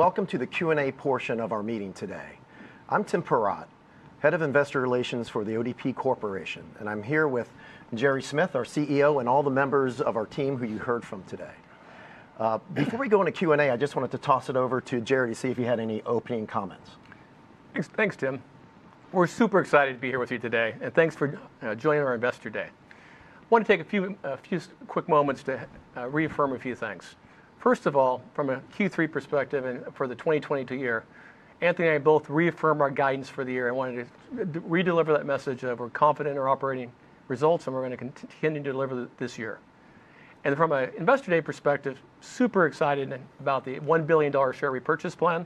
Hi, welcome to the Q&A portion of our meeting today. I'm Tim Perrott, head of investor relations for The ODP Corporation, and I'm here with Gerry Smith, our CEO, and all the members of our team who you heard from today. Before we go into Q&A, I just wanted to toss it over to Gerry, see if he had any opening comments. Thanks, Tim. We're super excited to be here with you today, and thanks for joining our Investor Day. Want to take a few quick moments to reaffirm a few things. First of all, from a Q3 perspective and for the 2022 year, Anthony and I both reaffirm our guidance for the year. I wanted to redeliver that message that we're confident in our operating results and we're gonna continue to deliver this year. From an Investor Day perspective, super excited about the $1 billion share repurchase plan,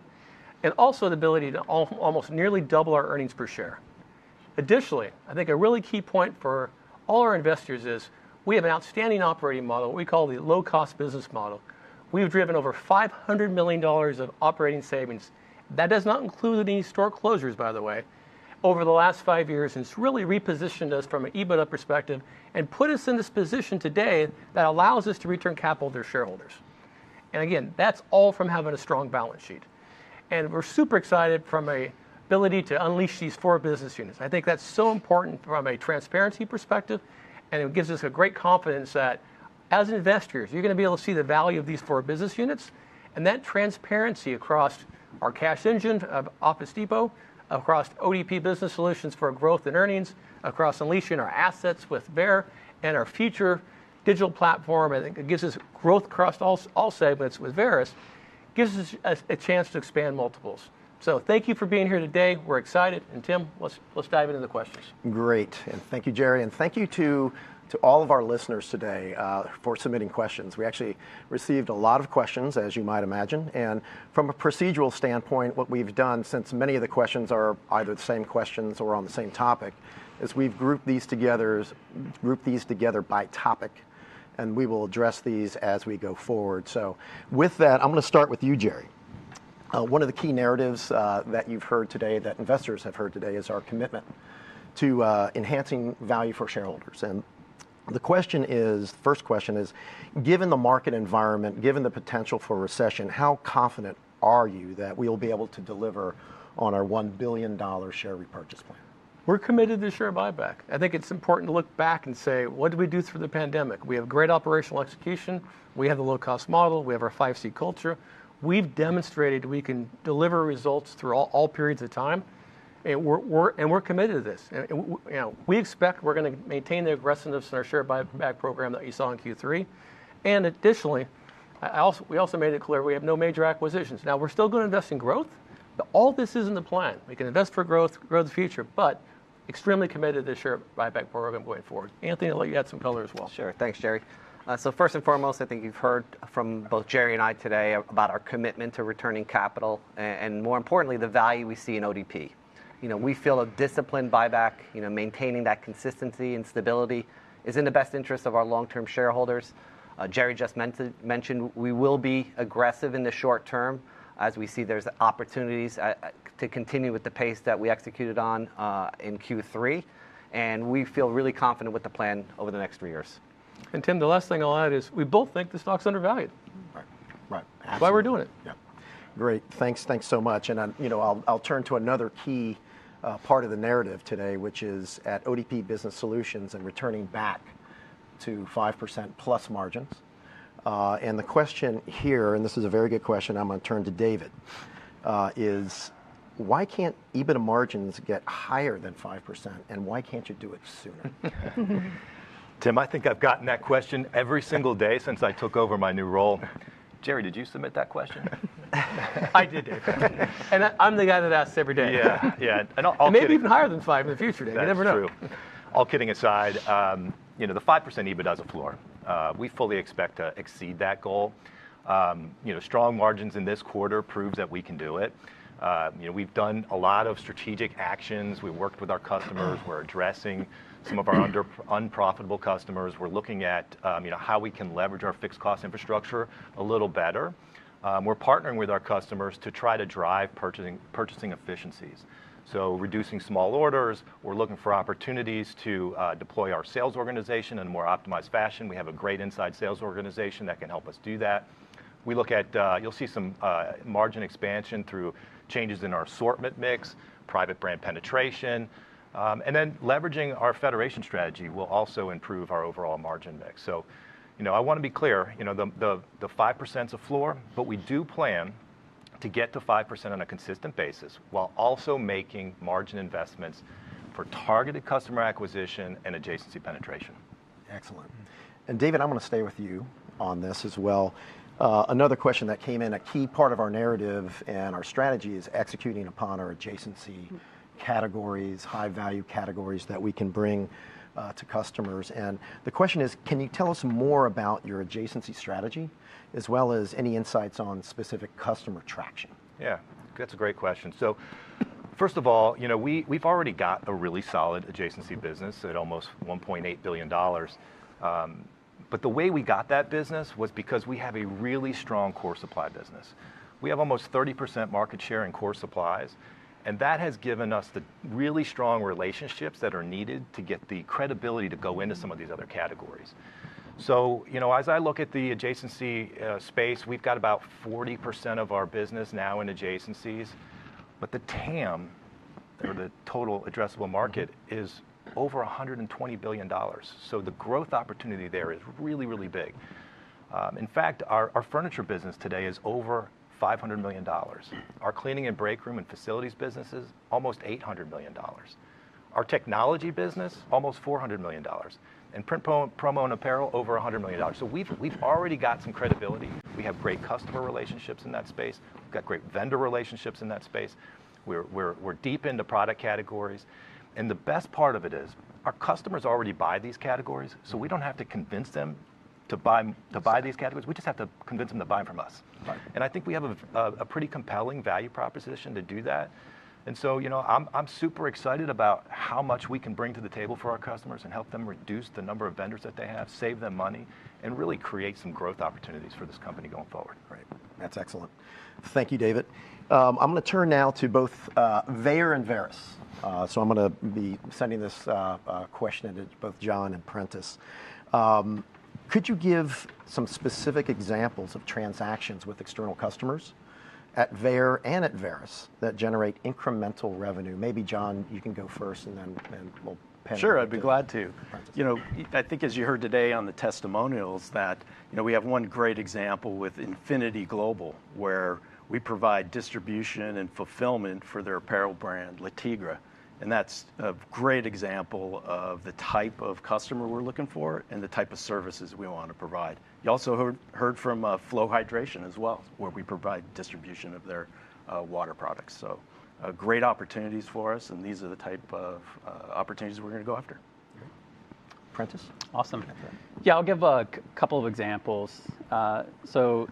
and also the ability to almost nearly double our earnings per share. Additionally, I think a really key point for all our investors is we have an outstanding operating model we call the low-cost business model. We have driven over $500 million of operating savings, that does not include any store closures by the way, over the last five years, and it's really repositioned us from an EBITDA perspective and put us in this position today that allows us to return capital to shareholders. Again, that's all from having a strong balance sheet. We're super excited from the ability to unleash these 4BUsiness units. I think that's so important from a transparency perspective, and it gives us a great confidence that, as investors, you're gonna be able to see the value of these 4BUsiness units, and that transparency across our cash engine of Office Depot, across ODP Business Solutions for growth and earnings, across unleashing our assets with VEYER, and our future digital platform. I think it gives us growth across all segments with Varis, gives us a chance to expand multiples. Thank you for being here today. We're excited. Tim, let's dive into the questions. Great. Thank you, Gerry, and thank you to all of our listeners today for submitting questions. We actually received a lot of questions, as you might imagine, and from a procedural standpoint, what we've done, since many of the questions are either the same questions or on the same topic, is we've grouped these together by topic, and we will address these as we go forward. With that, I'm gonna start with you, Gerry. One of the key narratives that you've heard today, that investors have heard today, is our commitment to enhancing value for shareholders. The first question is: Given the market environment, given the potential for recession, how confident are you that we'll be able to deliver on our $1 billion share repurchase plan? We're committed to share buyback. I think it's important to look back and say, "What did we do through the pandemic?" We have great operational execution, we have the low-cost model, we have our 5C Culture. We've demonstrated we can deliver results through all periods of time, and we're committed to this. You know, we expect we're gonna maintain the aggressiveness in our share buyback program that you saw in Q3. Additionally, we also made it clear we have no major acquisitions. Now, we're still gonna invest in growth. All this is in the plan. We can invest for growth in the future, but extremely committed to the share buyback program going forward. Anthony, I'll let you add some color as well. Sure. Thanks, Gerry. First and foremost, I think you've heard from both Gerry and I today about our commitment to returning capital and more importantly, the value we see in ODP. You know, we feel a disciplined buyback, you know, maintaining that consistency and stability is in the best interest of our long-term shareholders. Gerry just mentioned we will be aggressive in the short term as we see there's opportunities to continue with the pace that we executed on in Q3, and we feel really confident with the plan over the next three years. Tim, the last thing I'll add is we both think the stock's undervalued. Right. Right. Absolutely. That's why we're doing it. Yeah. Great. Thanks. Thanks so much. You know, I'll turn to another key part of the narrative today, which is at ODP Business Solutions and returning back to 5%+ margins. The question here, and this is a very good question, I'm gonna turn to David, is. Why can't EBITDA margins get higher than 5% and why can't you do it sooner? Tim, I think I've gotten that question every single day since I took over my new role. Gerry, did you submit that question? I did, David. I'm the guy that asks every day. Yeah. Yeah. I'll Maybe even higher than 5 in the future, Dave. You never know. That's true. All kidding aside, you know, the 5% EBITDA's a floor. We fully expect to exceed that goal. You know, strong margins in this quarter proves that we can do it. You know, we've done a lot of strategic actions. We've worked with our customers. We're addressing some of our unprofitable customers. We're looking at, you know, how we can leverage our fixed cost infrastructure a little better. We're partnering with our customers to try to drive purchasing efficiencies. Reducing small orders. We're looking for opportunities to deploy our sales organization in a more optimized fashion. We have a great inside sales organization that can help us do that. We look at. You'll see some margin expansion through changes in our assortment mix, private brand penetration. leveraging our Federation strategy will also improve our overall margin mix. You know, I wanna be clear, you know, the 5% is a floor, but we do plan to get to 5% on a consistent basis while also making margin investments for targeted customer acquisition and adjacency penetration. Excellent. David, I'm gonna stay with you on this as well. Another question that came in, a key part of our narrative and our strategy is executing upon our adjacency categories, high value categories that we can bring to customers. The question is, can you tell us more about your adjacency strategy, as well as any insights on specific customer traction? Yeah. That's a great question. First of all, you know, we've already got a really solid adjacency business at almost $1.8 billion. The way we got that business was because we have a really strong core supply business. We have almost 30% market share in core supplies, and that has given us the really strong relationships that are needed to get the credibility to go into some of these other categories. You know, as I look at the adjacency space, we've got about 40% of our business now in adjacencies, but the TAM, or the total addressable market, is over $120 billion. The growth opportunity there is really, really big. In fact, our furniture business today is over $500 million. Our Cleaning and Breakroom and facilities business is almost $800 million. Our technology business, almost $400 million. In Print, Promo and Apparel, over $100 million. We've already got some credibility. We have great customer relationships in that space. We've got great vendor relationships in that space. We're deep into product categories. The best part of it is our customers already buy these categories, so we don't have to convince them to buy these categories. We just have to convince them to buy from us. I think we have a pretty compelling value proposition to do that. You know, I'm super excited about how much we can bring to the table for our customers and help them reduce the number of vendors that they have, save them money, and really create some growth opportunities for this company going forward. Great. That's excellent. Thank you, David. I'm gonna turn now to both VEYER and Varis. I'm gonna be sending this question to both John and Prentis. Could you give some specific examples of transactions with external customers at VEYER and at Varis that generate incremental revenue? Maybe John, you can go first, and then we'll pan to. Sure, I'd be glad to. You know, I think as you heard today on the testimonials that, you know, we have one great example with Infinity Global where we provide distribution and fulfillment for their apparel brand, Le Tigre. That's a great example of the type of customer we're looking for and the type of services we wanna provide. You also heard from Flow Hydration as well, where we provide distribution of their water products. Great opportunities for us, and these are the type of opportunities we're gonna go after. Great. Prentis? Awesome. Yeah, I'll give a couple of examples.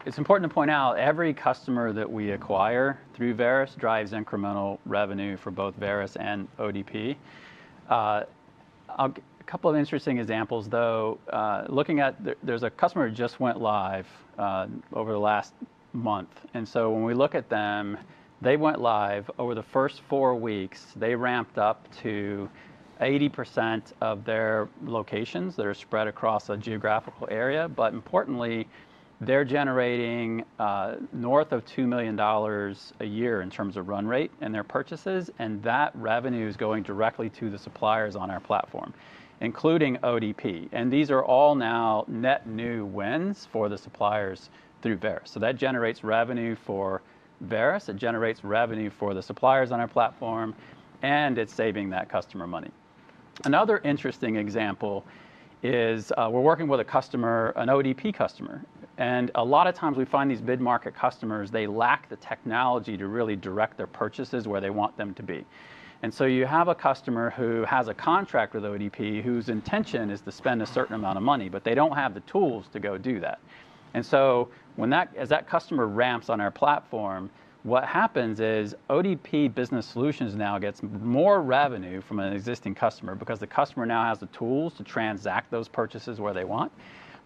It's important to point out every customer that we acquire through Varis drives incremental revenue for both Varis and ODP. A couple of interesting examples though, looking at, there's a customer who just went live over the last month. When we look at them, they went live. Over the first four weeks, they ramped up to 80% of their locations that are spread across a geographical area. But importantly, they're generating north of $2 million a year in terms of run rate and their purchases, and that revenue is going directly to the suppliers on our platform, including ODP. These are all now net new wins for the suppliers through Varis. That generates revenue for Varis, it generates revenue for the suppliers on our platform, and it's saving that customer money. Another interesting example is we're working with a customer, an ODP customer, and a lot of times we find these mid-market customers, they lack the technology to really direct their purchases where they want them to be. You have a customer who has a contract with ODP whose intention is to spend a certain amount of money, but they don't have the tools to go do that. When that customer ramps on our platform, what happens is ODP Business Solutions now gets more revenue from an existing customer because the customer now has the tools to transact those purchases where they want.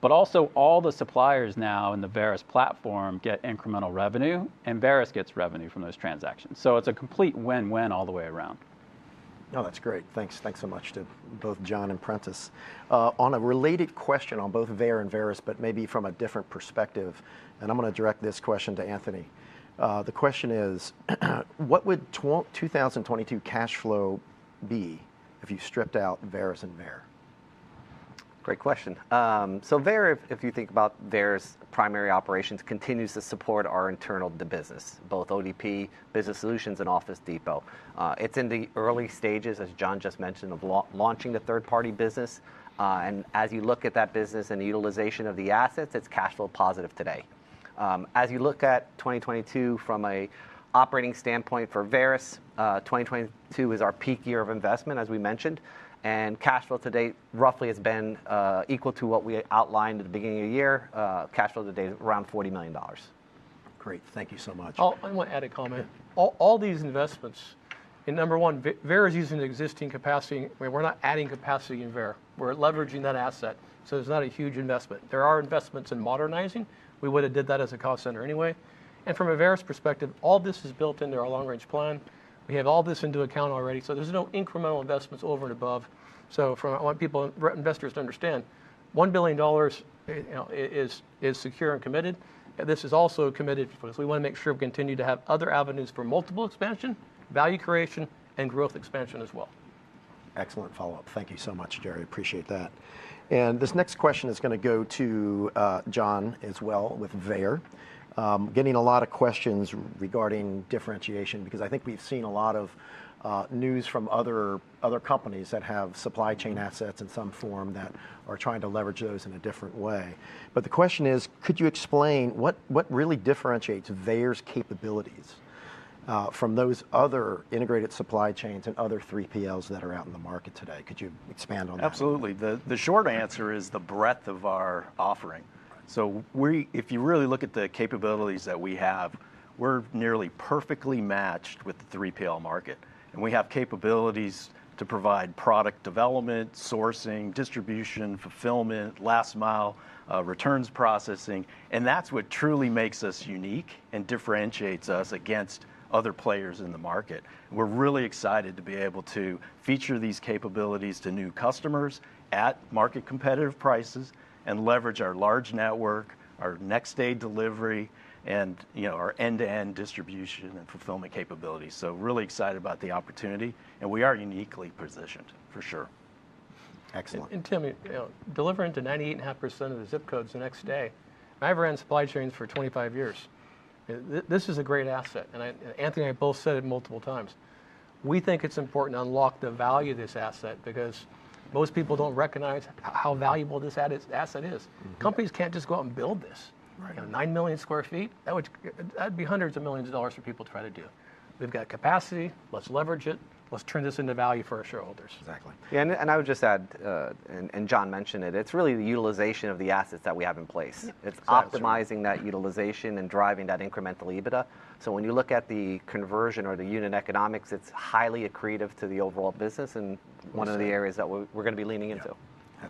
All the suppliers now in the Varis platform get incremental revenue, and Varis gets revenue from those transactions. It's a complete win-win all the way around. No, that's great. Thanks. Thanks so much to both John and Prentis. On a related question on both VEYER and Varis, but maybe from a different perspective, and I'm gonna direct this question to Anthony. The question is, what would 2022 cash flow be if you stripped out Varis and VEYER? Great question. So VEYER, if you think about VEYER's primary operations, continues to support our internal B2B, both ODP Business Solutions and Office Depot. It's in the early stages, as John just mentioned, of launching the third-party business. As you look at that business and the utilization of the assets, it's cash flow positive today. As you look at 2022 from an operating standpoint for Varis, 2022 is our peak year of investment, as we mentioned, and cash flow to date roughly has been equal to what we outlined at the beginning of the year. Cash flow to date is around $40 million. Great. Thank you so much. I want to add a comment. All these investments, and number one, VEYER is using existing capacity. I mean, we're not adding capacity in VEYER. We're leveraging that asset, so there's not a huge investment. There are investments in modernizing. We would've did that as a cost center anyway. From a Varis perspective, all this is built into our long range plan. We have all this into account already, so there's no incremental investments over and above. I want people, investors to understand, $1 billion, you know, is secure and committed. This is also committed for this. We wanna make sure we continue to have other avenues for multiple expansion, value creation, and growth expansion as well. Excellent follow-up. Thank you so much, Gerry. Appreciate that. This next question is gonna go to John as well with VEYER. Getting a lot of questions regarding differentiation because I think we've seen a lot of news from other companies that have supply chain assets in some form that are trying to leverage those in a different way. The question is, could you explain what really differentiates VEYER's capabilities from those other integrated supply chains and other 3PLs that are out in the market today? Could you expand on that? Absolutely. The short answer is the breadth of our offering. If you really look at the capabilities that we have, we're nearly perfectly matched with the 3PL market, and we have capabilities to provide product development, sourcing, distribution, fulfillment, last mile, returns processing, and that's what truly makes us unique and differentiates us against other players in the market. We're really excited to be able to feature these capabilities to new customers at market competitive prices and leverage our large network, our next day delivery and, you know, our end-to-end distribution and fulfillment capabilities. We're really excited about the opportunity, and we are uniquely positioned for sure. Excellent. Tim, you know, delivering to 98.5% of the zip codes the next day, I've ran supply chains 25 years. this is a great asset, and I, Anthony, both said it multiple times. We think it's important to unlock the value of this asset because most people don't recognize how valuable this asset is. Mm-hmm. Companies can't just go out and build this. Right. You know, 9 million sq ft, that would, that'd be hundreds of millions of dollars for people to try to do. We've got capacity, let's leverage it, let's turn this into value for our shareholders. Exactly. Yeah, I would just add, and John mentioned it. It's really the utilization of the assets that we have in place. It's optimizing that utilization and driving that incremental EBITDA. When you look at the conversion or the unit economics, it's highly accretive to the overall business, and one of the areas that we're gonna be leaning into.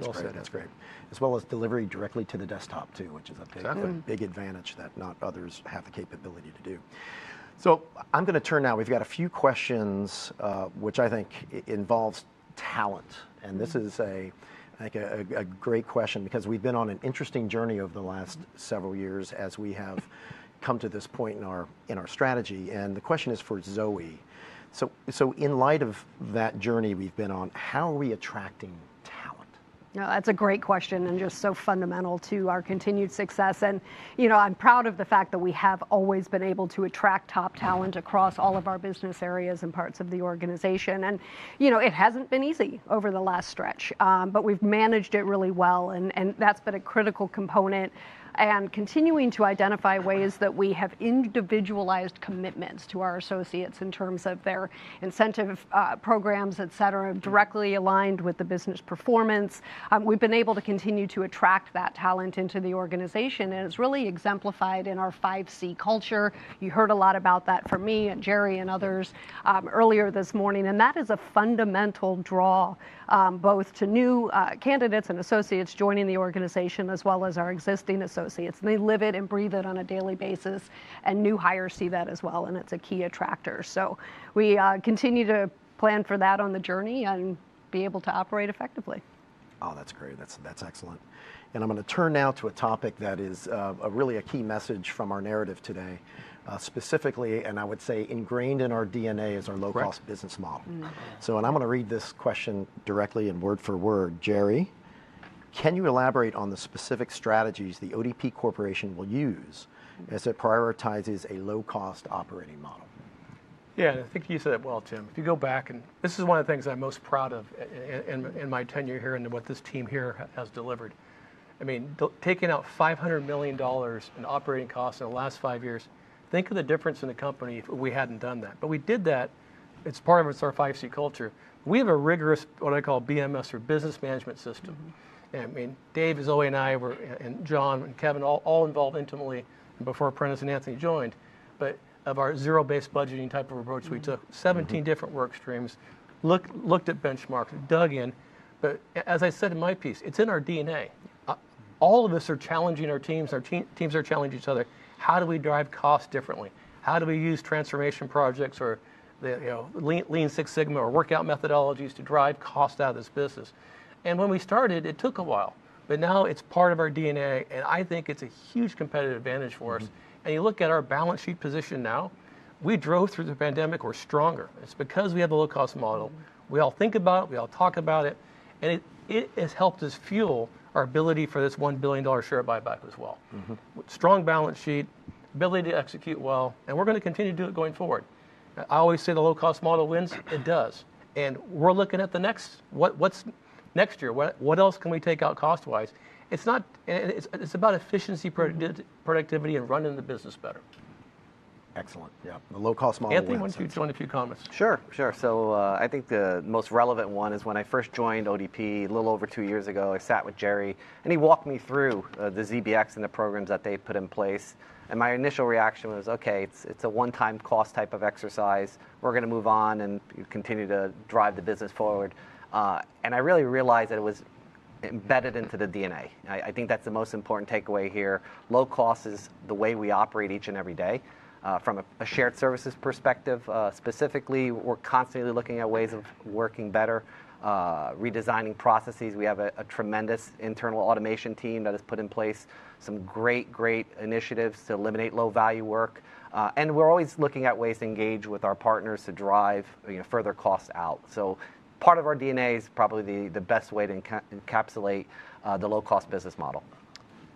That's great. As well as delivery directly to the desktop too, which is a big... big advantage that not others have the capability to do. I'm gonna turn now. We've got a few questions, which I think involves talent. This is, I think, a great question because we've been on an interesting journey over the last several years as we have come to this point in our strategy, and the question is for Zoe. In light of that journey we've been on, how are we attracting talent? Yeah, that's a great question and just so fundamental to our continued success and, you know, I'm proud of the fact that we have always been able to attract top talent across all of our business areas and parts of the organization. You know, it hasn't been easy over the last stretch, but we've managed it really well and that's been a critical component. Continuing to identify ways that we have individualized commitments to our associates in terms of their incentive programs, et cetera, directly aligned with the business performance, we've been able to continue to attract that talent into the organization and it's really exemplified in our 5C Culture. You heard a lot about that from me and Gerry and others, earlier this morning, and that is a fundamental draw, both to new candidates and associates joining the organization as well as our existing associates, and they live it and breathe it on a daily basis, and new hires see that as well, and it's a key attractor. We continue to plan for that on the journey and be able to operate effectively. Oh, that's great. That's excellent. I'm gonna turn now to a topic that is a really key message from our narrative today. Specifically, and I would say ingrained in our DNA is our low cost business model. I'm gonna read this question directly and word for word. Gerry, can you elaborate on the specific strategies The ODP Corporation will use as it prioritizes a low cost operating model? Yeah. I think you said it well, Tim. If you go back, this is one of the things I'm most proud of in my tenure here and what this team here has delivered. I mean, taking out $500 million in operating costs in the last five years, think of the difference in the company if we hadn't done that. We did that. It's part of, it's our 5C Culture. We have a rigorous, what I call BMS or business management system. I mean, Dave, Zoe, and I, we're and John and Kevin, all involved intimately, and before Prentis and Anthony joined, but of our zero-based budgeting type of approach, we took 17 different work streams, looked at benchmarks, dug in, but as I said in my piece, it's in our DNA. All of us are challenging our teams, our teams are challenging each other. How do we drive cost differently? How do we use transformation projects or, you know, Lean Six Sigma or workout methodologies to drive cost out of this business? When we started, it took a while, but now it's part of our DNA, and I think it's a huge competitive advantage for us. You look at our balance sheet position now, we drove through the pandemic, we're stronger. It's because we have the low cost model. We all think about it, we all talk about it, and it has helped us fuel our ability for this $1 billion share buyback as well. Strong balance sheet, ability to execute well, and we're gonna continue to do it going forward. I always say the low cost model wins. It does. We're looking at the next, what's next year? What else can we take out cost-wise? It's about efficiency, productivity and running the business better. Excellent. Yeah. The low cost model wins. Anthony why don't you join a few comments? Sure, sure. I think the most relevant one is when I first joined ODP a little over two years ago, I sat with Gerry and he walked me through the [inaudible] and the programs that they put in place, and my initial reaction was, okay, it's a one-time cost type of exercise. We're gonna move on and continue to drive the business forward. I really realized that it was embedded into the DNA. I think that's the most important takeaway here. Low cost is the way we operate each and every day. From a shared services perspective, specifically, we're constantly looking at ways of working better, redesigning processes. We have a tremendous internal automation team that has put in place some great initiatives to eliminate low value work. We're always looking at ways to engage with our partners to drive, you know, further costs out. Part of our DNA is probably the best way to encapsulate the low cost business model.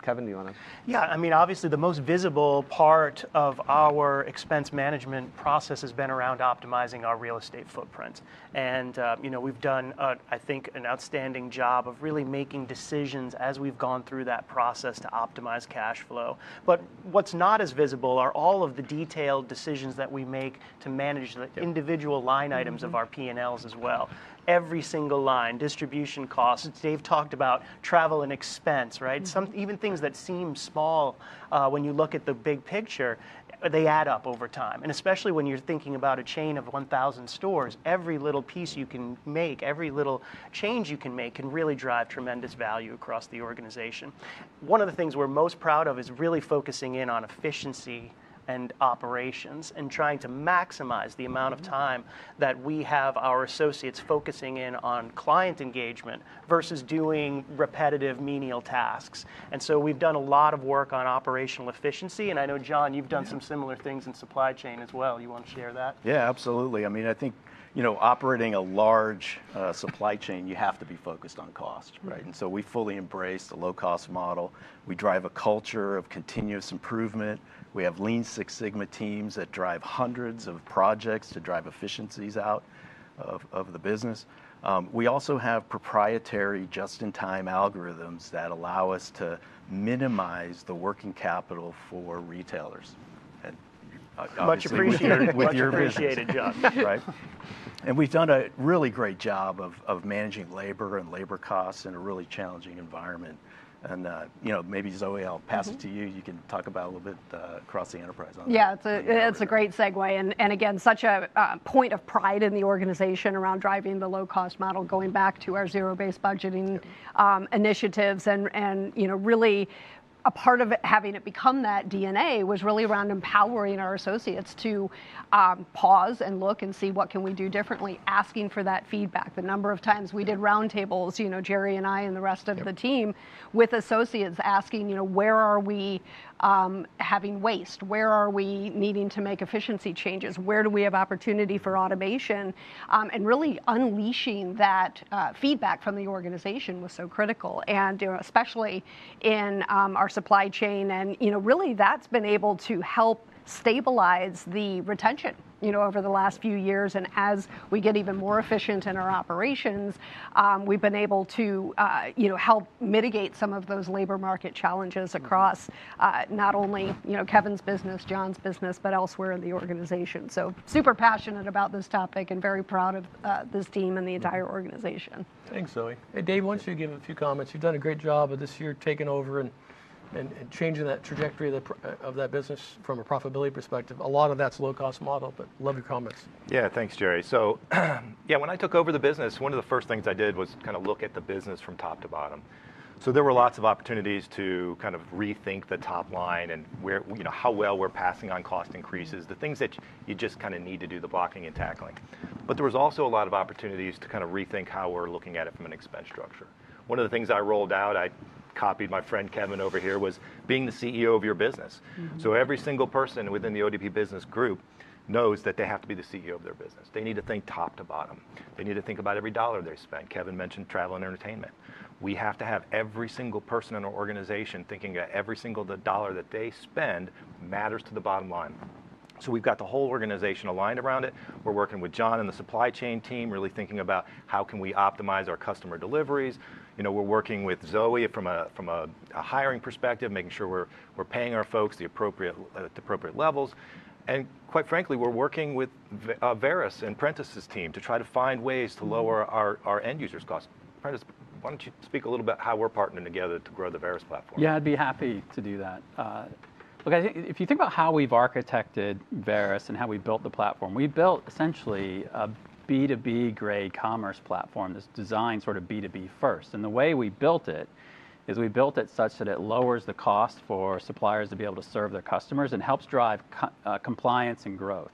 Kevin, do you wanna? Yeah, I mean, obviously the most visible part of our expense management process has been around optimizing our real estate footprint. You know, we've done, I think, an outstanding job of really making decisions as we've gone through that process to optimize cash flow. What's not as visible are all of the detailed decisions that we make to manage the individual line items of our P&Ls as well. Every single line, distribution costs, Dave talked about travel and expense, right? Even things that seem small, when you look at the big picture, they add up over time. Especially when you're thinking about a chain of 1,000 stores, every little piece you can make, every little change you can make, can really drive tremendous value across the organization. One of the things we're most proud of is really focusing in on efficiency and operations, and trying to maximize the amount of time that we have our associates focusing in on client engagement versus doing repetitive, menial tasks. We've done a lot of work on operational efficiency, and I know, John, you've done some similar things in supply chain as well. You wanna share that? Yeah, absolutely. I mean, I think, you know, operating a large supply chain, you have to be focused on cost, right? We fully embrace the low-cost model. We drive a culture of continuous improvement. We have Lean Six Sigma teams that drive hundreds of projects to drive efficiencies out of the business. We also have proprietary just-in-time algorithms that allow us to minimize the working capital for retailers. Obviously with your- Much appreciated. with your business. Much appreciated, John. Right? We've done a really great job of managing labor and labor costs in a really challenging environment. You know, maybe Zoe, I'll pass it to you. You can talk about a little bit across the enterprise on that. Yeah. It's a great segue. Again, such a point of pride in the organization around driving the low-cost model, going back to our zero-based budgeting. Initiatives and, you know, really a part of it having to become that DNA was really around empowering our associates to pause and look and see what can we do differently, asking for that feedback. The number of times we did roundtables, you know, Gerry and I and the rest of the team. With associates asking, you know, where are we having waste? Where are we needing to make efficiency changes? Where do we have opportunity for automation? Really unleashing that feedback from the organization was so critical, and, you know, especially in our supply chain and, you know, really that's been able to help stabilize the retention, you know, over the last few years. As we get even more efficient in our operations, we've been able to, you know, help mitigate some of those labor market challenges across, not only, you know, Kevin's business, John's business, but elsewhere in the organization. Super passionate about this topic and very proud of this team and the entire organization. Thanks, Zoe. Hey, Dave, why don't you give a few comments. You've done a great job this year taking over and changing that trajectory of that business from a profitability perspective. A lot of that's low-cost model, but love your comments. Yeah. Thanks, Gerry. Yeah, when I took over the business, one of the first things I did was kind of look at the business from top to bottom. There were lots of opportunities to kind of rethink the top line and where, you know, how well we're passing on cost increases, the things that you just kind of need to do the blocking and tackling. There was also a lot of opportunities to kind of rethink how we're looking at it from an expense structure. One of the things I rolled out, I copied my friend Kevin over here, was being the CEO of your business. Every single person within the ODP business group knows that they have to be the CEO of their business. They need to think top to bottom. They need to think about every dollar they spend. Kevin mentioned travel and entertainment. We have to have every single person in our organization thinking every single dollar that they spend matters to the bottom line. We've got the whole organization aligned around it. We're working with John and the supply chain team, really thinking about how can we optimize our customer deliveries. You know, we're working with Zoe from a hiring perspective, making sure we're paying our folks at appropriate levels. Quite frankly, we're working with Varis and Prentis's team to try to find ways to lower our end users' costs. Prentis, why don't you speak a little about how we're partnering together to grow the Varis platform? Yeah, I'd be happy to do that. Look, I think if you think about how we've architected Varis and how we've built the platform, we built essentially a B2B grade commerce platform that's designed sort of B2B first. The way we built it is we built it such that it lowers the cost for suppliers to be able to serve their customers and helps drive compliance and growth.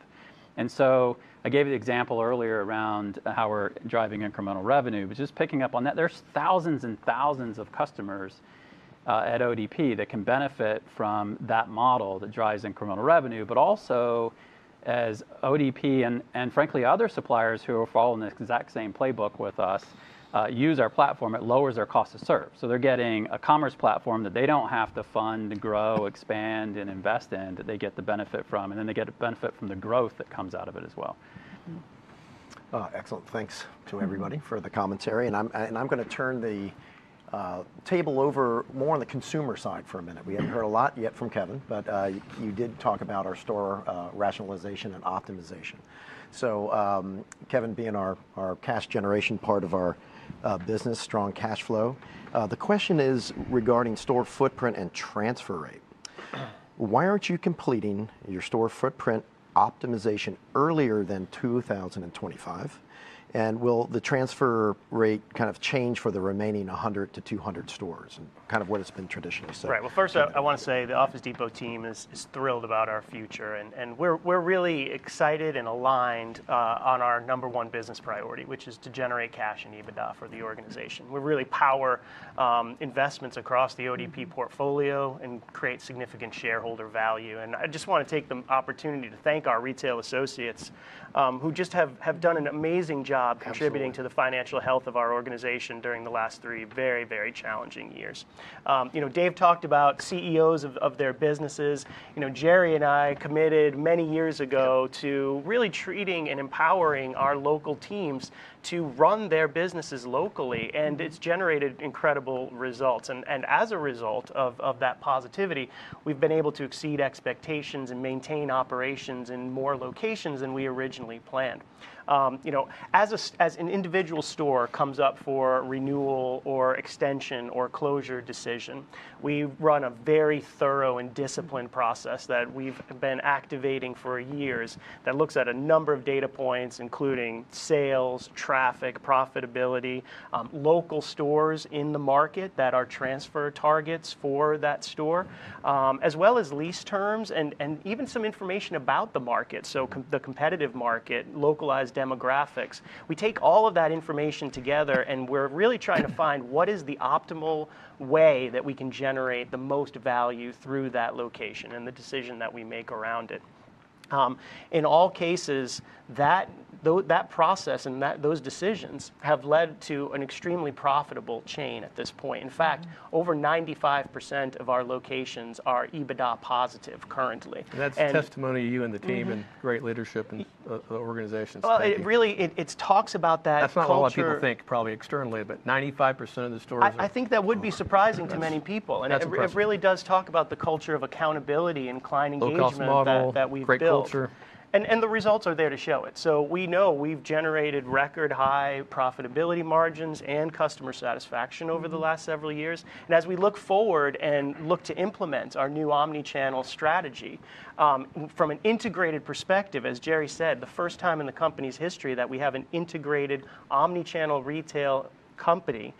I gave you the example earlier around how we're driving incremental revenue, but just picking up on that, there's thousands and thousands of customers at ODP that can benefit from that model that drives incremental revenue, but also as ODP and frankly other suppliers who are following the exact same playbook with us use our platform, it lowers their cost to serve. They're getting a commerce platform that they don't have to fund, grow, expand, and invest in, that they get the benefit from, and then they get a benefit from the growth that comes out of it as well. Excellent. Thanks to everybody for the commentary. I'm gonna turn the table over more on the consumer side for a minute. We haven't heard a lot yet from Kevin, but you did talk about our store rationalization and optimization. Kevin, being our cash generation part of our business, strong cash flow, the question is regarding store footprint and transfer rate. Why aren't you completing your store footprint optimization earlier than 2025? Will the transfer rate kind of change for the remaining 100-200 stores and kind of what it's been traditionally? Right. Well, first I wanna say the Office Depot team is thrilled about our future and we're really excited and aligned on our number one business priority, which is to generate cash and EBITDA for the organization. We really power investments across the ODP portfolio and create significant shareholder value. I just wanna take the opportunity to thank our retail associates, who just have done an amazing job. Contributing to the financial health of our organization during the last three very, very challenging years. You know, Dave talked about CEOs of their businesses. You know, Gerry and I committed many years ago to really treating and empowering our local teams to run their businesses locally, and it's generated incredible results. As a result of that positivity, we've been able to exceed expectations and maintain operations in more locations than we originally planned. You know, as an individual store comes up for renewal or extension or closure decision, we run a very thorough and disciplined process that we've been activating for years that looks at a number of data points, including sales, traffic, profitability, local stores in the market that are transfer targets for that store, as well as lease terms and even some information about the market, the competitive market, localized demographics. We take all of that information together, and we're really trying to find what is the optimal way that we can generate the most value through that location and the decision that we make around it. In all cases, that process and those decisions have led to an extremely profitable chain at this point. In fact, over 95% of our locations are EBITDA positive currently. That's a testimony to you and the team and great leadership and organization. Thank you. Well, it really talks about that culture. That's not what a lot of people think probably externally, but 95% of the stores are. I think that would be surprising to many people. Yes. That's impressive. It really does talk about the culture of accountability and client engagement. Low-cost model that we've built. Great culture. The results are there to show it. We know we've generated record high profitability margins and customer satisfaction over the last several years. We look forward and look to implement our new omnichannel strategy from an integrated perspective, as Gerry said, the first time in the company's history that we have an integrated omnichannel retail company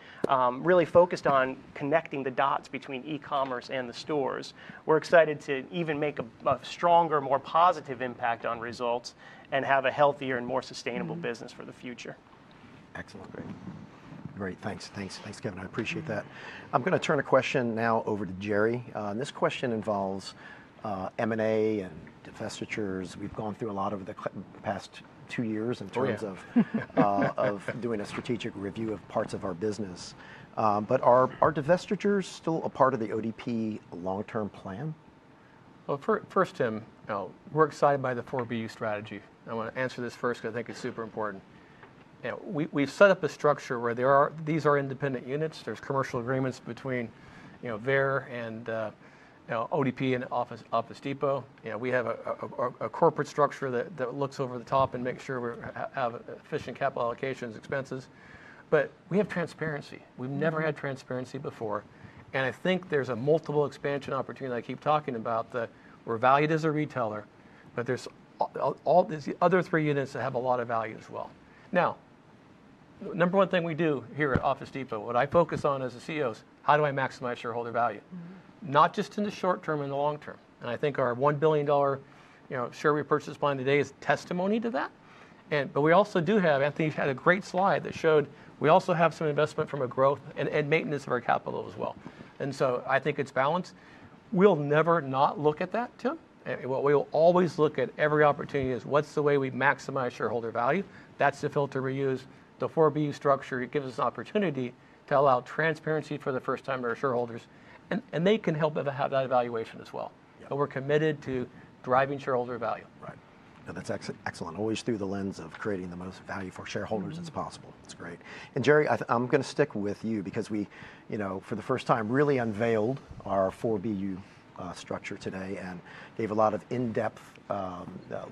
really focused on connecting the dots between e-commerce and the stores. We're excited to even make a stronger, more positive impact on results, and have a healthier and more sustainable business for the future. Excellent. Great. Thanks, Kevin. I appreciate that. I'm gonna turn a question now over to Gerry, and this question involves M&A and divestitures. We've gone through a lot over the past two years. Oh, yeah. In terms of doing a strategic review of parts of our business. Are divestitures still a part of the ODP long-term plan? Well, first, Tim, you know, we're excited by 4BU strategy. I wanna answer this first 'cause I think it's super important. You know, we've set up a structure where there are these independent units. There's commercial agreements between you know VEYER and you know ODP and Office Depot. You know, we have a corporate structure that looks over the top and makes sure we have efficient capital allocations, expenses, but we have transparency. We've never had transparency before, and I think there's a multiple expansion opportunity I keep talking about that we're valued as a retailer, but there's other three units that have a lot of value as well. Now, number one thing we do here at Office Depot, what I focus on as a CEO, is how do I maximize shareholder value? Not just in the short term, in the long term. I think our $1 billion, you know, share repurchase plan today is testimony to that. But we also do have, I think you had a great slide that showed we also have some investment from a growth and maintenance of our capital as well. I think it's balanced. We'll never not look at that, Tim. What we will always look at every opportunity is what's the way we maximize shareholder value. That's the filter we use. 4BU structure, it gives us an opportunity to allow transparency for the first time to our shareholders and they can help have that evaluation as well. Yeah. We're committed to driving shareholder value. Right. No, that's excellent. Always through the lens of creating the most value for shareholders as possible. That's great. Gerry, I'm gonna stick with you because we, you know, for the first time, really unveiled 4BU structure today and gave a lot of in-depth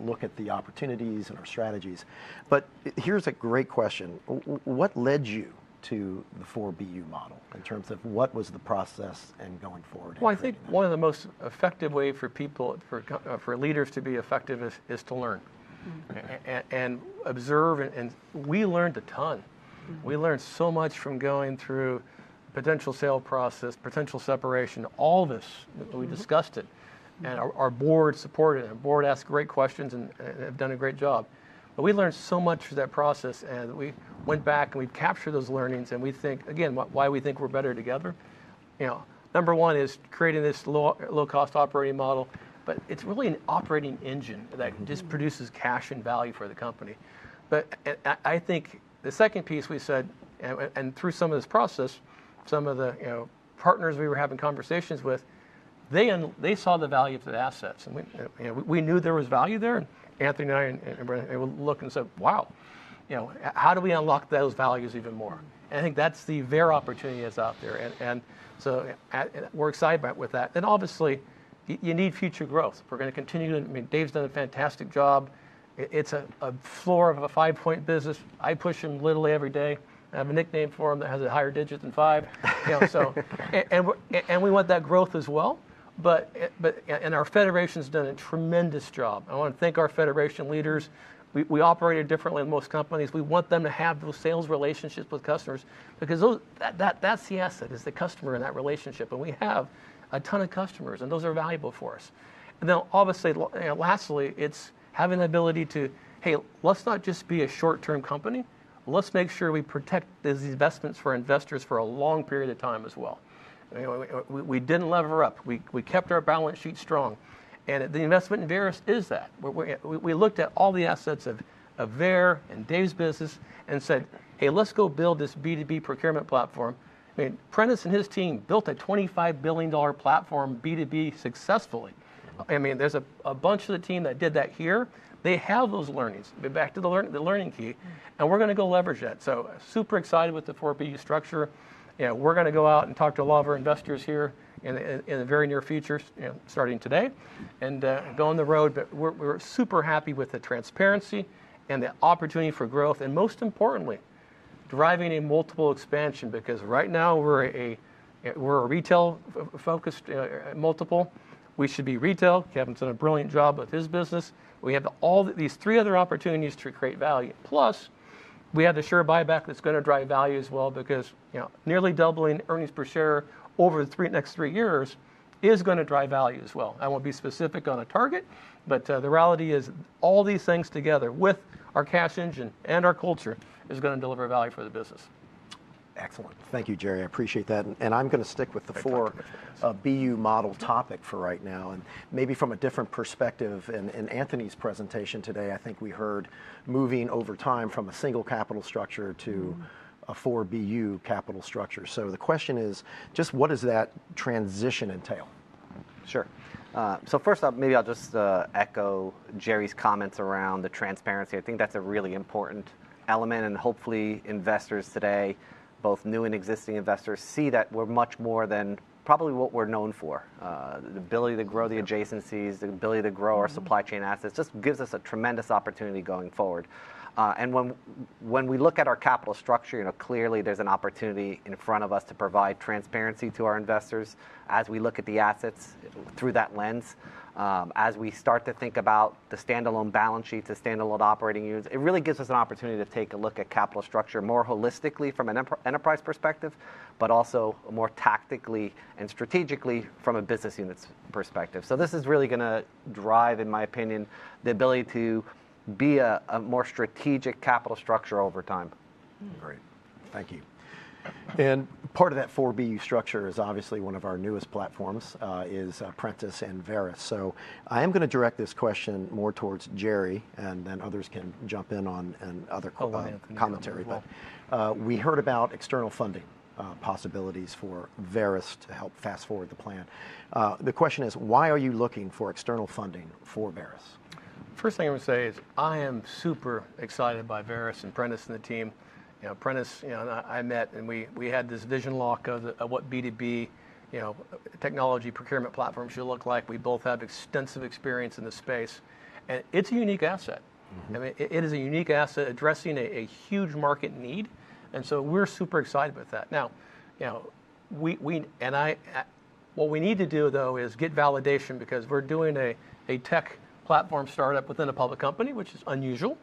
look at the opportunities and our strategies, but here's a great question. What led you to 4BU model in terms of what was the process and going forward and creating that? Well, I think one of the most effective way for people, for leaders to be effective is to learn, observe and we learned a ton. We learned so much from going through potential sale process, potential separation, all this. We discussed it. Our board supported it. Our board asked great questions and have done a great job. We learned so much through that process, and we went bak and we captured those learnings and we think, again, why we think we're better together, you know, number one is creating this low cost operating model, but it's really an operating engine that It just produces cash and value for the company. I think the second piece we said, and through some of this process, some of the, you know, partners we were having conversations with. They saw the value of the assets, and we, you know, we knew there was value there. Anthony and I were able to look and say, "Wow, you know, how do we unlock those values even more?" I think that's the Varis opportunity that's out there. We're excited about that. You need future growth. We're gonna continue to. I mean, Dave's done a fantastic job. It's a floor of a five-point business. I push him literally every day. I have a nickname for him that has a higher digit than five. You know, we want that growth as well, but it. Our Federation's done a tremendous job. I wanna thank our Federation leaders. We operate differently than most companies. We want them to have those sales relationships with customers because that's the asset is the customer and that relationship, and we have a ton of customers, and those are valuable for us. Obviously, well, you know, lastly, it's having the ability to, "Hey, let's not just be a short-term company. Let's make sure we protect these investments for investors for a long period of time as well." You know, we didn't lever up. We kept our balance sheet strong, and the investment in Varis is that. We looked at all the assets of VEYER and Dave's business and said, "Hey, let's go build this B2B procurement platform." I mean, Prentis and his team built a $25 billion platform B2B successfully. I mean, there's a bunch of the team that did that here. They have those learnings. Back to the learning key, and we're gonna go leverage that. Super excited with 4BU structure. You know, we're gonna go out and talk to a lot of our investors here in the very near future, starting today, and go on the road. We're super happy with the transparency and the opportunity for growth, and most importantly, deriving a multiple expansion because right now we're a retail focused multiple. We should be retail. Kevin's done a brilliant job with his business. We have all these three other opportunities to create value, plus we have the share buyback that's gonna drive value as well because, you know, nearly doubling earnings per share over three, next three years is gonna drive value as well. I won't be specific on a target, but the reality is all these things together with our cash engine and our culture is gonna deliver value for the business. Excellent. Thank you, Gerry. I appreciate that, and I'm gonna stick with the four... B2B model topic for right now, and maybe from a different perspective. In Anthony's presentation today, I think we heard moving over time from a single capital structure to 4BU capital structure. The question is, just what does that transition entail? Sure. First off, maybe I'll just echo Gerry's comments around the transparency. I think that's a really important element, and hopefully investors today, both new and existing investors, see that we're much more than probably what we're known for. The ability to grow the adjacencies, the ability to grow our supply chain assets just gives us a tremendous opportunity going forward. When we look at our capital structure, you know, clearly there's an opportunity in front of us to provide transparency to our investors as we look at the assets through that lens. As we start to think about the standalone balance sheets, the standalone operating units, it really gives us an opportunity to take a look at capital structure more holistically from an enterprise perspective, but also more tactically and strategically from a business unit's perspective. This is really gonna drive, in my opinion, the ability to be a more strategic capital structure over time. Great. Thank you. Part of that 4BU structure is obviously one of our newest platforms is Prentis and Varis. I am gonna direct this question more towards Gerry and then others can jump in on other commentary. We heard about external funding possibilities for Varis to help fast-forward the plan. The question is, why are you looking for external funding for Varis? First thing I'm gonna say is I am super excited by Varis and Prentis and the team. You know, Prentis, you know, and I met, and we had this vision lock of what B2B, you know, technology procurement platforms should look like. We both have extensive experience in this space, and it's a unique asset. I mean, it is a unique asset addressing a huge market need, and so we're super excited about that. Now, you know, what we need to do though is get validation because we're doing a tech platform startup within a public company, which is unusual,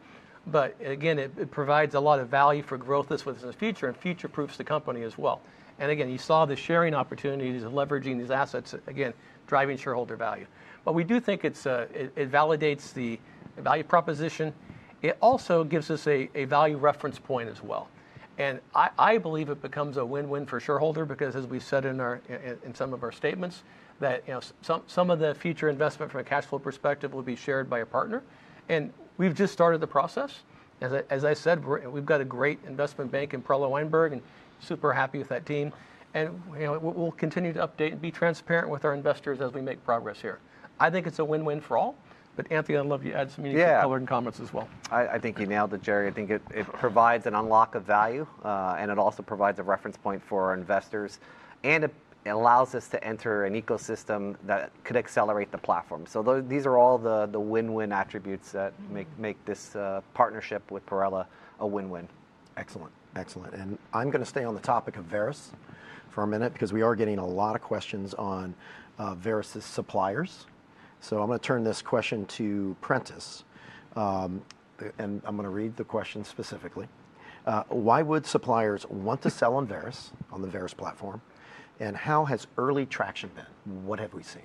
but again, it provides a lot of value for growth that's within the future and future-proofs the company as well. Again, you saw the sharing opportunities and leveraging these assets, again, driving shareholder value. We do think it validates the value proposition. It also gives us a value reference point as well, and I believe it becomes a win-win for shareholder because as we said in some of our statements, that you know some of the future investment from a cash flow perspective will be shared by a partner, and we've just started the process. As I said, we've got a great investment bank in Perella Weinberg and super happy with that team, and you know we'll continue to update and be transparent with our investors as we make progress here. I think it's a win-win for all, but Anthony, I'd love you to add some unique Yeah Color and comments as well. I think you nailed it, Gerry. I think it provides an unlock of value, and it also provides a reference point for our investors, and it allows us to enter an ecosystem that could accelerate the platform. These are all the win-win attributes that make- Make this partnership with Perella a win-win. Excellent. I'm gonna stay on the topic of Varis for a minute because we are getting a lot of questions on Varis' suppliers. I'm gonna turn this question to Prentis, and I'm gonna read the question specifically. Why would suppliers want to sell on Varis, on the Varis platform, and how has early traction been? What have we seen?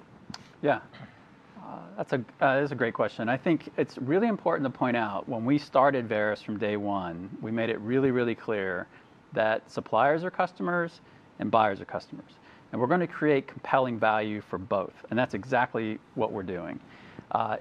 That's a great question. I think it's really important to point out when we started Varis from day one, we made it really, really clear that suppliers are customers and buyers are customers, and we're gonna create compelling value for both, and that's exactly what we're doing.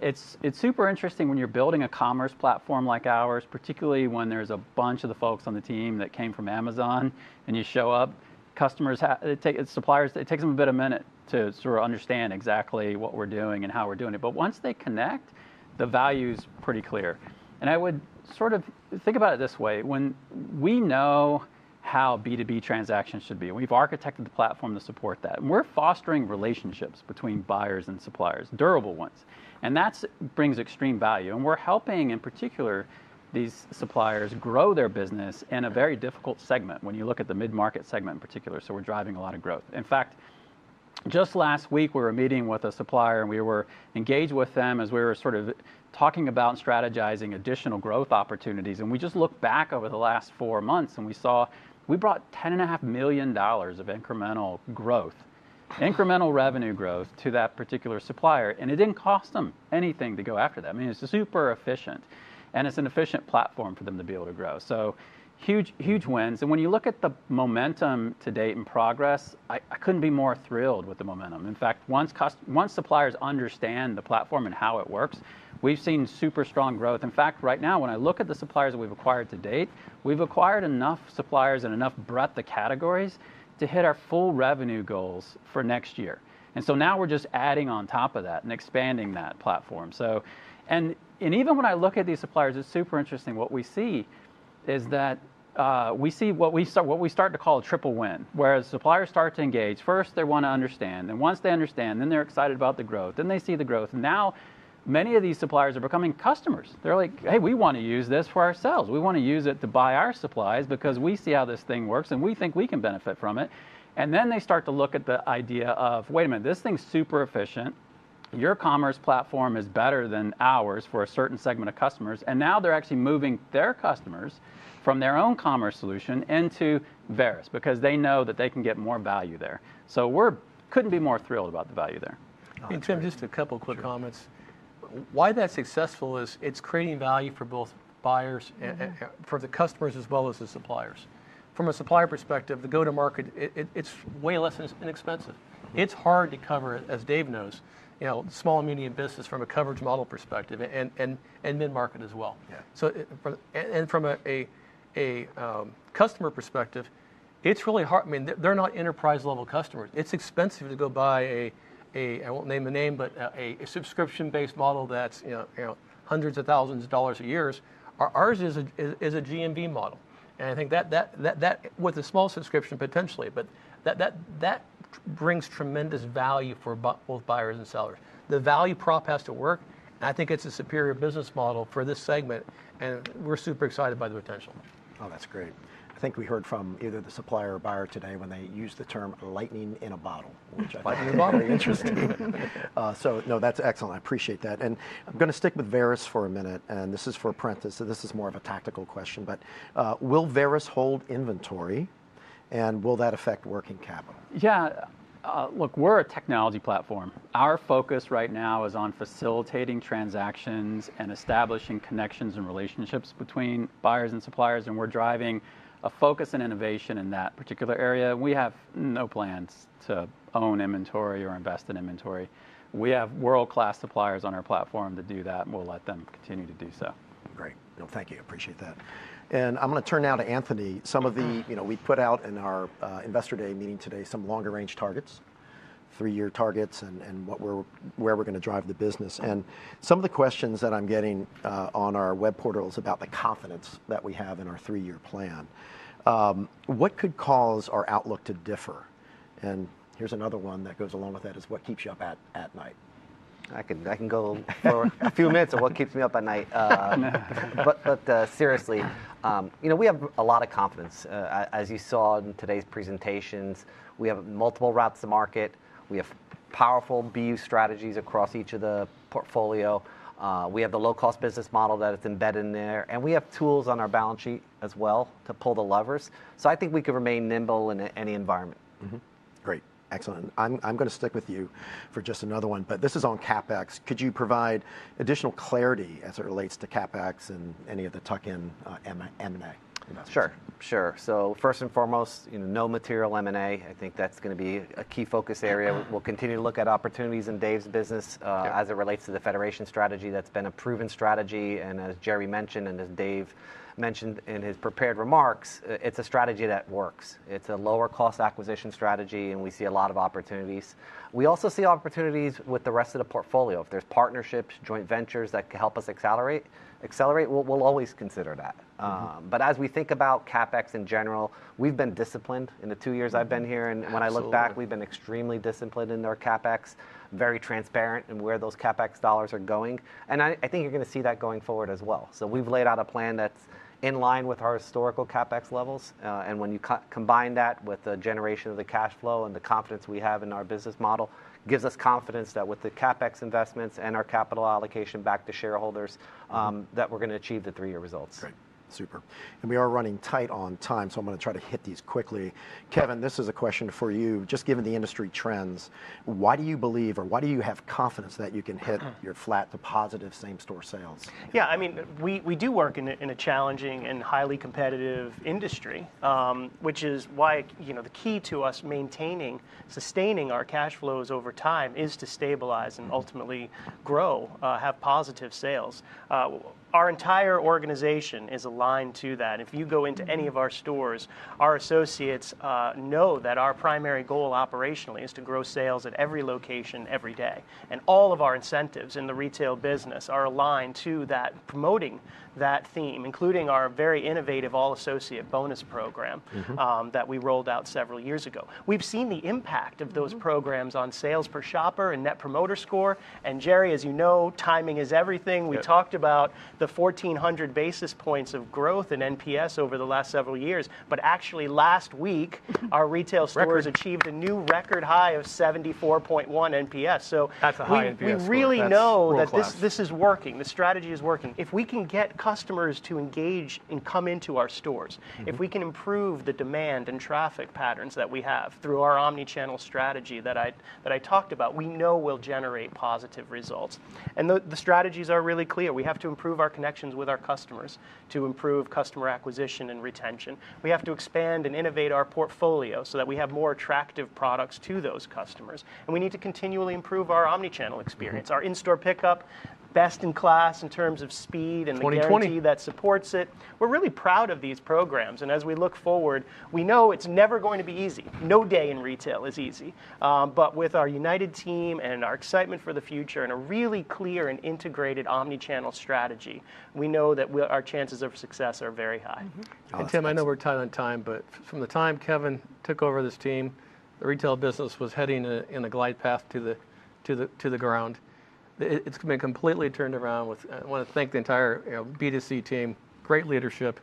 It's super interesting when you're building a commerce platform like ours, particularly when there's a bunch of the folks on the team that came from Amazon and you show up, it takes them a bit, a minute to sort of understand exactly what we're doing and how we're doing it. Once they connect, the value's pretty clear. I would sort of think about it this way. When we know how B2B transactions should be. We've architected the platform to support that, and we're fostering relationships between buyers and suppliers, durable ones, and that brings extreme value. We're helping, in particular, these suppliers grow their business in a very difficult segment when you look at the mid-market segment in particular. We're driving a lot of growth. In fact, just last week we were meeting with a supplier, and we were engaged with them as we were sort of talking about and strategizing additional growth opportunities, and we just looked back over the last four months, and we saw we brought $10.5 million of incremental growth, incremental revenue growth to that particular supplier, and it didn't cost them anything to go after that. I mean, it's super efficient, and it's an efficient platform for them to be able to grow. Huge, huge wins. When you look at the momentum to date and progress, I couldn't be more thrilled with the momentum. In fact, once suppliers understand the platform and how it works, we've seen super strong growth. In fact, right now, when I look at the suppliers that we've acquired to date, we've acquired enough suppliers and enough breadth of categories to hit our full revenue goals for next year. Now we're just adding on top of that and expanding that platform. Even when I look at these suppliers, it's super interesting. What we see is that we see what we start to call a triple win. Suppliers start to engage, first they wanna understand, then once they understand, then they're excited about the growth, then they see the growth. Now many of these suppliers are becoming customers. They're like, "Hey, we want to use this for ourselves. We want to use it to buy our supplies because we see how this thing works, and we think we can benefit from it." They start to look at the idea of, "Wait a minute, this thing's super efficient. Your commerce platform is better than ours for a certain segment of customers." They're actually moving their customers from their own commerce solution into Varis because they know that they can get more value there. We couldn't be more thrilled about the value there. Tim, just a couple quick comments. Why that's successful is it's creating value for both buyers. For the customers as well as the suppliers. From a supplier perspective, the go-to-market, it's way less inexpensive. It's hard to cover, as Dave knows, you know, small and medium business from a coverage model perspective and mid-market as well. Yeah. From a customer perspective, it's really hard. I mean, they're not enterprise-level customers. It's expensive to go buy a. I won't name the name, but a subscription-based model that's you know hundreds of thousands of dollars a year. Ours is a GMV model, and I think that with a small subscription potentially, but that brings tremendous value for both buyers and sellers. The value prop has to work, and I think it's a superior business model for this segment, and we're super excited by the potential. Oh, that's great. I think we heard from either the supplier or buyer today when they used the term lightning in a bottle, which I think. Lightning in a bottle. Interesting. No, that's excellent. I appreciate that. I'm gonna stick with Varis for a minute, and this is for Prentis, so this is more of a tactical question, but, will Varis hold inventory, and will that affect working capital? Yeah. Look, we're a technology platform. Our focus right now is on facilitating transactions and establishing connections and relationships between buyers and suppliers, and we're driving a focus and innovation in that particular area. We have no plans to own inventory or invest in inventory. We have world-class suppliers on our platform to do that, and we'll let them continue to do so. Great. No, thank you. Appreciate that. I'm gonna turn now to Anthony. Some of the. You know, we put out in our investor day meeting today some longer range targets, three-year targets, and what we're where we're gonna drive the business. Some of the questions that I'm getting on our web portal is about the confidence that we have in our three-year plan. What could cause our outlook to differ? Here's another one that goes along with that is what keeps you up at night? I can go for a few minutes of what keeps me up at night. Seriously, you know, we have a lot of confidence. As you saw in today's presentations, we have multiple routes to market. We have powerful BU strategies across each of the portfolio. We have the low-cost business model that is embedded in there, and we have tools on our balance sheet as well to pull the levers. I think we can remain nimble in any environment. Great. Excellent. I'm gonna stick with you for just another one. This is on CapEx. Could you provide additional clarity as it relates to CapEx and any of the tuck-in M&A investments? Sure, sure. First and foremost, you know, no material M&A. I think that's gonna be a key focus area. We'll continue to look at opportunities in Dave's business. As it relates to the federation strategy that's been a proven strategy. As Gerry mentioned, and as Dave mentioned in his prepared remarks, it's a strategy that works. It's a lower cost acquisition strategy, and we see a lot of opportunities. We also see opportunities with the rest of the portfolio. If there's partnerships, joint ventures that can help us accelerate, we'll always consider that. But as we think about CapEx in general, we've been disciplined in the two years I've been here. Absolutely... when I look back, we've been extremely disciplined in our CapEx, very transparent in where those CapEx dollars are going, and I think you're gonna see that going forward as well. We've laid out a plan that's in line with our historical CapEx levels, and when you combine that with the generation of the cash flow and the confidence we have in our business model, gives us confidence that with the CapEx investments and our capital allocation back to shareholders, that we're gonna achieve the three-year results. Great. Super. We are running tight on time, so I'm gonna try to hit these quickly. Kevin, this is a question for you. Just given the industry trends, why do you believe, or why do you have confidence that you can hit your flat to positive same-store sales? Yeah, I mean, we do work in a challenging and highly competitive industry, which is why, you know, the key to us maintaining, sustaining our cash flows over time is to stabilize and ultimately grow, have positive sales. Our entire organization is aligned to that. If you go into any of our stores, our associates know that our primary goal operationally is to grow sales at every location every day, and all of our incentives in the retail business are aligned to that, promoting that theme, including our very innovative all associate bonus program- Mm-hmm that we rolled out several years ago. We've seen the impact of those programs. Mm-hmm on sales per shopper and Net Promoter Score, and Gerry, as you know, timing is everything. Yeah. We talked about the 1,400 basis points of growth in NPS over the last several years, but actually last week, our retail stores. Record achieved a new record high of 74.1 NPS. That's a high NPS score. We really know that this- That's world-class. This is working, the strategy is working. If we can get customers to engage and come into our stores. Mm-hmm... if we can improve the demand and traffic patterns that we have through our omnichannel strategy that I talked about, we know we'll generate positive results. The strategies are really clear. We have to improve our connections with our customers to improve customer acquisition and retention. We have to expand and innovate our portfolio so that we have more attractive products to those customers, and we need to continually improve our omnichannel experience. Mm-hmm. Our in-store pickup, best in class in terms of speed and the guarantee. 2020 that supports it. We're really proud of these programs, and as we look forward, we know it's never going to be easy. No day in retail is easy. With our united team and our excitement for the future and a really clear and integrated omnichannel strategy, we know that our chances of success are very high. Mm-hmm. Awesome. Tim, I know we're tight on time, but from the time Kevin took over this team, the retail business was heading in a glide path to the ground. It's been completely turned around with I wanna thank the entire, you know, B2C team. Great leadership,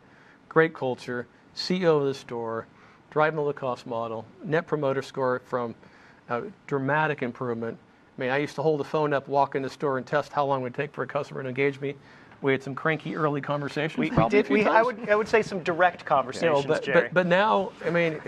great culture, CEO of the store, driving the cost model, Net Promoter Score from a dramatic improvement. I mean, I used to hold the phone up, walk in the store and test how long it would take for a customer to engage me. We had some cranky early conversations probably a few times. We did. I would say some direct conversations, Gerry. Now, I mean,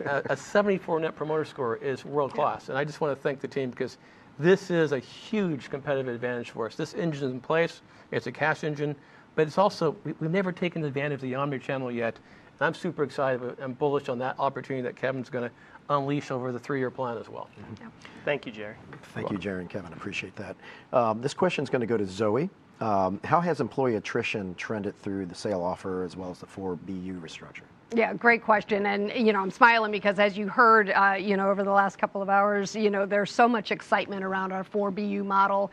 a 74 Net Promoter Score is world-class. Yeah. I just wanna thank the team because this is a huge competitive advantage for us. This engine's in place, it's a cash engine, but it's also. We've never taken advantage of the omnichannel yet, and I'm super excited and bullish on that opportunity that Kevin's gonna unleash over the three-year plan as well. Yeah. Yeah. Thank you, Gerry. Thank you, Gerry and Kevin. Appreciate that. This question's gonna go to Zoe. How has employee attrition trended through the sale offer as well as 4BU restructuring? Yeah, great question, and, you know, I'm smiling because as you heard, you know, over the last couple of hours, you know, there's so much excitement around 4BU model,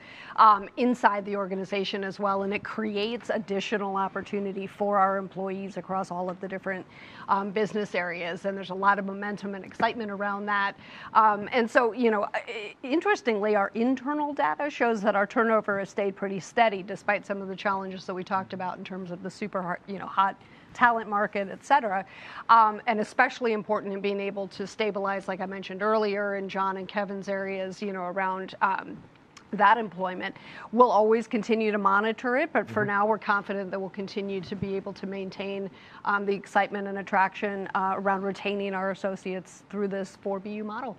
inside the organization as well, and it creates additional opportunity for our employees across all of the different business areas, and there's a lot of momentum and excitement around that. You know, interestingly, our internal data shows that our turnover has stayed pretty steady despite some of the challenges that we talked about in terms of the super hot, you know, hot talent market, et cetera. Especially important in being able to stabilize, like I mentioned earlier, in John and Kevin's areas, you know, around that employment. We'll always continue to monitor it. For now we're confident that we'll continue to be able to maintain the excitement and attraction around retaining our associates through 4BU model.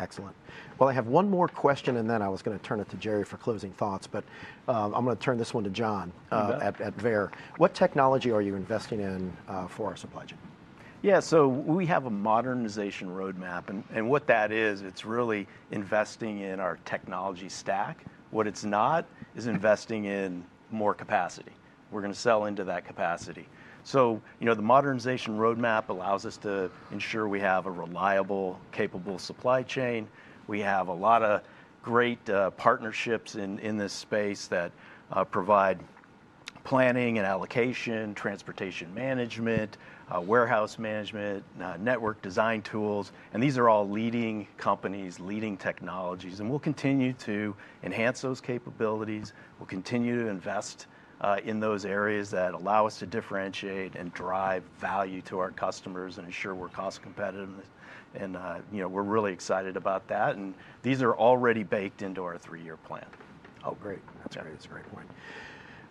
Excellent. Well, I have one more question, and then I was gonna turn it to Gerry for closing thoughts, but I'm gonna turn this one to John. You bet. At VEYER. What technology are you investing in for our supply chain? Yeah. We have a modernization roadmap, and what that is, it's really investing in our technology stack. What it's not is investing in more capacity. We're gonna sell into that capacity. You know, the modernization roadmap allows us to ensure we have a reliable, capable supply chain. We have a lot of great partnerships in this space that provide planning and allocation, transportation management, warehouse management, network design tools, and these are all leading companies, leading technologies, and we'll continue to enhance those capabilities. We'll continue to invest in those areas that allow us to differentiate and drive value to our customers and ensure we're cost competitive, and you know, we're really excited about that and these are already baked into our three-year plan. Oh, great. Yeah. That's a great point.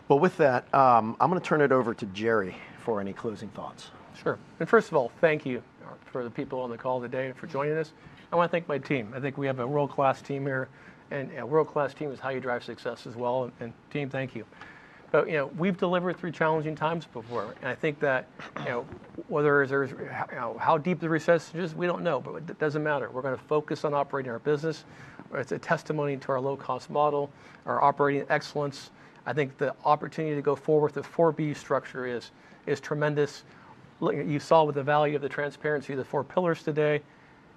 Well, with that, I'm gonna turn it over to Gerry for any closing thoughts. Sure. First of all, thank you for the people on the call today and for joining us. I wanna thank my team. I think we have a world-class team here, and a world-class team is how you drive success as well. Team, thank you. You know, we've delivered through challenging times before, and I think that, you know, whether there's, you know, how deep the recession is, we don't know, but it doesn't matter, we're gonna focus on operating our business. It's a testimony to our low cost model, our operating excellence. I think the opportunity to go forward with 4BU structure is tremendous. You saw with the value of the transparency, the four pillars today.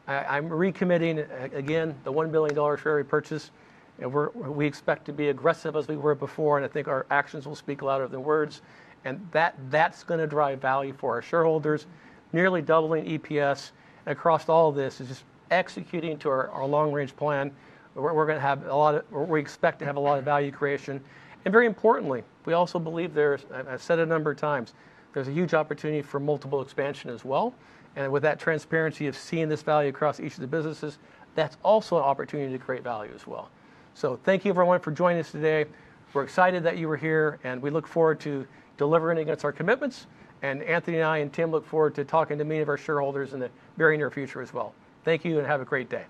I'm recommitting again the $1 billion share repurchase, and we expect to be aggressive as we were before, and I think our actions will speak louder than words, and that's gonna drive value for our shareholders. Nearly doubling EPS across all of this is just executing to our long range plan. We expect to have a lot of value creation. Very importantly, we also believe, and I've said it a number of times, there's a huge opportunity for multiple expansion as well, and with that transparency of seeing this value across each of the businesses, that's also an opportunity to create value as well. Thank you everyone for joining us today. We're excited that you were here, and we look forward to delivering against our commitments. Anthony and I and Tim look forward to talking to many of our shareholders in the very near future as well. Thank you, and have a great day.